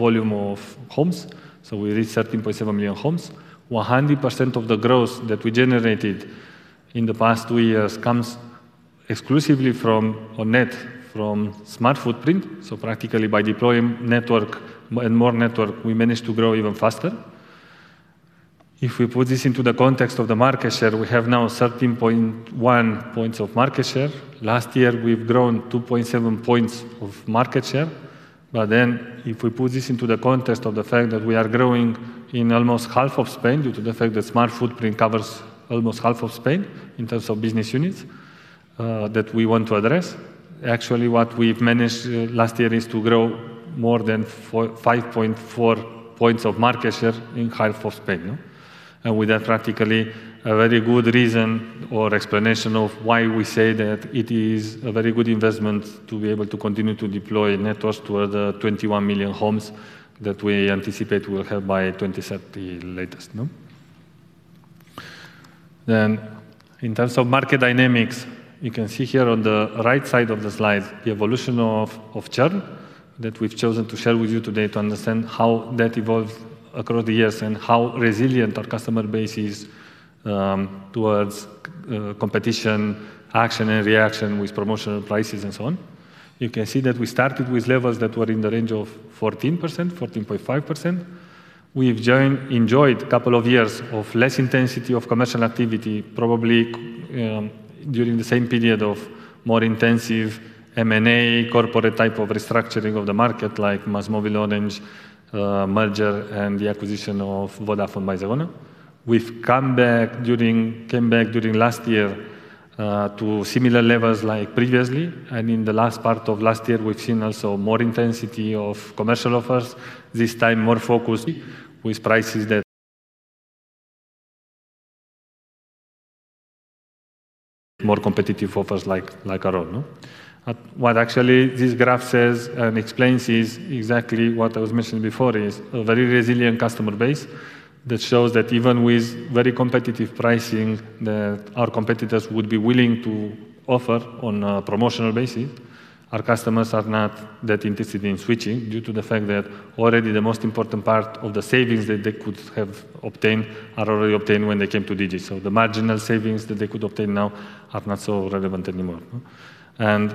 Speaker 5: volume of homes. We reached 13.7 million homes. 100% of the growth that we generated in the past two years comes exclusively from or net from SMART Footprint. Practically by deploying network and more network, we managed to grow even faster. If we put this into the context of the market share, we have now 13.1 points of market share. Last year, we've grown 2.7 points of market share. If we put this into the context of the fact that we are growing in almost half of Spain due to the fact that SMART footprint covers almost half of Spain in terms of business units that we want to address. Actually, what we've managed last year is to grow more than 5.4 points of market share in half of Spain, you know. With that practically a very good reason or explanation of why we say that it is a very good investment to be able to continue to deploy networks to other 21 million homes that we anticipate we'll have by 2030 latest. In terms of market dynamics, you can see here on the right side of the slide the evolution of churn that we've chosen to share with you today to understand how that evolved across the years and how resilient our customer base is towards competition, action and reaction with promotional prices and so on. You can see that we started with levels that were in the range of 14%, 14.5%. We've enjoyed a couple of years of less intensity of commercial activity, probably during the same period of more intensive M&A corporate type of restructuring of the market like MásMóvil Orange merger and the acquisition of Vodafone by Zegona. We came back during last year to similar levels like previously. In the last part of last year, we've seen also more intensity of commercial offers, this time more focused with more competitive offers like our own, no? What actually this graph says and explains is exactly what I was mentioning before, is a very resilient customer base that shows that even with very competitive pricing that our competitors would be willing to offer on a promotional basis, our customers are not that interested in switching due to the fact that already the most important part of the savings that they could have obtained are already obtained when they came to Digi. The marginal savings that they could obtain now are not so relevant anymore, no?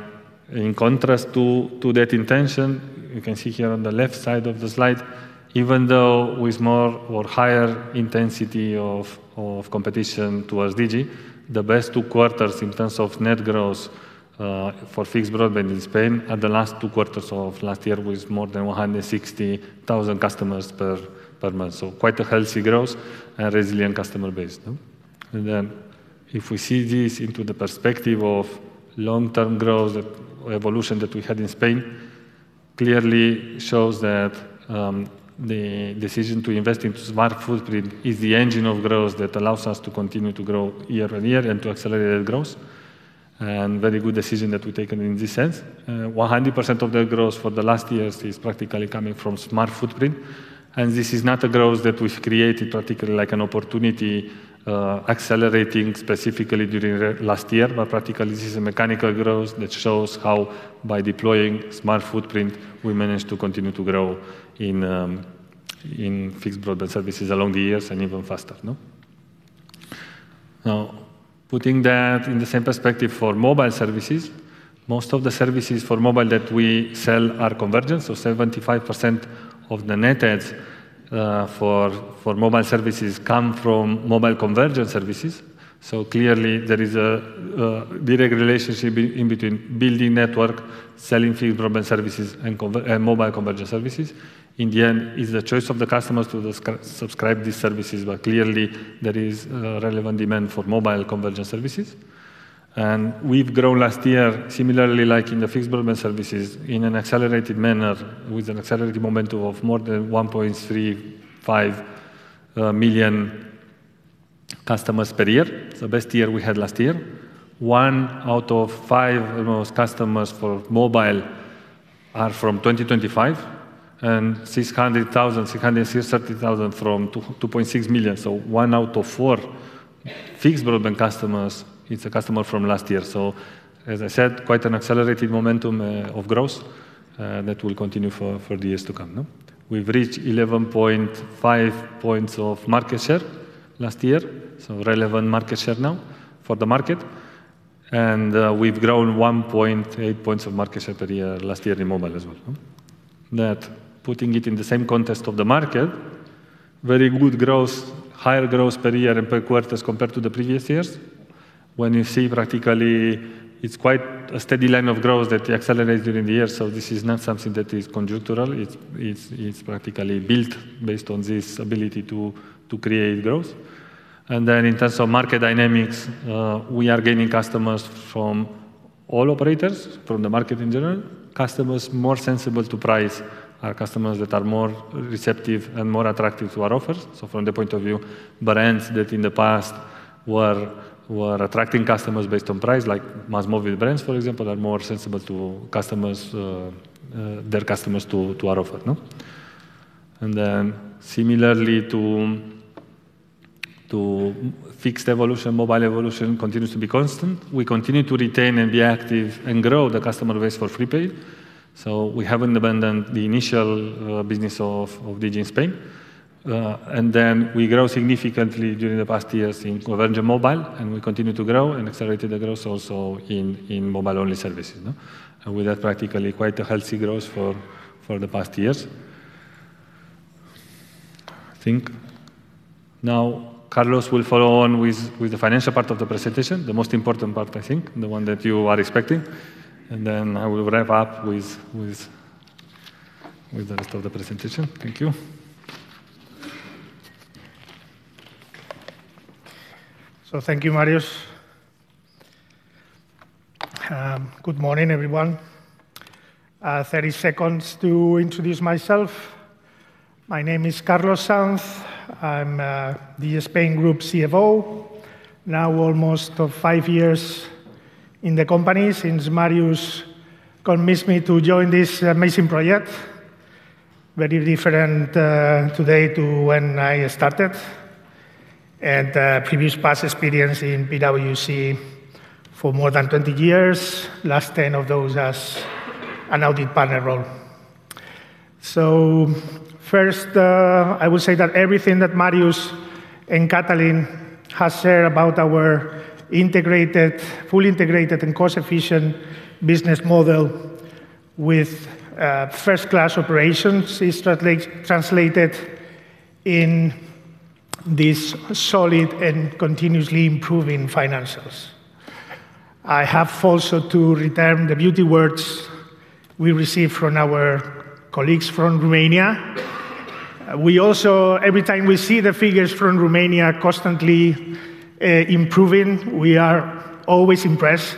Speaker 5: In contrast to that intention, you can see here on the left side of the slide, even though with more or higher intensity of competition towards Digi, the best two quarters in terms of net growth for fixed broadband in Spain are the last two quarters of last year with more than 160,000 customers per month. Quite a healthy growth and resilient customer base, no? If we see this into the perspective of long-term growth evolution that we had in Spain, clearly shows that the decision to invest into SMART footprint is the engine of growth that allows us to continue to grow year-on-year and to accelerate that growth. Very good decision that we've taken in this sense. 100% of that growth for the last years is practically coming from SMART footprint. This is not a growth that we've created practically like an opportunity, accelerating specifically during last year. Practically this is a mechanical growth that shows how by deploying SMART footprint, we managed to continue to grow in fixed broadband services along the years and even faster, no. Putting that in the same perspective for mobile services, most of the services for mobile that we sell are convergent. 75% of the net adds for mobile services come from mobile convergent services. Clearly there is a direct relationship in between building network, selling fixed broadband services and mobile convergent services. In the end, it's the choice of the customers to subscribe these services. Clearly there is a relevant demand for mobile convergent services. We've grown last year similarly like in the fixed broadband services in an accelerated manner with an accelerated momentum of more than 1.35 million customers per year. It's the best year we had last year. One out of five almost customers for mobile are from 2025 and 660,000 from 2.6 million. One out of four fixed broadband customers is a customer from last year. As I said, quite an accelerated momentum of growth that will continue for the years to come, no. We've reached 11.5 points of market share last year. Relevant market share now for the market. We've grown 1.8 points of market share per year last year in mobile as well. That putting it in the same context of the market, very good growth, higher growth per year and per quarter as compared to the previous years. When you see, practically, it's quite a steady line of growth that accelerates during the year. This is not something that is conjunctural. It's practically built based on this ability to create growth. In terms of market dynamics, we are gaining customers from all operators, from the market in general. Customers more sensible to price are customers that are more receptive and more attractive to our offers. From the point of view, brands that in the past were attracting customers based on price, like MásMóvil brands, for example, are more sensible to customers, their customers to our offer, no? Similarly to fixed evolution, mobile evolution continues to be constant. We continue to retain and be active and grow the customer base for prepaid. We haven't abandoned the initial business of Digi Spain. We grow significantly during the past years in convergent mobile, and we continue to grow and accelerated the growth also in mobile-only services, no? With that practically quite a healthy growth for the past years. I think. Carlos will follow on with the financial part of the presentation, the most important part, I think, the one that you are expecting. I will wrap up with the rest of the presentation. Thank you.
Speaker 7: Thank you, Marius. Good morning, everyone. 30 seconds to introduce myself. My name is Carlos Sanz. I'm the Spain Group CFO. Now almost five years in the company since Marius convinced me to join this amazing project. Very different today to when I started. Previous past experience in PwC for more than 20 years, last 10 of those as an audit partner role. First, I will say that everything that Marius and Catalin has shared about our integrated, fully integrated and cost-efficient business model with first-class operations is translated in this solid and continuously improving financials. I have also to return the beauty words we receive from our colleagues from Romania. We also, every time we see the figures from Romania constantly improving, we are always impressed.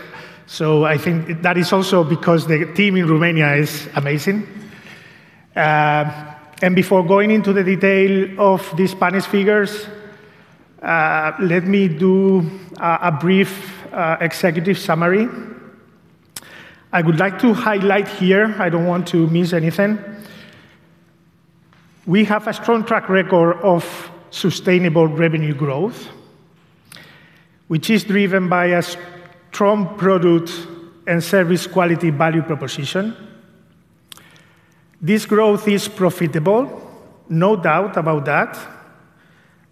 Speaker 7: I think that is also because the team in Romania is amazing. Before going into the detail of the Spanish figures, let me do a brief executive summary. I would like to highlight here, I don't want to miss anything. We have a strong track record of sustainable revenue growth, which is driven by a strong product and service quality value proposition. This growth is profitable, no doubt about that,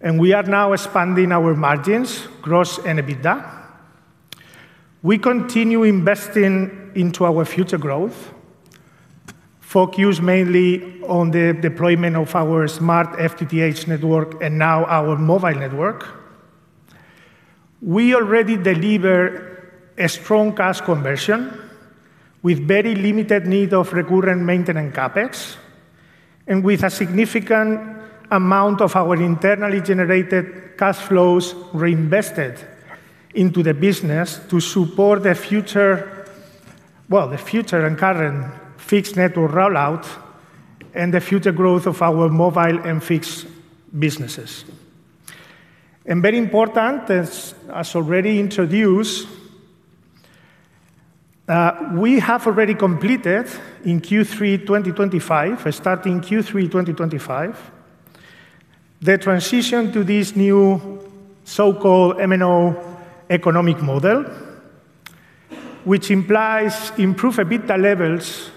Speaker 7: and we are now expanding our margins, gross and EBITDA. We continue investing into our future growth, focused mainly on the deployment of our SMART FTTH network and now our mobile network. We already deliver a strong cash conversion with very limited need of recurrent maintenance CapEx, and with a significant amount of our internally generated cash flows reinvested into the business to support the future, well, the future and current fixed network rollout and the future growth of our mobile and fixed businesses. Very important, as already introduced, we have already completed in Q3 2025, starting Q3 2025, the transition to this new so-called MNO economic model, which implies improved EBITDA levels,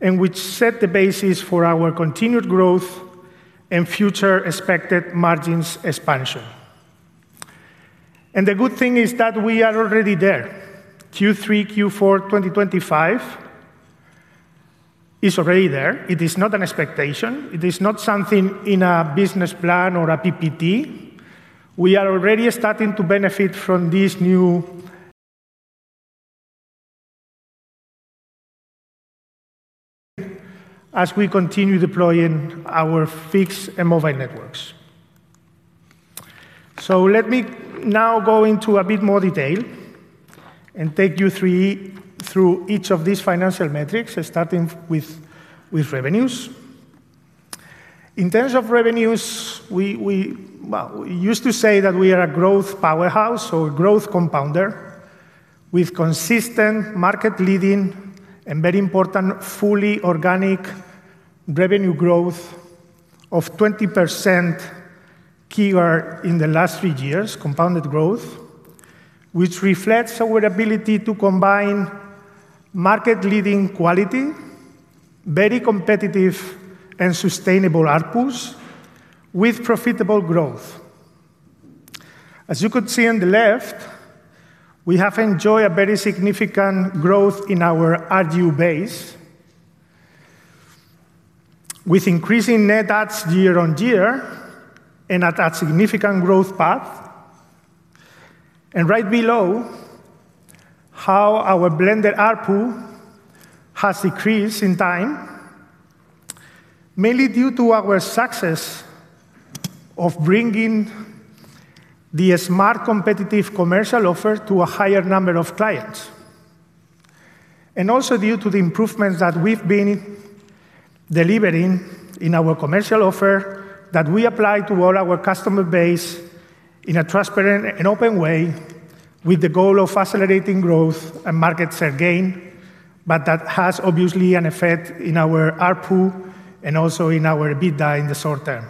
Speaker 7: and which set the basis for our continued growth and future expected margins expansion. The good thing is that we are already there. Q3, Q4 2025 is already there. It is not an expectation. It is not something in a business plan or a PPT. We are already starting to benefit from this new as we continue deploying our fixed and mobile networks. Let me now go into a bit more detail and take you three through each of these financial metrics, starting with revenues. In terms of revenues, we, well, we used to say that we are a growth powerhouse or growth compounder with consistent market leading and, very important, fully organic revenue growth of 20% CAGR in the last three years, compounded growth, which reflects our ability to combine market leading quality, very competitive and sustainable ARPUs with profitable growth. As you could see on the left, we have enjoyed a very significant growth in our RGU base with increasing net adds year-on-year and at a significant growth path. Right below, how our blended ARPU has increased in time, mainly due to our success of bringing the SMART competitive commercial offer to a higher number of clients. Also, due to the improvements that we've been delivering in our commercial offer that we apply to all our customer base in a transparent and open way with the goal of accelerating growth and market share gain, but that has obviously an effect in our ARPU and also in our EBITDA in the short term.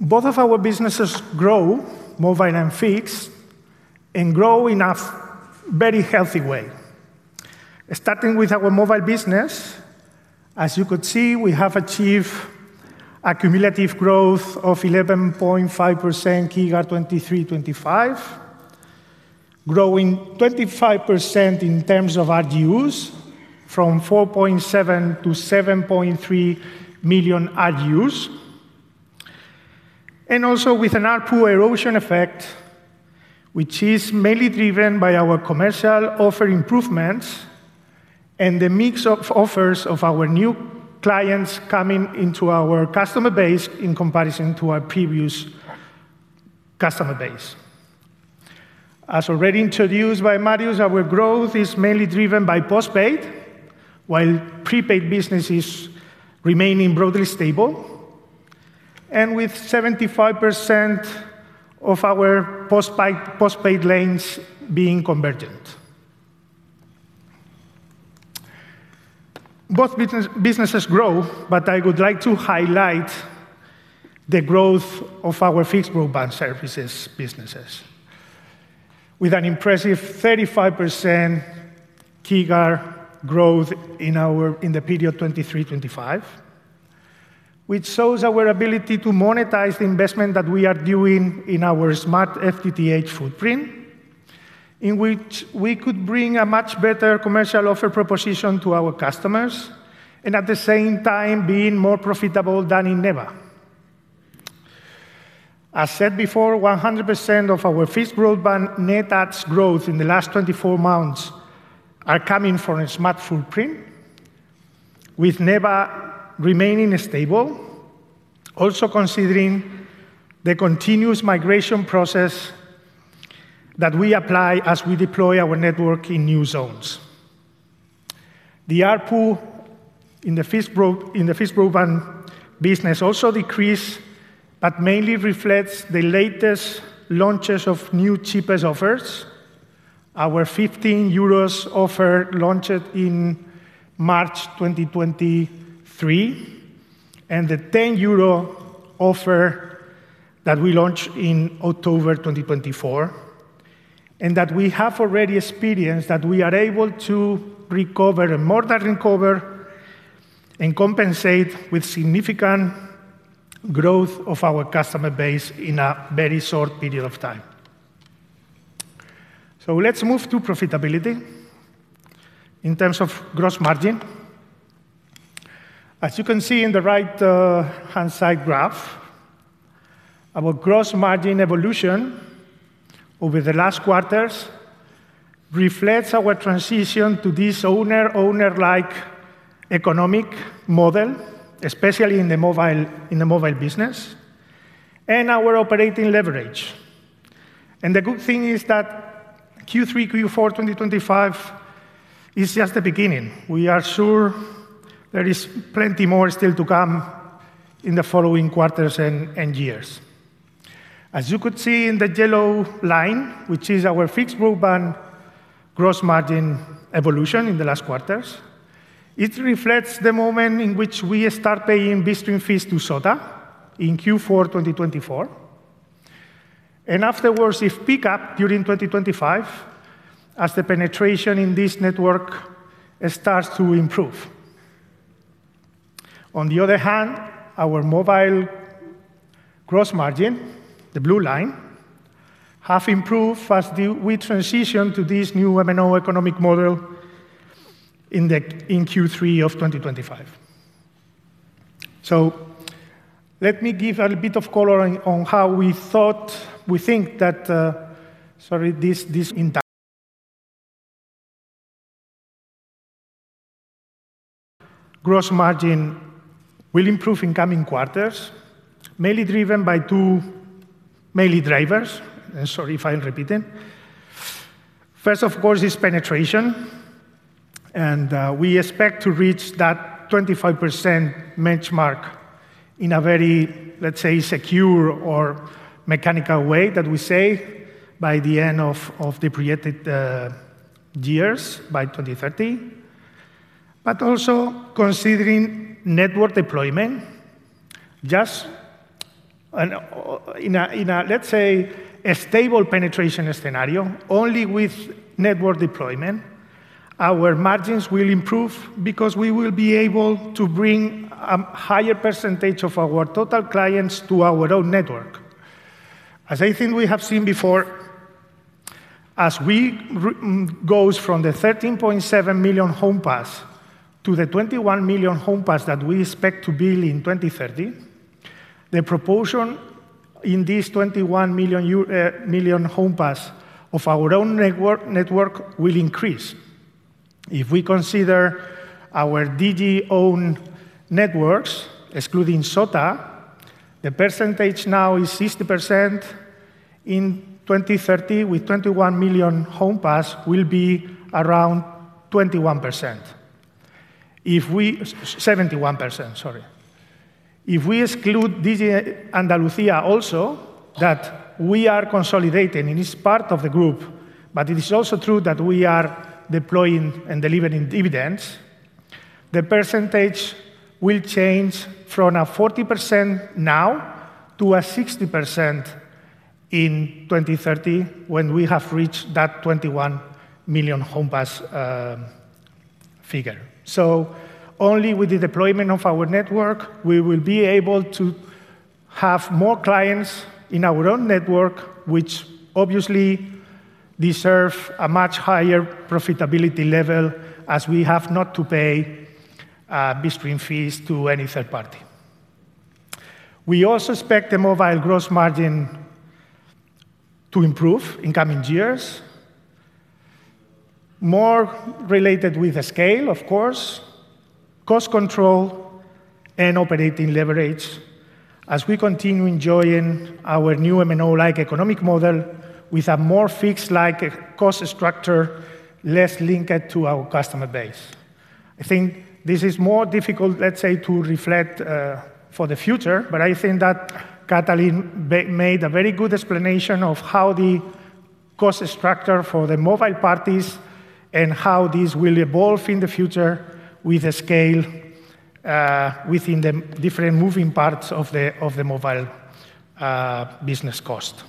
Speaker 7: Both of our businesses grow, mobile and fixed, and grow in a very healthy way. Starting with our mobile business, as you could see, we have achieved a cumulative growth of 11.5% CAGR 2023-2025, growing 25% in terms of RGUs from 4.7 million to 7.3 million RGUs. Also with an ARPU erosion effect, which is mainly driven by our commercial offer improvements and the mix of offers of our new clients coming into our customer base in comparison to our previous customer base. As already introduced by Marius, our growth is mainly driven by postpaid, while prepaid business is remaining broadly stable and with 75% of our postpaid lanes being convergent. Both businesses grow, but I would like to highlight the growth of our fixed broadband services businesses with an impressive 35% CAGR growth in the period 2023-2025, which shows our ability to monetize the investment that we are doing in our SMART FTTH footprint, in which we could bring a much better commercial offer proposition to our customers and at the same time being more profitable than in NEBA. As said before, 100% of our fixed broadband net adds growth in the last 24 months are coming from a SMART footprint, with NEBA remaining stable. Also considering the continuous migration process that we apply as we deploy our network in new zones. The ARPU in the fixed broadband business also decrease but mainly reflects the latest launches of new cheapest offers. Our 15 euros offer launched in March 2023, and the 10 euro offer that we launched in October 2024, and that we have already experienced that we are able to recover, and more than recover, and compensate with significant growth of our customer base in a very short period of time. Let's move to profitability in terms of gross margin. As you can see in the right-hand side graph, our gross margin evolution over the last quarters reflects our transition to this owner-like economic model, especially in the mobile business, and our operating leverage. The good thing is that Q3, Q4 2025 is just the beginning. We are sure there is plenty more still to come in the following quarters and years. As you could see in the yellow line, which is our fixed broadband gross margin evolution in the last quarters, it reflects the moment in which we start paying bitstream fees to SOTA in Q4 2024. Afterwards, it pick up during 2025 as the penetration in this network starts to improve. On the other hand, our mobile gross margin, the blue line, have improved as we transition to this new MNO economic model in Q3 of 2025. Let me give a little bit of color on how we think that, sorry, this entire gross margin will improve in coming quarters, mainly driven by two mainly drivers. Sorry if I'm repeating. First, of course, is penetration, and we expect to reach that 25% benchmark in a very, let's say, secure or mechanical way that we say by the end of the projected years, by 2030. Also considering network deployment, just, let's say, a stable penetration scenario, only with network deployment, our margins will improve because we will be able to bring a higher percentage of our total clients to our own network. As I think we have seen before, as we goes from the 13.7 million homes passed to the 21 million homes passed that we expect to build in 2030, the proportion in these 21 million homes passed of our own network will increase. If we consider our Digi own networks, excluding SOTA, the percentage now is 60%. In 2030, with 21 million homes passed will be around 21%. 71%, sorry. If we exclude Digi Andalucía also, that we are consolidating and it's part of the group, but it is also true that we are deploying and delivering dividends. The percentage will change from a 40% now to a 60% in 2030 when we have reached that 21 million homes passed figure. Only with the deployment of our network, we will be able to have more clients in our own network, which obviously deserve a much higher profitability level as we have not to pay between fees to any third party. We also expect the mobile gross margin to improve in coming years. More related with the scale, of course, cost control and operating leverage as we continue enjoying our new MNO-like economic model with a more fixed like cost structure, less linked to our customer base. I think this is more difficult, let's say, to reflect for the future, but I think that Catalin made a very good explanation of how the cost structure for the mobile parties and how this will evolve in the future with the scale within the different moving parts of the mobile business cost.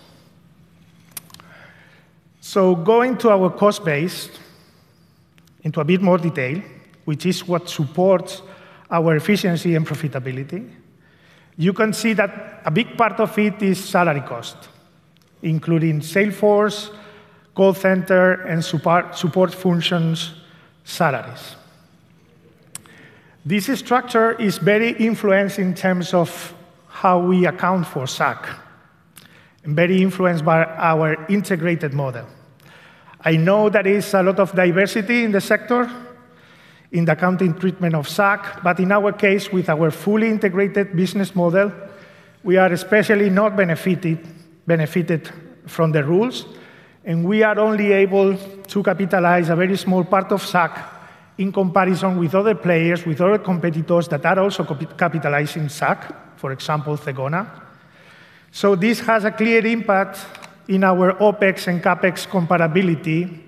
Speaker 7: Going to our cost base into a bit more detail, which is what supports our efficiency and profitability. You can see that a big part of it is salary cost, including sales force, call center, and support functions salaries. This structure is very influenced in terms of how we account for SAC and very influenced by our integrated model. I know there is a lot of diversity in the sector in the accounting treatment of SAC, but in our case, with our fully integrated business model, we are especially not benefited from the rules, and we are only able to capitalize a very small part of SAC in comparison with other players, with other competitors that are also capitalizing SAC, for example, Zegona. This has a clear impact in our OpEx and CapEx comparability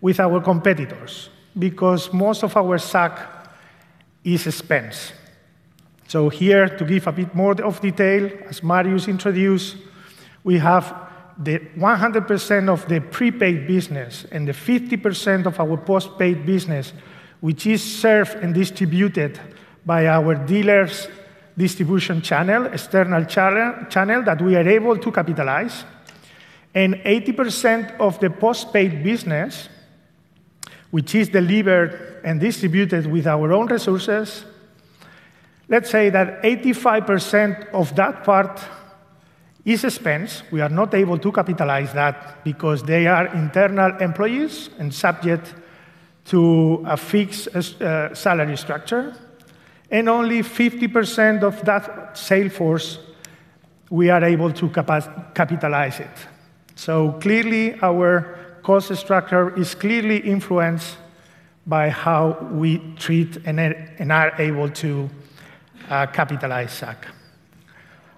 Speaker 7: with our competitors because most of our SAC is expense. Here to give a bit more of detail, as Marius introduced, we have the 100% of the prepaid business and the 50% of our postpaid business, which is served and distributed by our dealers' distribution channel, external channel that we are able to capitalize. Eighty percent of the postpaid business, which is delivered and distributed with our own resources, let's say that 85% of that part is expense. We are not able to capitalize that because they are internal employees and subject to a fixed salary structure. Only 50% of that sales force, we are able to capitalize it. Clearly, our cost structure is clearly influenced by how we treat and are, and are able to, capitalize SAC.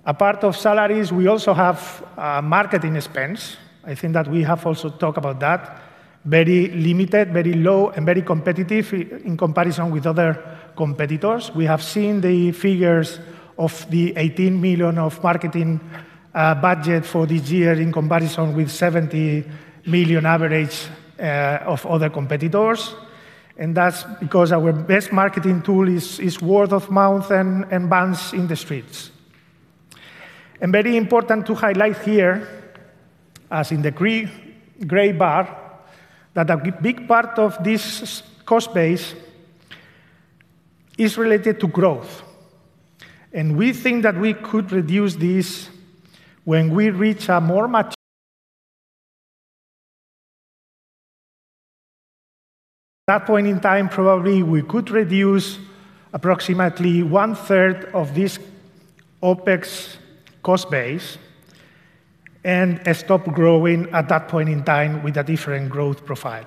Speaker 7: Apart of salaries, we also have marketing expense. I think that we have also talked about that. Very limited, very low and very competitive in comparison with other competitors. We have seen the figures of the 80 million of marketing budget for this year in comparison with 70 million average of other competitors. That's because our best marketing tool is word of mouth and vans in the streets. Very important to highlight here, as in the gray bar, that a big part of this cost base is related to growth. We think that we could reduce this. At that point in time, probably we could reduce approximately one third of this OpEx cost base and stop growing at that point in time with a different growth profile.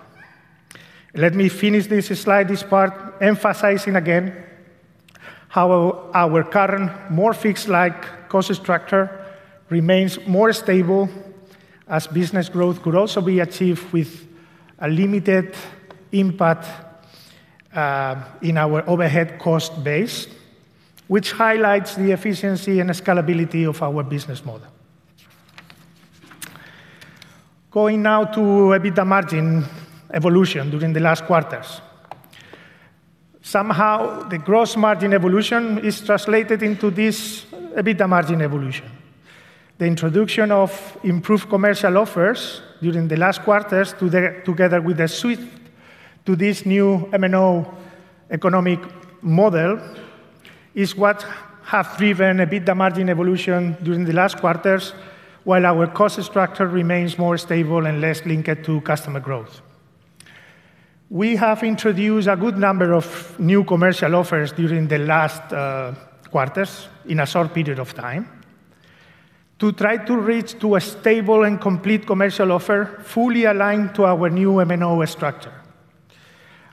Speaker 7: Let me finish this slide, this part, emphasizing again how our current more fixed like cost structure remains more stable as business growth could also be achieved with a limited impact in our overhead cost base, which highlights the efficiency and scalability of our business model. Going now to EBITDA margin evolution during the last quarters. Somehow, the gross margin evolution is translated into this EBITDA margin evolution. The introduction of improved commercial offers during the last quarters together with the switch to this new MNO economic model is what have driven EBITDA margin evolution during the last quarters, while our cost structure remains more stable and less linked to customer growth. We have introduced a good number of new commercial offers during the last quarters in a short period of time to try to reach to a stable and complete commercial offer fully aligned to our new MNO structure.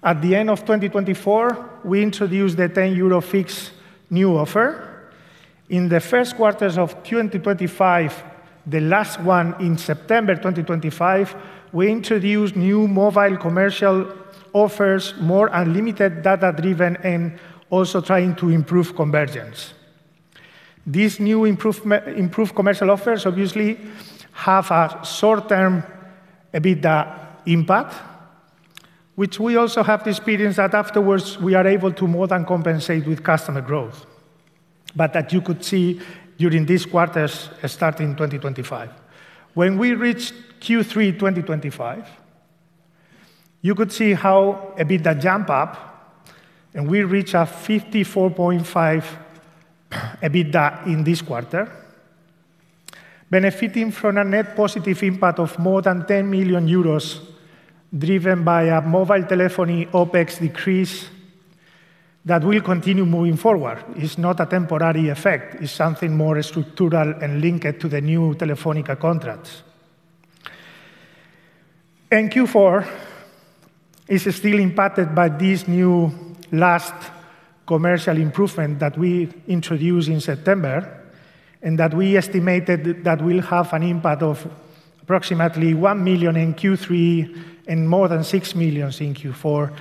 Speaker 7: At the end of 2024, we introduced the 10 euro fixed new offer. In the first quarters of 2025, the last one in September 2025, we introduced new mobile commercial offers, more unlimited data-driven and also trying to improve convergence. These new improved commercial offers obviously have a short-term EBITDA impact, which we also have the experience that afterwards we are able to more than compensate with customer growth. That you could see during these quarters starting 2025. When we reached Q3 2025, you could see how EBITDA jump up and we reach a 54.5 EBITDA in this quarter, benefiting from a net positive impact of more than 10 million euros driven by a mobile telephony OpEx decrease that will continue moving forward. It's not a temporary effect. It's something more structural and linked to the new Telefónica contracts. Q4 is still impacted by this new last commercial improvement that we introduced in September and that we estimated that will have an impact of approximately 1 million in Q3 and more than 6 millions in Q4.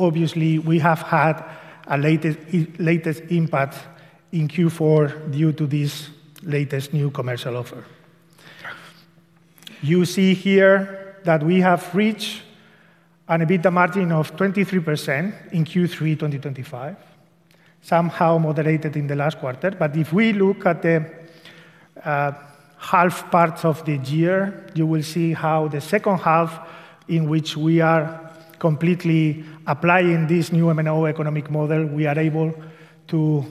Speaker 7: Obviously we have had a latest impact in Q4 due to this latest new commercial offer. You see here that we have reached an EBITDA margin of 23% in Q3 2025, somehow moderated in the last quarter. If we look at the half parts of the year, you will see how the second half in which we are completely applying this new MNO economic model, we are able to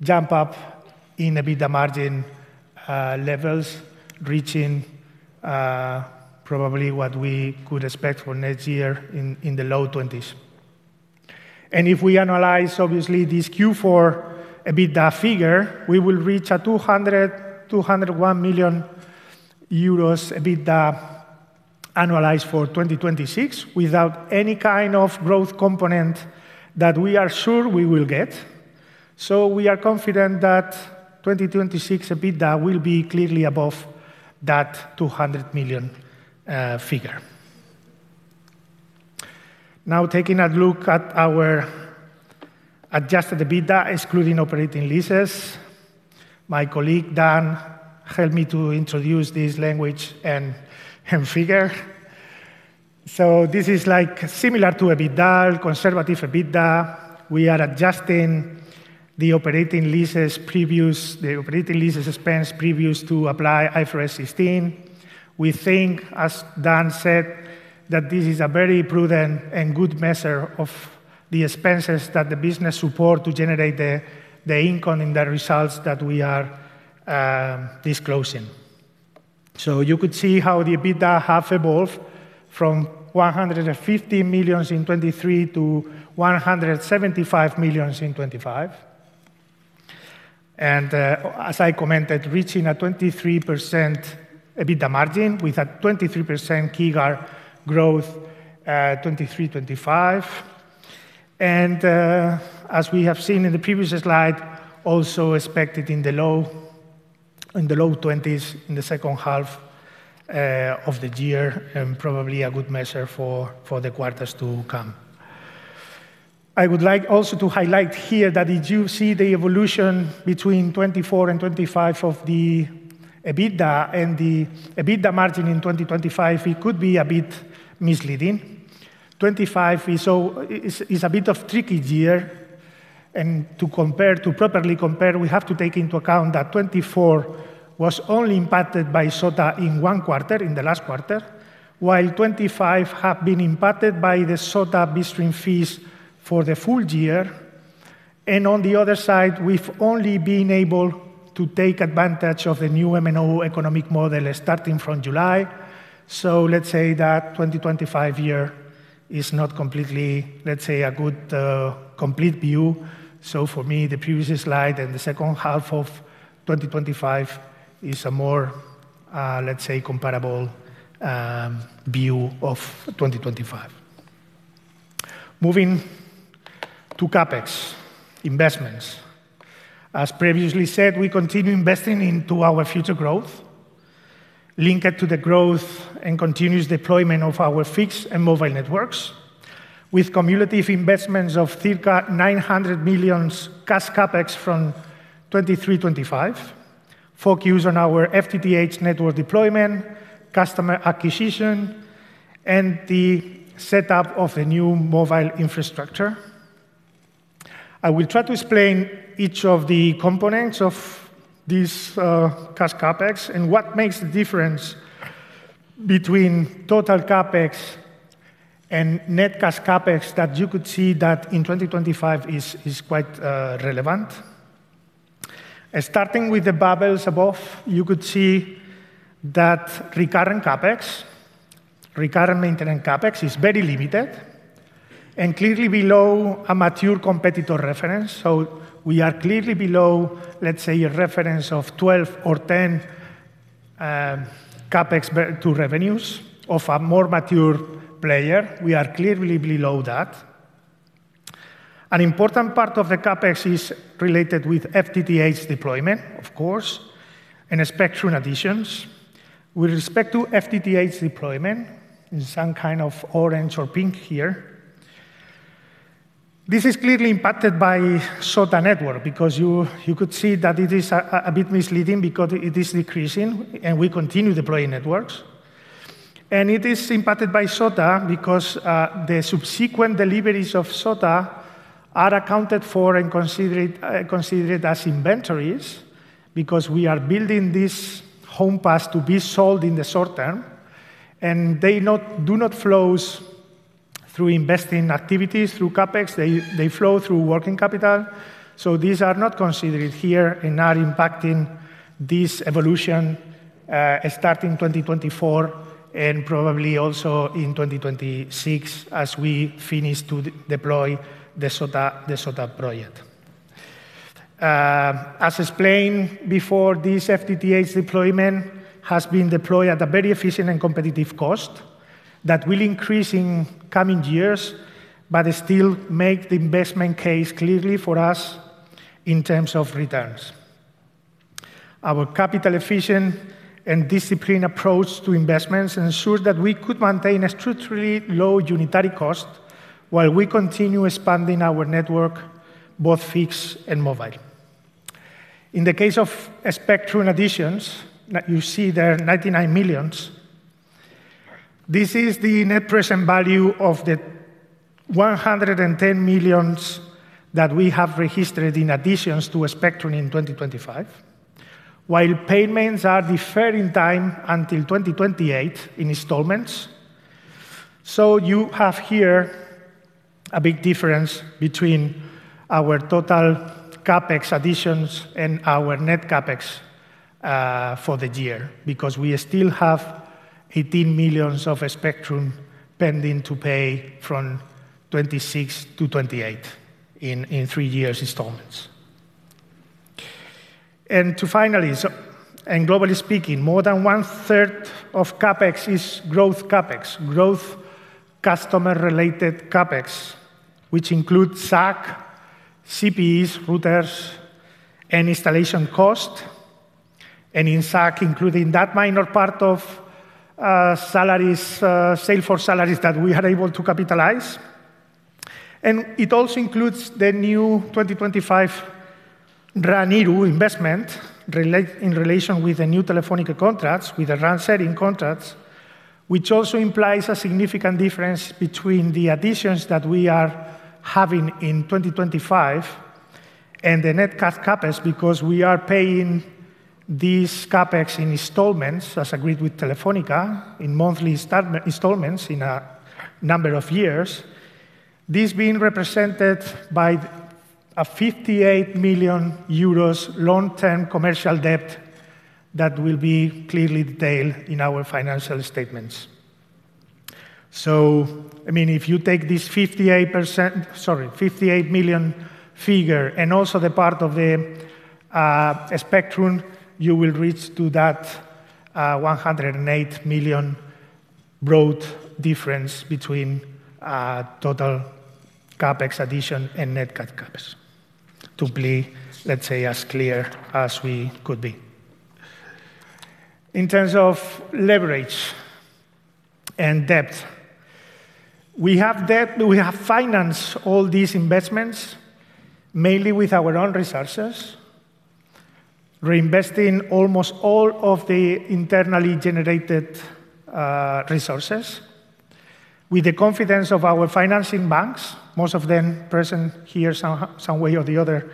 Speaker 7: jump up in EBITDA margin levels reaching probably what we could expect for next year in the low 20s. If we analyze obviously this Q4 EBITDA figure, we will reach 201 million euros EBITDA annualized for 2026 without any kind of growth component that we are sure we will get. We are confident that 2026 EBITDA will be clearly above that 200 million figure. Taking a look at our adjusted EBITDA excluding operating leases. My colleague Dan helped me to introduce this language and figure. This is like similar to EBITDA, conservative EBITDA. We are adjusting the operating leases expense previous to apply IFRS 16. We think, as Dan said, that this is a very prudent and good measure of the expenses that the business support to generate the income and the results that we are disclosing. You could see how the EBITDA have evolved from 150 million in 2023 to 175 million in 2025. As I commented, reaching a 23% EBITDA margin with a 23% CAGR growth, 2023-2025. As we have seen in the previous slide, also expected in the low 20s in the second half of the year and probably a good measure for the quarters to come. I would like also to highlight here that if you see the evolution between 2024 and 2025 of the EBITDA and the EBITDA margin in 2025, it could be a bit misleading. 2025 is a bit of tricky year and to compare, to properly compare, we have to take into account that 2024 was only impacted by SOTA in one quarter, in the last quarter, while 2025 have been impacted by the SOTA bitstream fees for the full year. On the other side, we've only been able to take advantage of the new MNO economic model starting from July. Let's say that 2025 year is not completely, let's say, a good, complete view. For me, the previous slide and the second half of 2025 is a more, let's say, comparable view of 2025. Moving to CapEx, investments. As previously said, we continue investing into our future growth, linked to the growth and continuous deployment of our fixed and mobile networks with cumulative investments of circa 900 million cash CapEx from 2023-2025 focused on our FTTH network deployment, customer acquisition and the setup of a new mobile infrastructure. I will try to explain each of the components of this cash CapEx and what makes the difference between total CapEx and net cash CapEx that you could see that in 2025 is quite relevant. Starting with the bubbles above, you could see that recurrent CapEx, recurrent maintenance CapEx is very limited and clearly below a mature competitor reference. We are clearly below, let's say, a reference of 12 or 10 CapEx compared to revenues of a more mature player. We are clearly below that. An important part of the CapEx is related with FTTH deployment, of course, and spectrum additions. With respect to FTTH deployment, in some kind of orange or pink here, this is clearly impacted by SOTA network because you could see that it is a bit misleading because it is decreasing and we continue deploying networks. It is impacted by SOTA because the subsequent deliveries of SOTA are accounted for and considered as inventories because we are building this homes passed to be sold in the short term, and they do not flows through investing activities, through CapEx. They flow through working capital, so these are not considered here and are impacting this evolution, starting 2024 and probably also in 2026 as we finish to deploy the SOTA project. As explained before, this FTTH deployment has been deployed at a very efficient and competitive cost that will increase in coming years, but it still make the investment case clearly for us in terms of returns. Our capital efficient and disciplined approach to investments ensure that we could maintain a structurally low unitary cost while we continue expanding our network, both fixed and mobile. In the case of spectrum additions, like you see there, 99 million, this is the net present value of the 110 million that we have registered in additions to a spectrum in 2025, while payments are deferred in time until 2028 in installments. You have here a big difference between our total CapEx additions and our net CapEx for the year because we still have 18 million of spectrum pending to pay from 2026-2028 in three years installments. Globally speaking, more than one-third of CapEx is growth CapEx, growth customer-related CapEx, which includes SAC, CPEs, routers, and installation cost. In SAC, including that minor part of salaries, sale for salaries that we are able to capitalize. It also includes the new 2025 RAN IRU investment in relation with the new Telefónica contracts, with the RAN sharing contracts, which also implies a significant difference between the additions that we are having in 2025 and the net CapEx because we are paying this CapEx in installments as agreed with Telefónica in monthly installments in a number of years. This being represented by a 58 million euros long-term commercial debt that will be clearly detailed in our financial statements. I mean, if you take this 58 million figure and also the part of the spectrum, you will reach to that 108 million broad difference between total CapEx addition and net CapEx to be, let's say, as clear as we could be. In terms of leverage and debt, we have debt. We have financed all these investments mainly with our own resources, reinvesting almost all of the internally generated resources with the confidence of our financing banks, most of them present here some way or the other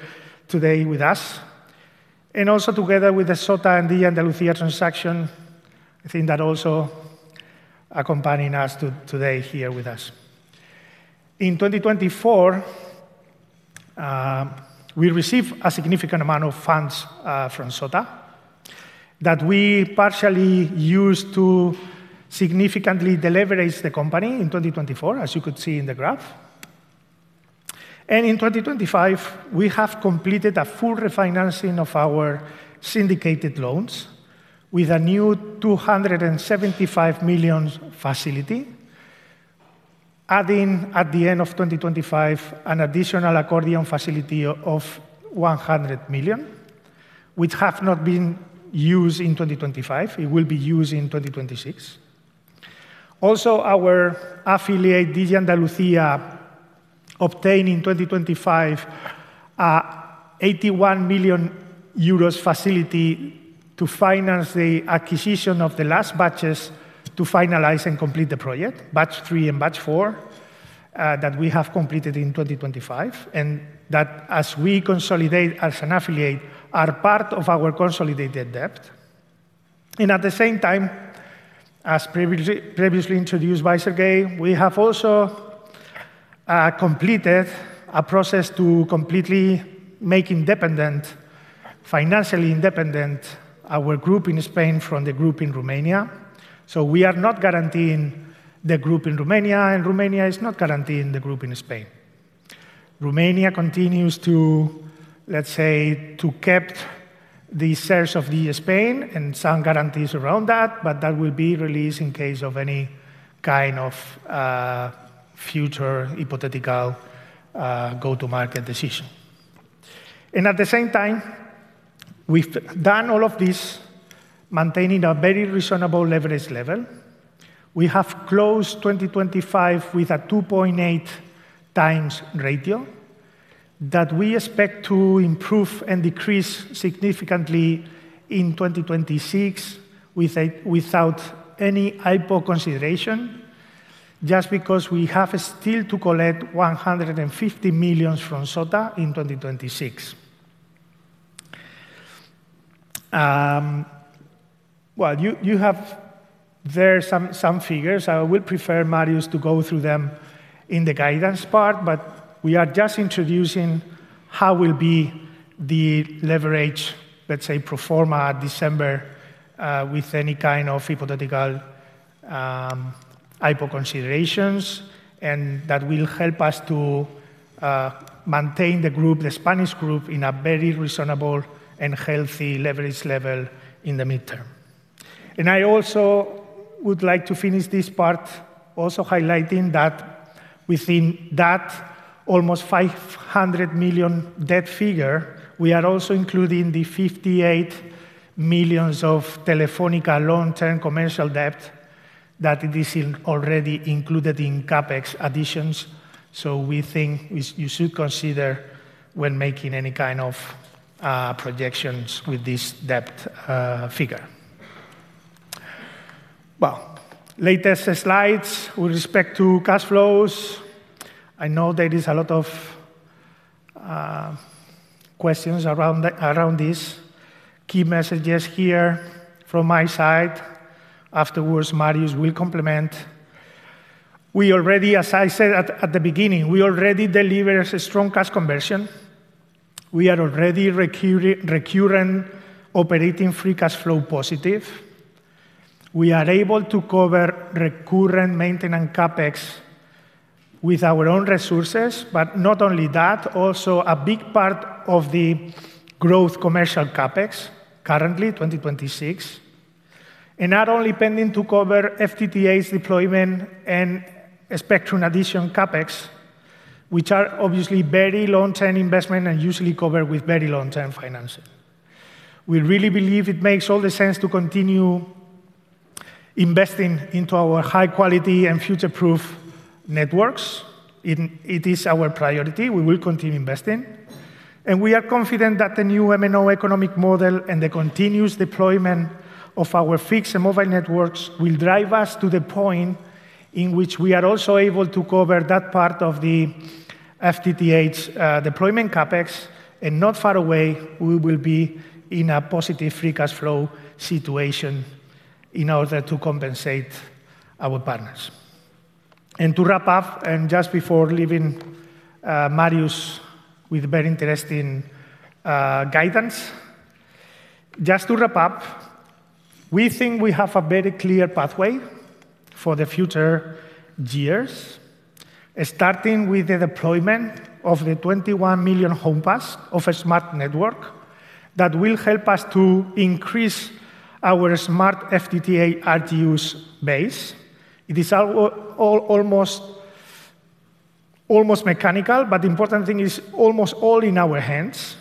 Speaker 7: today with us, also together with the SOTA and the Andalucía transaction, I think that also accompanying us today here with us. In 2024, we received a significant amount of funds from SOTA that we partially used to significantly deleverage the company in 2024, as you could see in the graph. In 2025, we have completed a full refinancing of our syndicated loans with a new 275 million facility, adding at the end of 2025 an additional accordion facility of 100 million, which have not been used in 2025. It will be used in 2026. Also, our affiliate, Digi Andalucía, obtained in 2025 a 81 million euros facility to finance the acquisition of the last batches to finalize and complete the project, batch three and batch four, that we have completed in 2025, and that, as we consolidate as an affiliate, are part of our consolidated debt. At the same time, as previously introduced by Serghei, we have also completed a process to completely make independent, financially independent Digi Spain from Digi Communications. We are not guaranteeing Digi Communications, and Digi Communications is not guaranteeing Digi Spain. Romania continues to, let's say to kept the shares of Digi Spain and some guarantees around that, but that will be released in case of any kind of future hypothetical go-to-market decision. At the same time, we've done all of this maintaining a very reasonable leverage level. We have closed 2025 with a 2.8x ratio that we expect to improve and decrease significantly in 2026 without any IPO consideration just because we have still to collect 150 million from SOTA in 2026. Well, you have there some figures. I will prefer Marius to go through them in the guidance part. We are just introducing how will be the leverage, let's say, pro forma December, with any kind of hypothetical IPO considerations, that will help us to maintain the group, the Spanish group, in a very reasonable and healthy leverage level in the midterm. I also would like to finish this part also highlighting that within that almost 500 million debt figure, we are also including the 58 million of Telefónica long-term commercial debt that is already included in CapEx additions. We think you should consider when making any kind of projections with this debt figure. Well, latest slides with respect to cash flows. I know there is a lot of questions around this. Key messages here from my side. Afterwards, Marius will complement. We already, as I said at the beginning, we already deliver strong cash conversion. We are already recurrent operating free cash flow positive. We are able to cover recurrent maintenance CapEx with our own resources, but not only that, also a big part of the growth commercial CapEx currently, 2026. Not only pending to cover FTTH deployment and spectrum addition CapEx, which are obviously very long-term investment and usually covered with very long-term financing. We really believe it makes all the sense to continue investing into our high quality and future-proof networks. It is our priority. We will continue investing. We are confident that the new MNO economic model and the continuous deployment of our fixed mobile networks will drive us to the point in which we are also able to cover that part of the FTTH deployment CapEx, and not far away we will be in a positive free cash flow situation in order to compensate our partners. To wrap up, and just before leaving Marius with very interesting guidance. Just to wrap up, we think we have a very clear pathway for the future years, starting with the deployment of the 21 million homes passed of a SMART network that will help us to increase our SMART FTTH RGUs base. It is all almost mechanical, but important thing is almost all in our hands.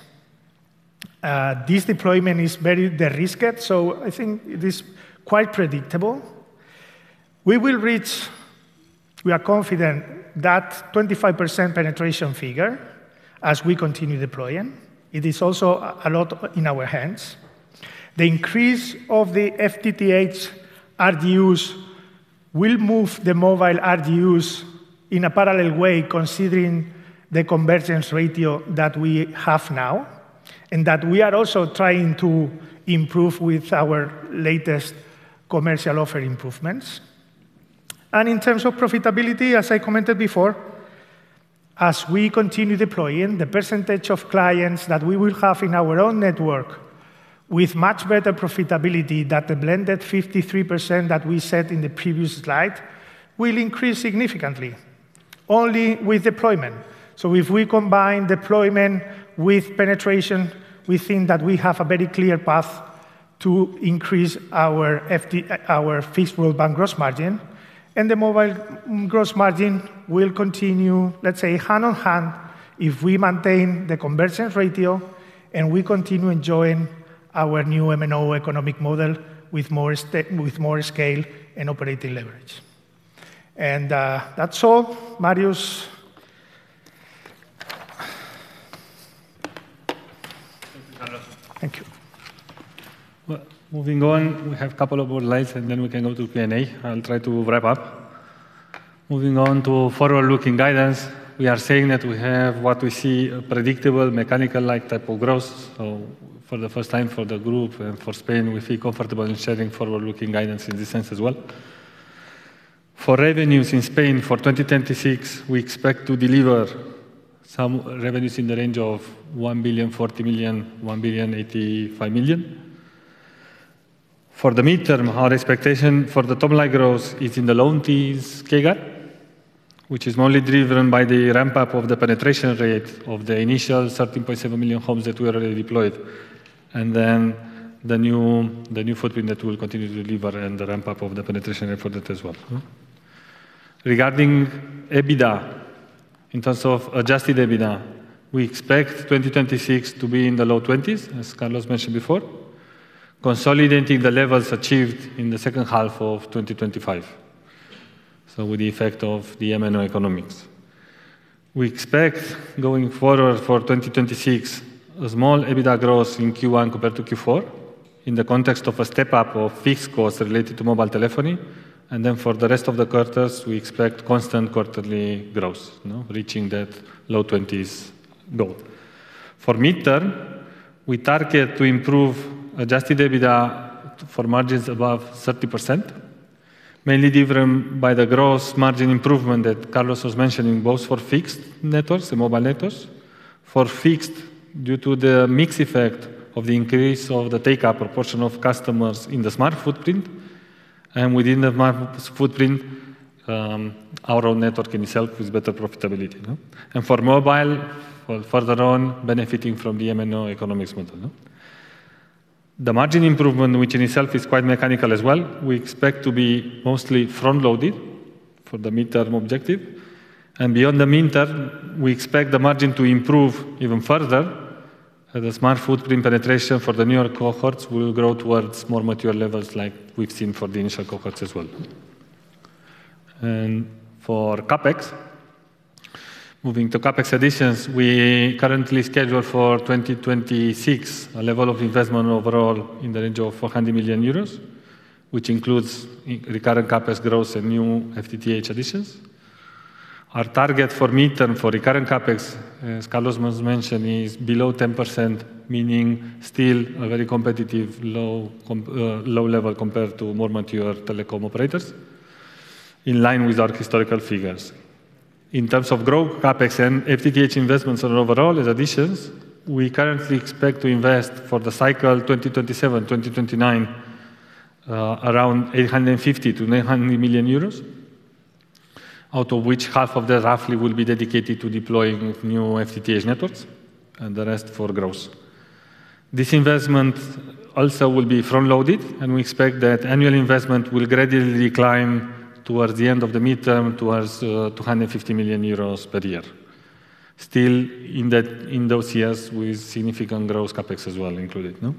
Speaker 7: This deployment is very de-risked, so I think it is quite predictable. We will reach, we are confident, that 25% penetration figure as we continue deploying. It is also a lot in our hands. The increase of the FTTH RGUs will move the mobile RGUs in a parallel way considering the convergence ratio that we have now, and that we are also trying to improve with our latest commercial offer improvements. In terms of profitability, as I commented before, as we continue deploying, the percentage of clients that we will have in our own network with much better profitability that the blended 53% that we said in the previous slide will increase significantly only with deployment. If we combine deployment with penetration, we think that we have a very clear path to increase our fixed broadband gross margin, and the mobile gross margin will continue, let's say, hand on hand if we maintain the convergence ratio and we continue enjoying our new MNO economic model with more scale and operating leverage. That's all. Marius.
Speaker 5: Thank you, Carlos.
Speaker 7: Thank you.
Speaker 5: Moving on, we have couple of more slides, we can go to Q&A. I'll try to wrap up. Moving on to forward-looking guidance. We are saying that we have what we see a predictable mechanical-like type of growth. For the first time for the group and for Spain, we feel comfortable in sharing forward-looking guidance in this sense as well. For revenues in Spain for 2026, we expect to deliver some revenues in the range of 1,040 million-1,085 million. For the midterm, our expectation for the top-line growth is in the low teens CAGR, which is only driven by the ramp-up of the penetration rate of the initial 13.7 million homes that we already deployed. The new footprint that will continue to deliver and the ramp-up of the penetration rate for that as well, no? Regarding EBITDA, in terms of adjusted EBITDA, we expect 2026 to be in the low 20s, as Carlos mentioned before, consolidating the levels achieved in the second half of 2025, with the effect of the MNO economics. We expect going forward for 2026 a small EBITDA growth in Q1 compared to Q4 in the context of a step-up of fixed costs related to mobile telephony. For the rest of the quarters, we expect constant quarterly growth, no? Reaching that low 20s goal. For midterm, we target to improve adjusted EBITDA for margins above 30%, mainly driven by the gross margin improvement that Carlos was mentioning, both for fixed networks and mobile networks. For fixed, due to the mix effect of the increase of the take-up proportion of customers in the SMART footprint and within the SMART footprint, our own network in itself with better profitability, no? For mobile, for further on benefiting from the MNO economics model, no? The margin improvement, which in itself is quite mechanical as well, we expect to be mostly front-loaded for the midterm objective. Beyond the midterm, we expect the margin to improve even further as the SMART footprint penetration for the newer cohorts will grow towards more mature levels like we've seen for the initial cohorts as well. For CapEx, moving to CapEx additions, we currently schedule for 2026 a level of investment overall in the range of 400 million euros, which includes in recurrent CapEx growth and new FTTH additions. Our target for midterm for recurrent CapEx, as Carlos must mention, is below 10%, meaning still a very competitive low level compared to more mature telecom operators in line with our historical figures. In terms of growth CapEx and FTTH investments on overall as additions, we currently expect to invest for the cycle 2027, 2029, around 850 million-900 million euros, out of which half of that roughly will be dedicated to deploying new FTTH networks and the rest for growth. This investment also will be front-loaded. We expect that annual investment will gradually decline towards the end of the midterm, towards 250 million euros per year. Still in that, in those years with significant growth CapEx as well included, no?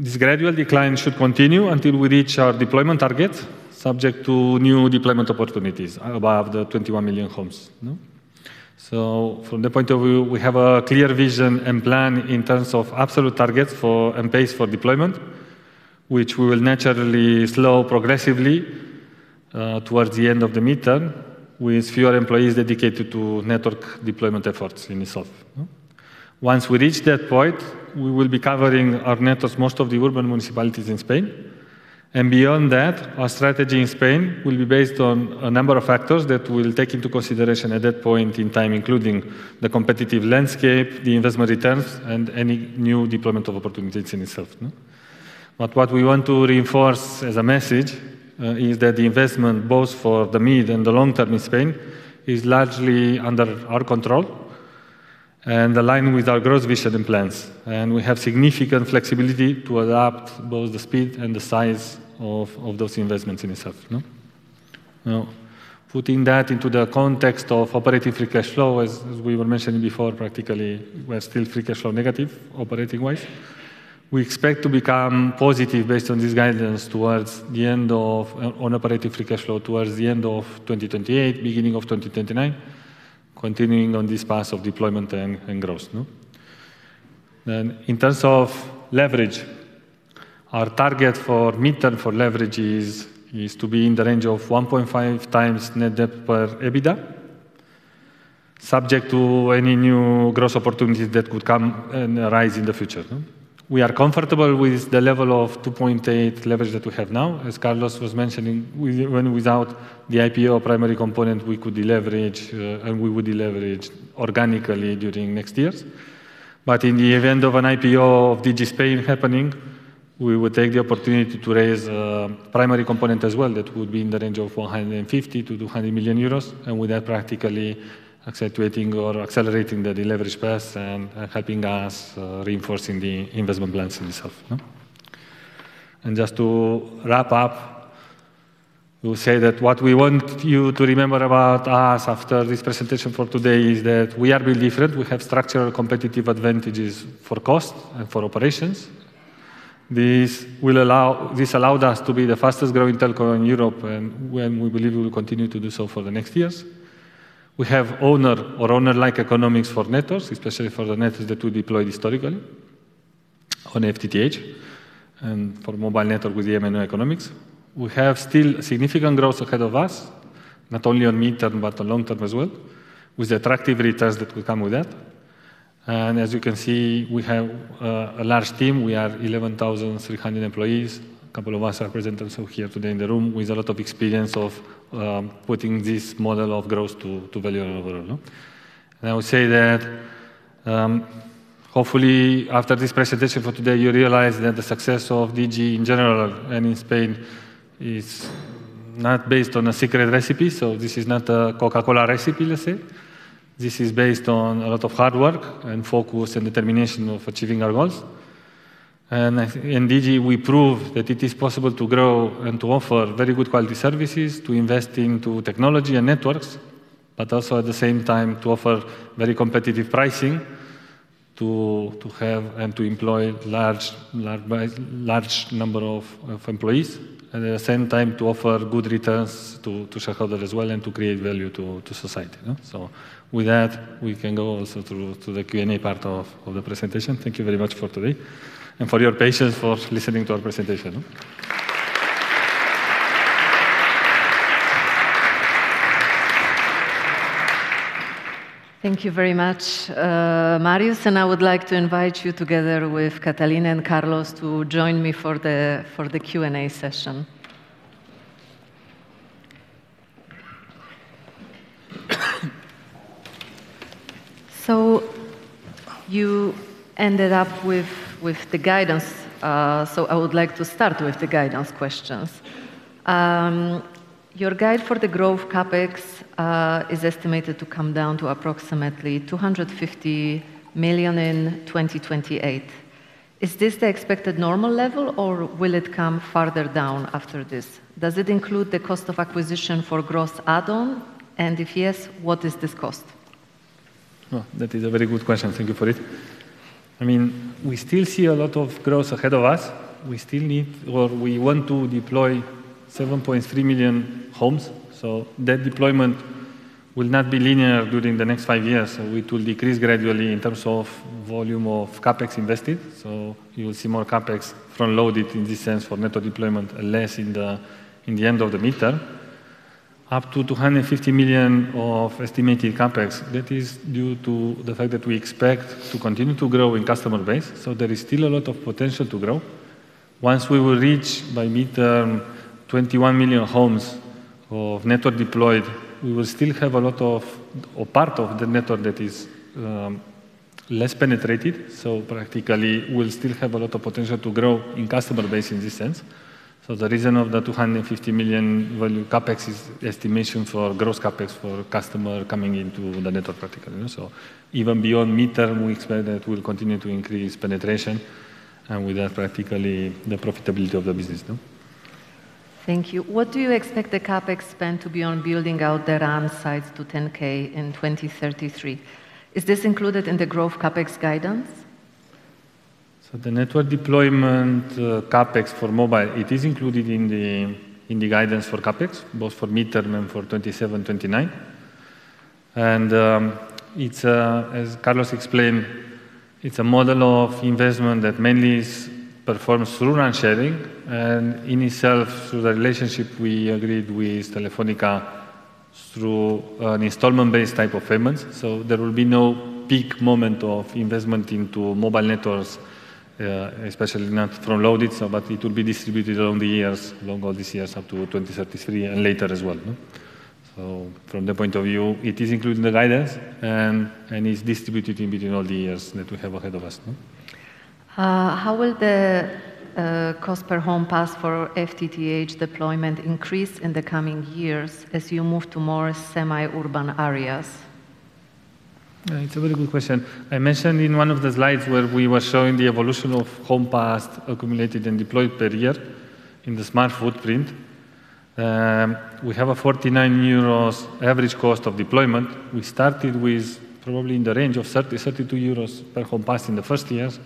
Speaker 5: This gradual decline should continue until we reach our deployment target, subject to new deployment opportunities above the 21 million homes, no? From the point of view, we have a clear vision and plan in terms of absolute targets for and pace for deployment, which we will naturally slow progressively towards the end of the midterm with fewer employees dedicated to network deployment efforts in itself, no? Once we reach that point, we will be covering our networks most of the urban municipalities in Spain. Beyond that, our strategy in Spain will be based on a number of factors that we'll take into consideration at that point in time, including the competitive landscape, the investment returns, and any new deployment of opportunities in itself, no? What we want to reinforce as a message, is that the investment both for the mid and the long term in Spain is largely under our control and aligned with our growth vision and plans. We have significant flexibility to adapt both the speed and the size of those investments in itself. Putting that into the context of operating free cash flow, as we were mentioning before, practically we're still free cash flow negative operating-wise. We expect to become positive based on this guidance on operating free cash flow towards the end of 2028, beginning of 2029, continuing on this path of deployment and growth. In terms of leverage, our target for midterm for leverage is to be in the range of 1.5x net debt per EBITDA, subject to any new growth opportunities that could come and arise in the future, no? We are comfortable with the level of 2.8 leverage that we have now. As Carlos was mentioning, with or without the IPO primary component, we could deleverage, and we would deleverage organically during next years. In the event of an IPO of Digi Spain happening, we would take the opportunity to raise primary component as well. That would be in the range of 150 million-200 million euros, and with that practically accentuating or accelerating the deleverage path and helping us reinforcing the investment plans in itself, no? Just to wrap up, we'll say that what we want you to remember about us after this presentation for today is that we are really different. We have structural competitive advantages for cost and for operations. This allowed us to be the fastest-growing telco in Europe, and we believe we will continue to do so for the next years. We have owner or owner-like economics for networks, especially for the networks that we deployed historically on FTTH and for mobile network with the MNO economics. We have still significant growth ahead of us, not only on midterm, but on long term as well, with the attractive returns that will come with that. As you can see, we have a large team. We are 11,300 employees. A couple of us are presenters who are here today in the room with a lot of experience of putting this model of growth to value and overall. I would say that hopefully after this presentation for today, you realize that the success of Digi in general and in Spain is not based on a secret recipe. This is not a Coca-Cola recipe, let's say. This is based on a lot of hard work and focus and determination of achieving our goals. In Digi, we prove that it is possible to grow and to offer very good quality services, to invest into technology and networks, but also at the same time to offer very competitive pricing to have and to employ large number of employees, at the same time to offer good returns to shareholders as well and to create value to society, you know? With that, we can go also through to the Q&A part of the presentation. Thank you very much for today and for your patience for listening to our presentation.
Speaker 1: Thank you very much, Marius. I would like to invite you together with Cătălin and Carlos to join me for the Q&A session. You ended up with the guidance. I would like to start with the guidance questions. Your guide for the growth CapEx is estimated to come down to approximately 250 million in 2028. Is this the expected normal level or will it come farther down after this? Does it include the cost of acquisition for growth add-on? If yes, what is this cost?
Speaker 5: Oh, that is a very good question. Thank you for it. I mean, we still see a lot of growth ahead of us. We still need or we want to deploy 7.3 million homes. That deployment will not be linear during the next five years. It will decrease gradually in terms of volume of CapEx invested. You will see more CapEx front-loaded in this sense for network deployment and less in the, in the end of the midterm. Up to 250 million of estimated CapEx, that is due to the fact that we expect to continue to grow in customer base. There is still a lot of potential to grow. Once we will reach by midterm 21 million homes of network deployed, we will still have a lot of or part of the network that is less penetrated. Practically, we'll still have a lot of potential to grow in customer base in this sense. The reason of the 250 million value CapEx is estimation for gross CapEx for customer coming into the network practically, you know. Even beyond midterm, we expect that we'll continue to increase penetration and with that practically the profitability of the business, no?
Speaker 1: Thank you. What do you expect the CapEx spend to be on building out the RAN sites to 10K in 2033? Is this included in the growth CapEx guidance?
Speaker 5: The network deployment CapEx for mobile, it is included in the guidance for CapEx, both for midterm and for 2027-2029. It's as Carlos explained, it's a model of investment that mainly is performed through RAN sharing and in itself through the relationship we agreed with Telefónica through an installment-based type of payments. There will be no peak moment of investment into mobile networks, especially not front-loaded, but it will be distributed over the years, longer these years up to 2033 and later as well, no? From that point of view, it is included in the guidance and is distributed in between all the years that we have ahead of us, no?
Speaker 1: How will the cost per homes passed for FTTH deployment increase in the coming years as you move to more semi-urban areas?
Speaker 5: It's a very good question. I mentioned in one of the slides where we were showing the evolution of homes passed accumulated and deployed per year in the SMART footprint. We have a 49 euros average cost of deployment. We started with probably in the range of 30-32 euros per homes passed in the first years.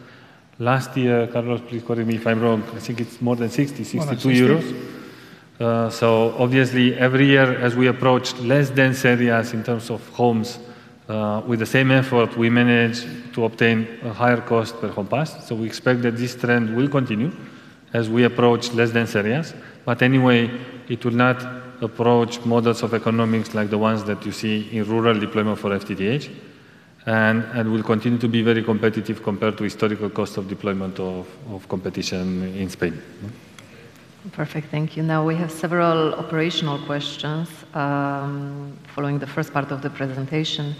Speaker 5: Last year, Carlos, please correct me if I'm wrong, I think it's more than 60-62 euros.
Speaker 7: More like 60.
Speaker 5: Obviously, every year as we approach less dense areas in terms of homes, with the same effort, we manage to obtain a higher cost per homes passed. We expect that this trend will continue as we approach less dense areas. Anyway, it will not approach models of economics like the ones that you see in rural deployment for FTTH, and will continue to be very competitive compared to historical cost of deployment of competition in Spain, no?
Speaker 1: Perfect. Thank you. We have several operational questions, following the first part of the presentation.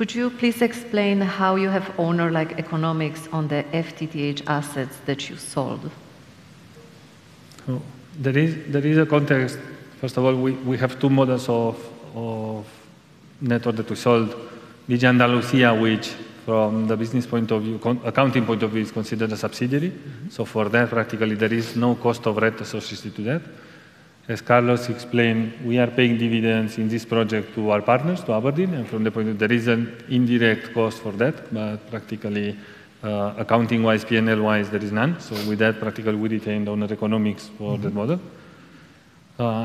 Speaker 1: Could you please explain how you have owner-like economics on the FTTH assets that you sold?
Speaker 5: There is a context. First of all, we have two models of network that we sold. Via Andalucía, which from the business point of view accounting point of view is considered a subsidiary. For that practically there is no cost of rent associated to that. As Carlos explained, we are paying dividends in this project to our partners, to abrdn, and from the point of there is an indirect cost for that. Practically, accounting-wise, P&L-wise, there is none. With that practically we retained owner economics for that model.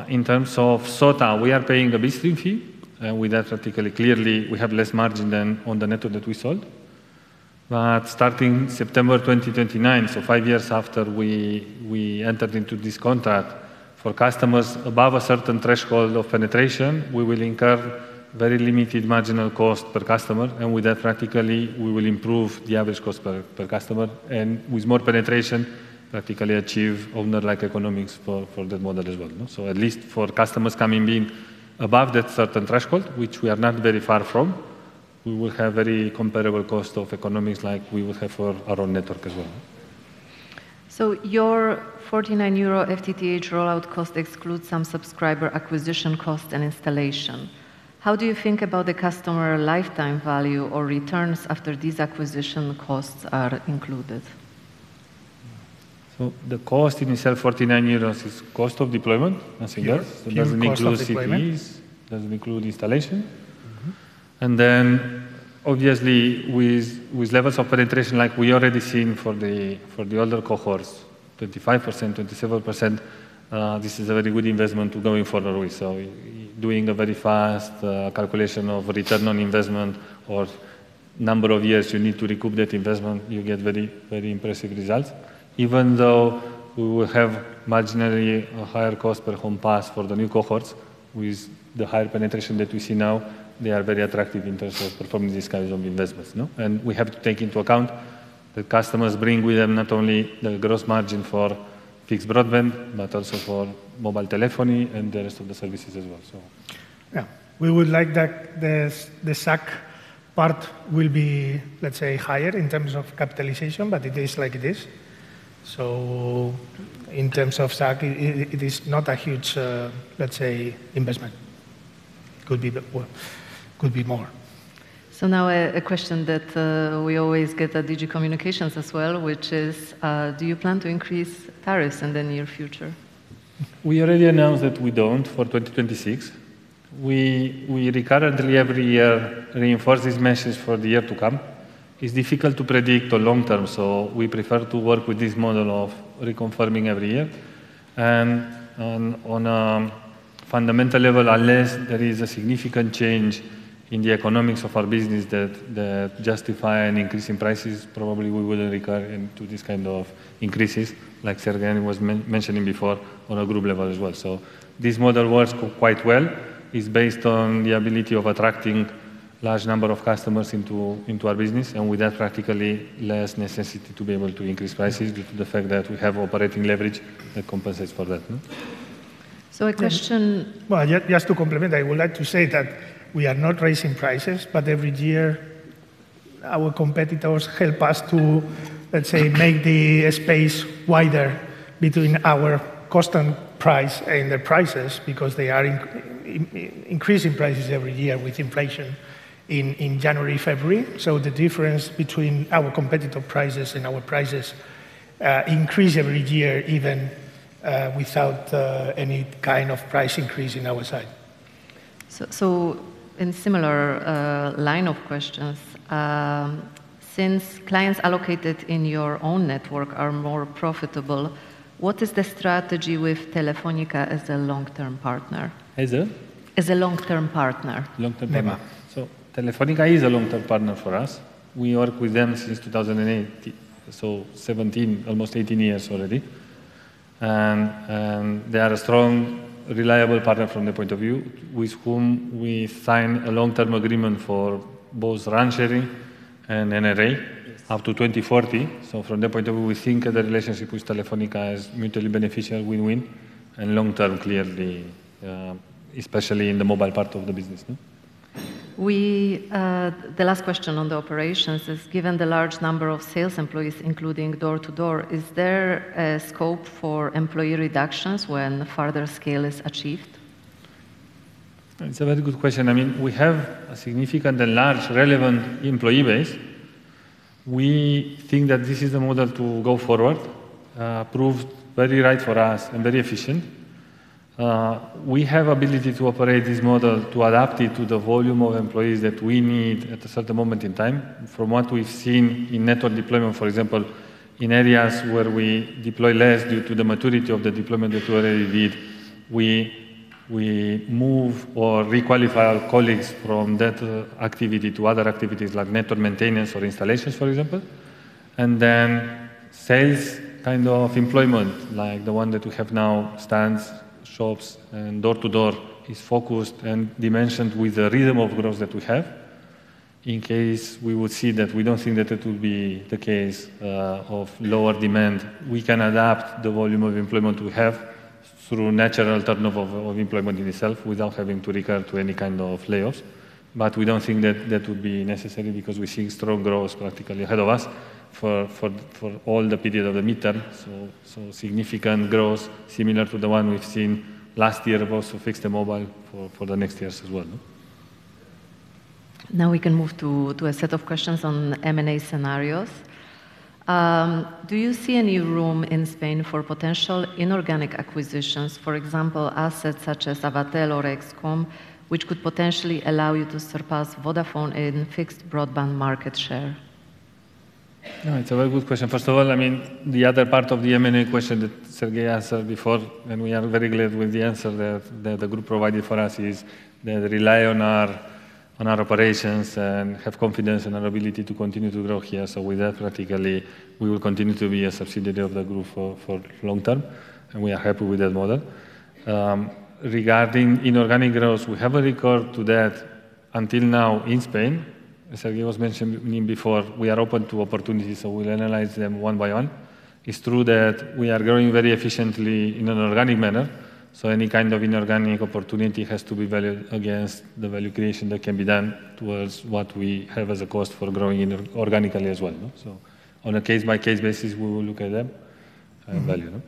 Speaker 5: In terms of SOTA, we are paying a billing fee, and with that particularly clearly, we have less margin than on the network that we sold. Starting September 2029, so five years after we entered into this contract, for customers above a certain threshold of penetration, we will incur very limited marginal cost per customer, and with that practically we will improve the average cost per customer, and with more penetration practically achieve owner-like economics for that model as well, you know. At least for customers coming in above that certain threshold, which we are not very far from, we will have very comparable cost of economics like we would have for our own network as well.
Speaker 1: Your 49 euro FTTH rollout cost excludes some subscriber acquisition cost and installation. How do you think about the customer lifetime value or returns after these acquisition costs are included?
Speaker 5: The cost in itself, 49 euros, is cost of deployment. Nothing else.
Speaker 7: Yes. Pure cost of deployment.
Speaker 5: It doesn't include CPEs, doesn't include installation.
Speaker 7: Mm-hmm.
Speaker 5: Obviously, with levels of penetration like we already seen for the older cohorts, 25%, 27%, this is a very good investment to going further with. Doing a very fast calculation of return on investment or number of years you need to recoup that investment, you get very, very impressive results. Even though we will have marginally a higher cost per homes passed for the new cohorts, with the higher penetration that we see now, they are very attractive in terms of performing these kinds of investments, no? We have to take into account that customers bring with them not only the gross margin for fixed broadband, but also for mobile telephony and the rest of the services as well, so.
Speaker 7: Yeah. We would like that the SAC part will be, let's say, higher in terms of capitalization, but it is like it is. In terms of SAC, it is not a huge, let's say, investment. Could be well, could be more.
Speaker 1: Now a question that we always get at Digi Communications as well, which is, do you plan to increase tariffs in the near future?
Speaker 5: We already announced that we don't for 2026. We recurrently every year reinforce this message for the year to come. It's difficult to predict the long term, so we prefer to work with this model of reconfirming every year. On a fundamental level, unless there is a significant change in the economics of our business that justify an increase in prices, probably we wouldn't recur into these kind of increases, like Serghei was mentioning before, on a group level as well. This model works quite well. It's based on the ability of attracting large number of customers into our business, and with that practically less necessity to be able to increase prices due to the fact that we have operating leverage that compensates for that, no?
Speaker 1: So a question-
Speaker 7: just to complement, I would like to say that we are not raising prices, but every year our competitors help us to, let's say, make the space wider between our cost and price and their prices, because they are increasing prices every year with inflation in January, February. So the difference between our competitor prices and our prices, increase every year even without any kind of price increase in our side.
Speaker 1: In similar line of questions, since clients allocated in your own network are more profitable, what is the strategy with Telefónica as a long-term partner?
Speaker 5: As a?
Speaker 1: As a long-term partner.
Speaker 5: Long-term partner.
Speaker 7: Tema.
Speaker 5: Telefónica is a long-term partner for us. We work with them since 2018, 17, almost 18 years already. They are a strong, reliable partner from that point of view, with whom we signed a long-term agreement for both RAN sharing and NRA.
Speaker 7: Yes...
Speaker 5: up to 2040. From that point of view, we think the relationship with Telefónica is mutually beneficial, win-win, and long-term clearly, especially in the mobile part of the business, no?
Speaker 1: We, the last question on the operations is, given the large number of sales employees, including door-to-door, is there a scope for employee reductions when further scale is achieved?
Speaker 5: It's a very good question. I mean, we have a significant and large relevant employee base. We think that this is the model to go forward. Proved very right for us and very efficient. We have ability to operate this model to adapt it to the volume of employees that we need at a certain moment in time. From what we've seen in network deployment, for example, in areas where we deploy less due to the maturity of the deployment that we already did, we move or re-qualify our colleagues from that activity to other activities like network maintenance or installations, for example. Sales kind of employment, like the one that we have now, stands, shops, and door-to-door, is focused and dimensioned with the rhythm of growth that we have. In case we would see that we don't think that it will be the case, of lower demand, we can adapt the volume of employment we have through natural turnover of employment in itself without having to recur to any kind of layoffs. We don't think that that would be necessary because we're seeing strong growth practically ahead of us for all the period of the midterm. Significant growth, similar to the one we've seen last year, both for fixed and mobile, for the next years as well, no.
Speaker 1: Now we can move to a set of questions on M&A scenarios. Do you see any room in Spain for potential inorganic acquisitions, for example, assets such as Avatel or Excom, which could potentially allow you to surpass Vodafone in fixed broadband market share?
Speaker 5: It's a very good question. First of all, I mean, the other part of the M&A question that Serghei answered before, and we are very glad with the answer that the group provided for us, is they rely on our operations and have confidence in our ability to continue to grow here. With that, practically, we will continue to be a subsidiary of the group for long term, and we are happy with that model. Regarding inorganic growth, we haven't recurred to that until now in Spain. As Serghei was mentioning before, we are open to opportunities. We'll analyze them one by one. It's true that we are growing very efficiently in an organic manner. Any kind of inorganic opportunity has to be valued against the value creation that can be done towards what we have as a cost for growing organically as well, you know? On a case-by-case basis, we will look at them and value them.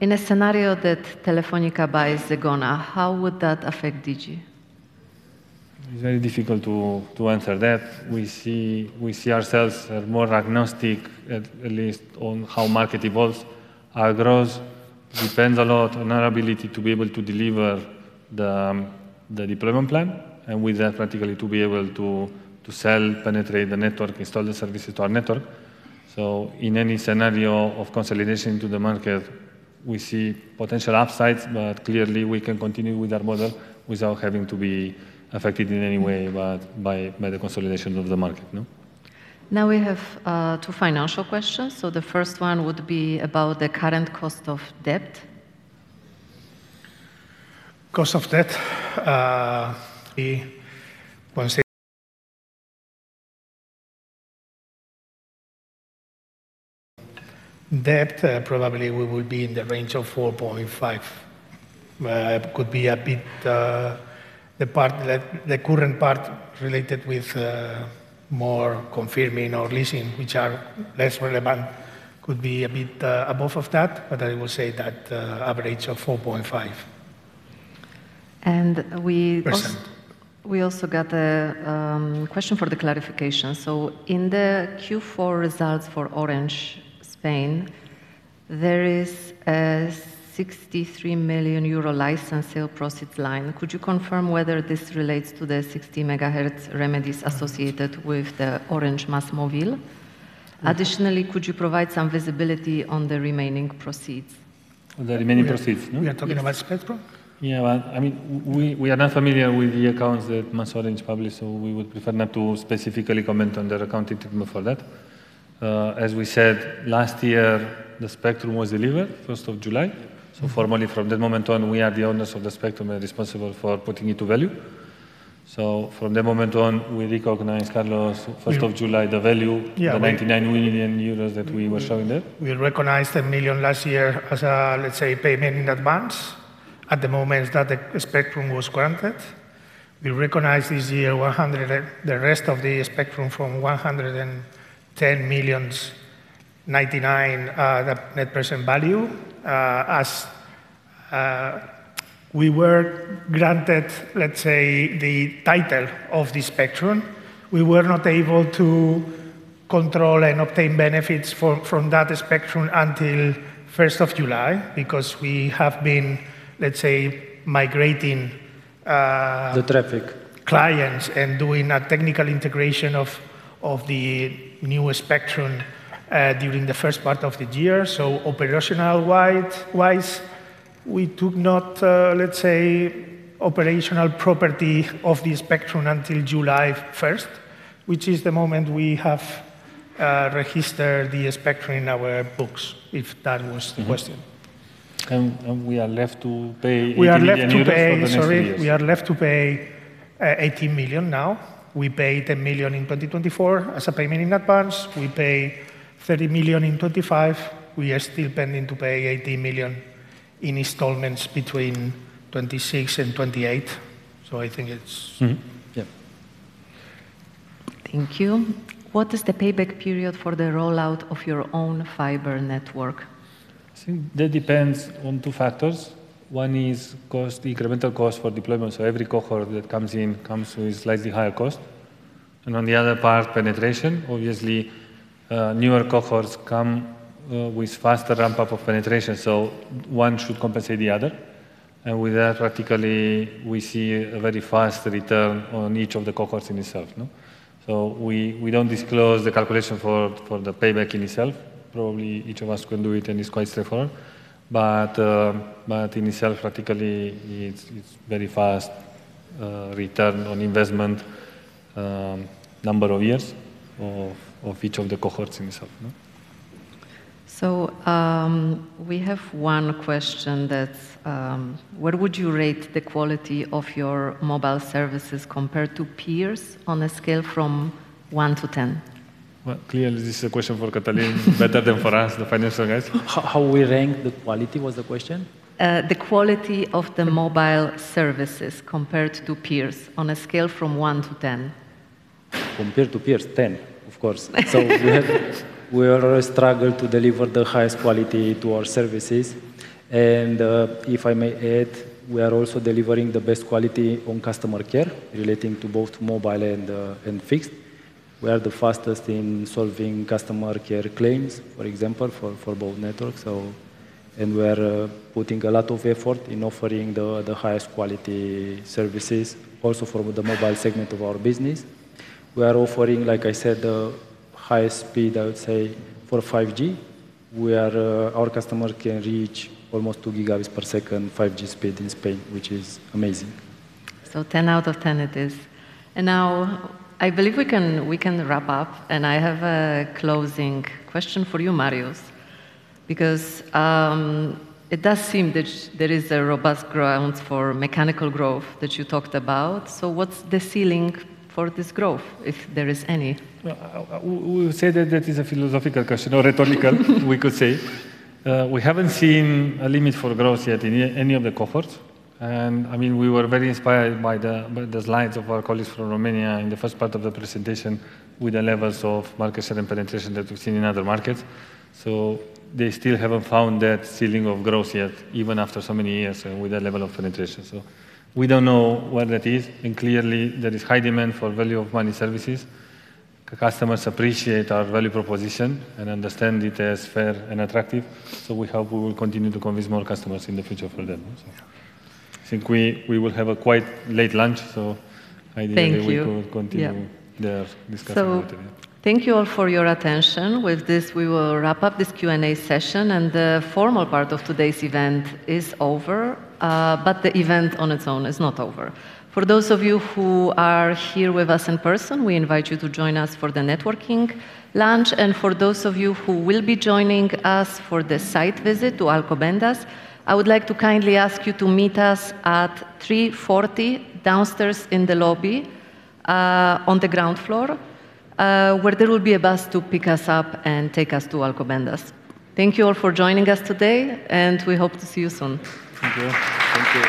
Speaker 1: In a scenario that Telefónica buys Zegona, how would that affect Digi?
Speaker 5: It's very difficult to answer that. We see ourselves as more agnostic at least on how market evolves. Our growth depends a lot on our ability to be able to deliver the deployment plan, and with that practically to be able to sell, penetrate the network, install the services to our network. In any scenario of consolidation to the market, we see potential upsides, but clearly we can continue with our model without having to be affected in any way by the consolidation of the market, no?
Speaker 1: We have two financial questions. The first one would be about the current cost of debt.
Speaker 7: Cost of debt, Want to say debt, probably we will be in the range of 4.5%. Could be a bit, the current part related with more confirming or leasing, which are less relevant, could be a bit above of that. I will say that average of 4.5%.
Speaker 1: And we als-
Speaker 7: Percent.
Speaker 1: We also got a question for the clarification. In the Q4 results for Orange Spain, there is a 63 million euro license sale proceed line. Could you confirm whether this relates to the 60 MHz remedies associated with the Orange MásMóvil? Additionally, could you provide some visibility on the remaining proceeds?
Speaker 5: On the remaining proceeds, no?
Speaker 7: We are talking about spectrum?
Speaker 5: I mean, we are not familiar with the accounts that MásMóvil published, we would prefer not to specifically comment on their accounting treatment for that. As we said, last year, the spectrum was delivered, 1st of July. Formally, from that moment on, we are the owners of the spectrum and responsible for putting it to value. From that moment on, we recognized, Carlos.
Speaker 7: We-
Speaker 5: 1st of July, the value.
Speaker 7: Yeah
Speaker 5: the 99 million euros that we were showing there.
Speaker 7: We recognized 10 million last year as, let's say, payment in advance at the moment that the spectrum was granted. We recognized this year the rest of the spectrum from 110 million, 99 million, the net present value. As we were granted, let's say, the title of the spectrum, we were not able to control and obtain benefits for, from that spectrum until 1st of July because we have been, let's say, migrating.
Speaker 5: The traffic....
Speaker 7: clients and doing a technical integration of the newer spectrum during the first part of the year. Operational-wide-wise, we took not, let's say, operational property of the spectrum until July 1st, which is the moment we have registered the spectrum in our books, if that was the question.
Speaker 5: Mm-hmm. We are left to pay EUR 80 million for the next few years.
Speaker 7: We are left to pay 80 million now. We paid 10 million in 2024 as a payment in advance. We pay 30 million in 2025. We are still pending to pay 80 million in installments between 2026 and 2028.
Speaker 5: Mm-hmm. Yeah.
Speaker 1: Thank you. What is the payback period for the rollout of your own fiber network?
Speaker 5: See, that depends on two factors. One is cost, incremental cost for deployment. Every cohort that comes in comes with slightly higher cost. On the other part, penetration. Obviously, newer cohorts come with faster ramp-up of penetration, so one should compensate the other. With that, practically, we see a very fast return on each of the cohorts in itself, no? We don't disclose the calculation for the payback in itself. Probably each of us can do it, and it's quite straightforward. In itself, practically it's very fast return on investment, number of years of each of the cohorts in itself, no?
Speaker 1: We have one question that's: Where would you rate the quality of your mobile services compared to peers on a scale from one to ten?
Speaker 5: Well, clearly this is a question for Cătălin better than for us, the financial guys.
Speaker 6: How we rank the quality, was the question?
Speaker 1: The quality of the mobile services compared to peers on a scale from one to 10.
Speaker 6: Compared to peers? 10, of course. We have We are struggle to deliver the highest quality to our services. If I may add, we are also delivering the best quality on customer care relating to both mobile and fixed. We are the fastest in solving customer care claims, for example, for both networks. We are putting a lot of effort in offering the highest quality services also for the mobile segment of our business. We are offering, like I said, the highest speed, I would say, for 5G, where our customer can reach almost 2 Gb per second 5G speed in Spain, which is amazing.
Speaker 1: 10 out of 10 it is. Now I believe we can wrap up, and I have a closing question for you, Marius. It does seem that there is a robust grounds for mechanical growth that you talked about. What's the ceiling for this growth, if there is any?
Speaker 5: Well, we would say that that is a philosophical question or we could say. We haven't seen a limit for growth yet in any of the cohorts. I mean, we were very inspired by the slides of our colleagues from Romania in the first part of the presentation with the levels of market share and penetration that we've seen in other markets. They still haven't found that ceiling of growth yet, even after so many years with that level of penetration. We don't know where that is. Clearly there is high demand for value of money services. The customers appreciate our value proposition and understand it as fair and attractive. We hope we will continue to convince more customers in the future for that one, so. I think we will have a quite late lunch, ideally.
Speaker 1: Thank you.
Speaker 5: We could continue the discussion later, yeah.
Speaker 1: Thank you all for your attention. With this, we will wrap up this Q&A session, and the formal part of today's event is over. The event on its own is not over. For those of you who are here with us in person, we invite you to join us for the networking lunch. For those of you who will be joining us for the site visit to Alcobendas, I would like to kindly ask you to meet us at 3:40 P.M. downstairs in the lobby on the ground floor, where there will be a bus to pick us up and take us to Alcobendas. Thank you all for joining us today, we hope to see you soon.
Speaker 5: Thank you.
Speaker 6: Thank you.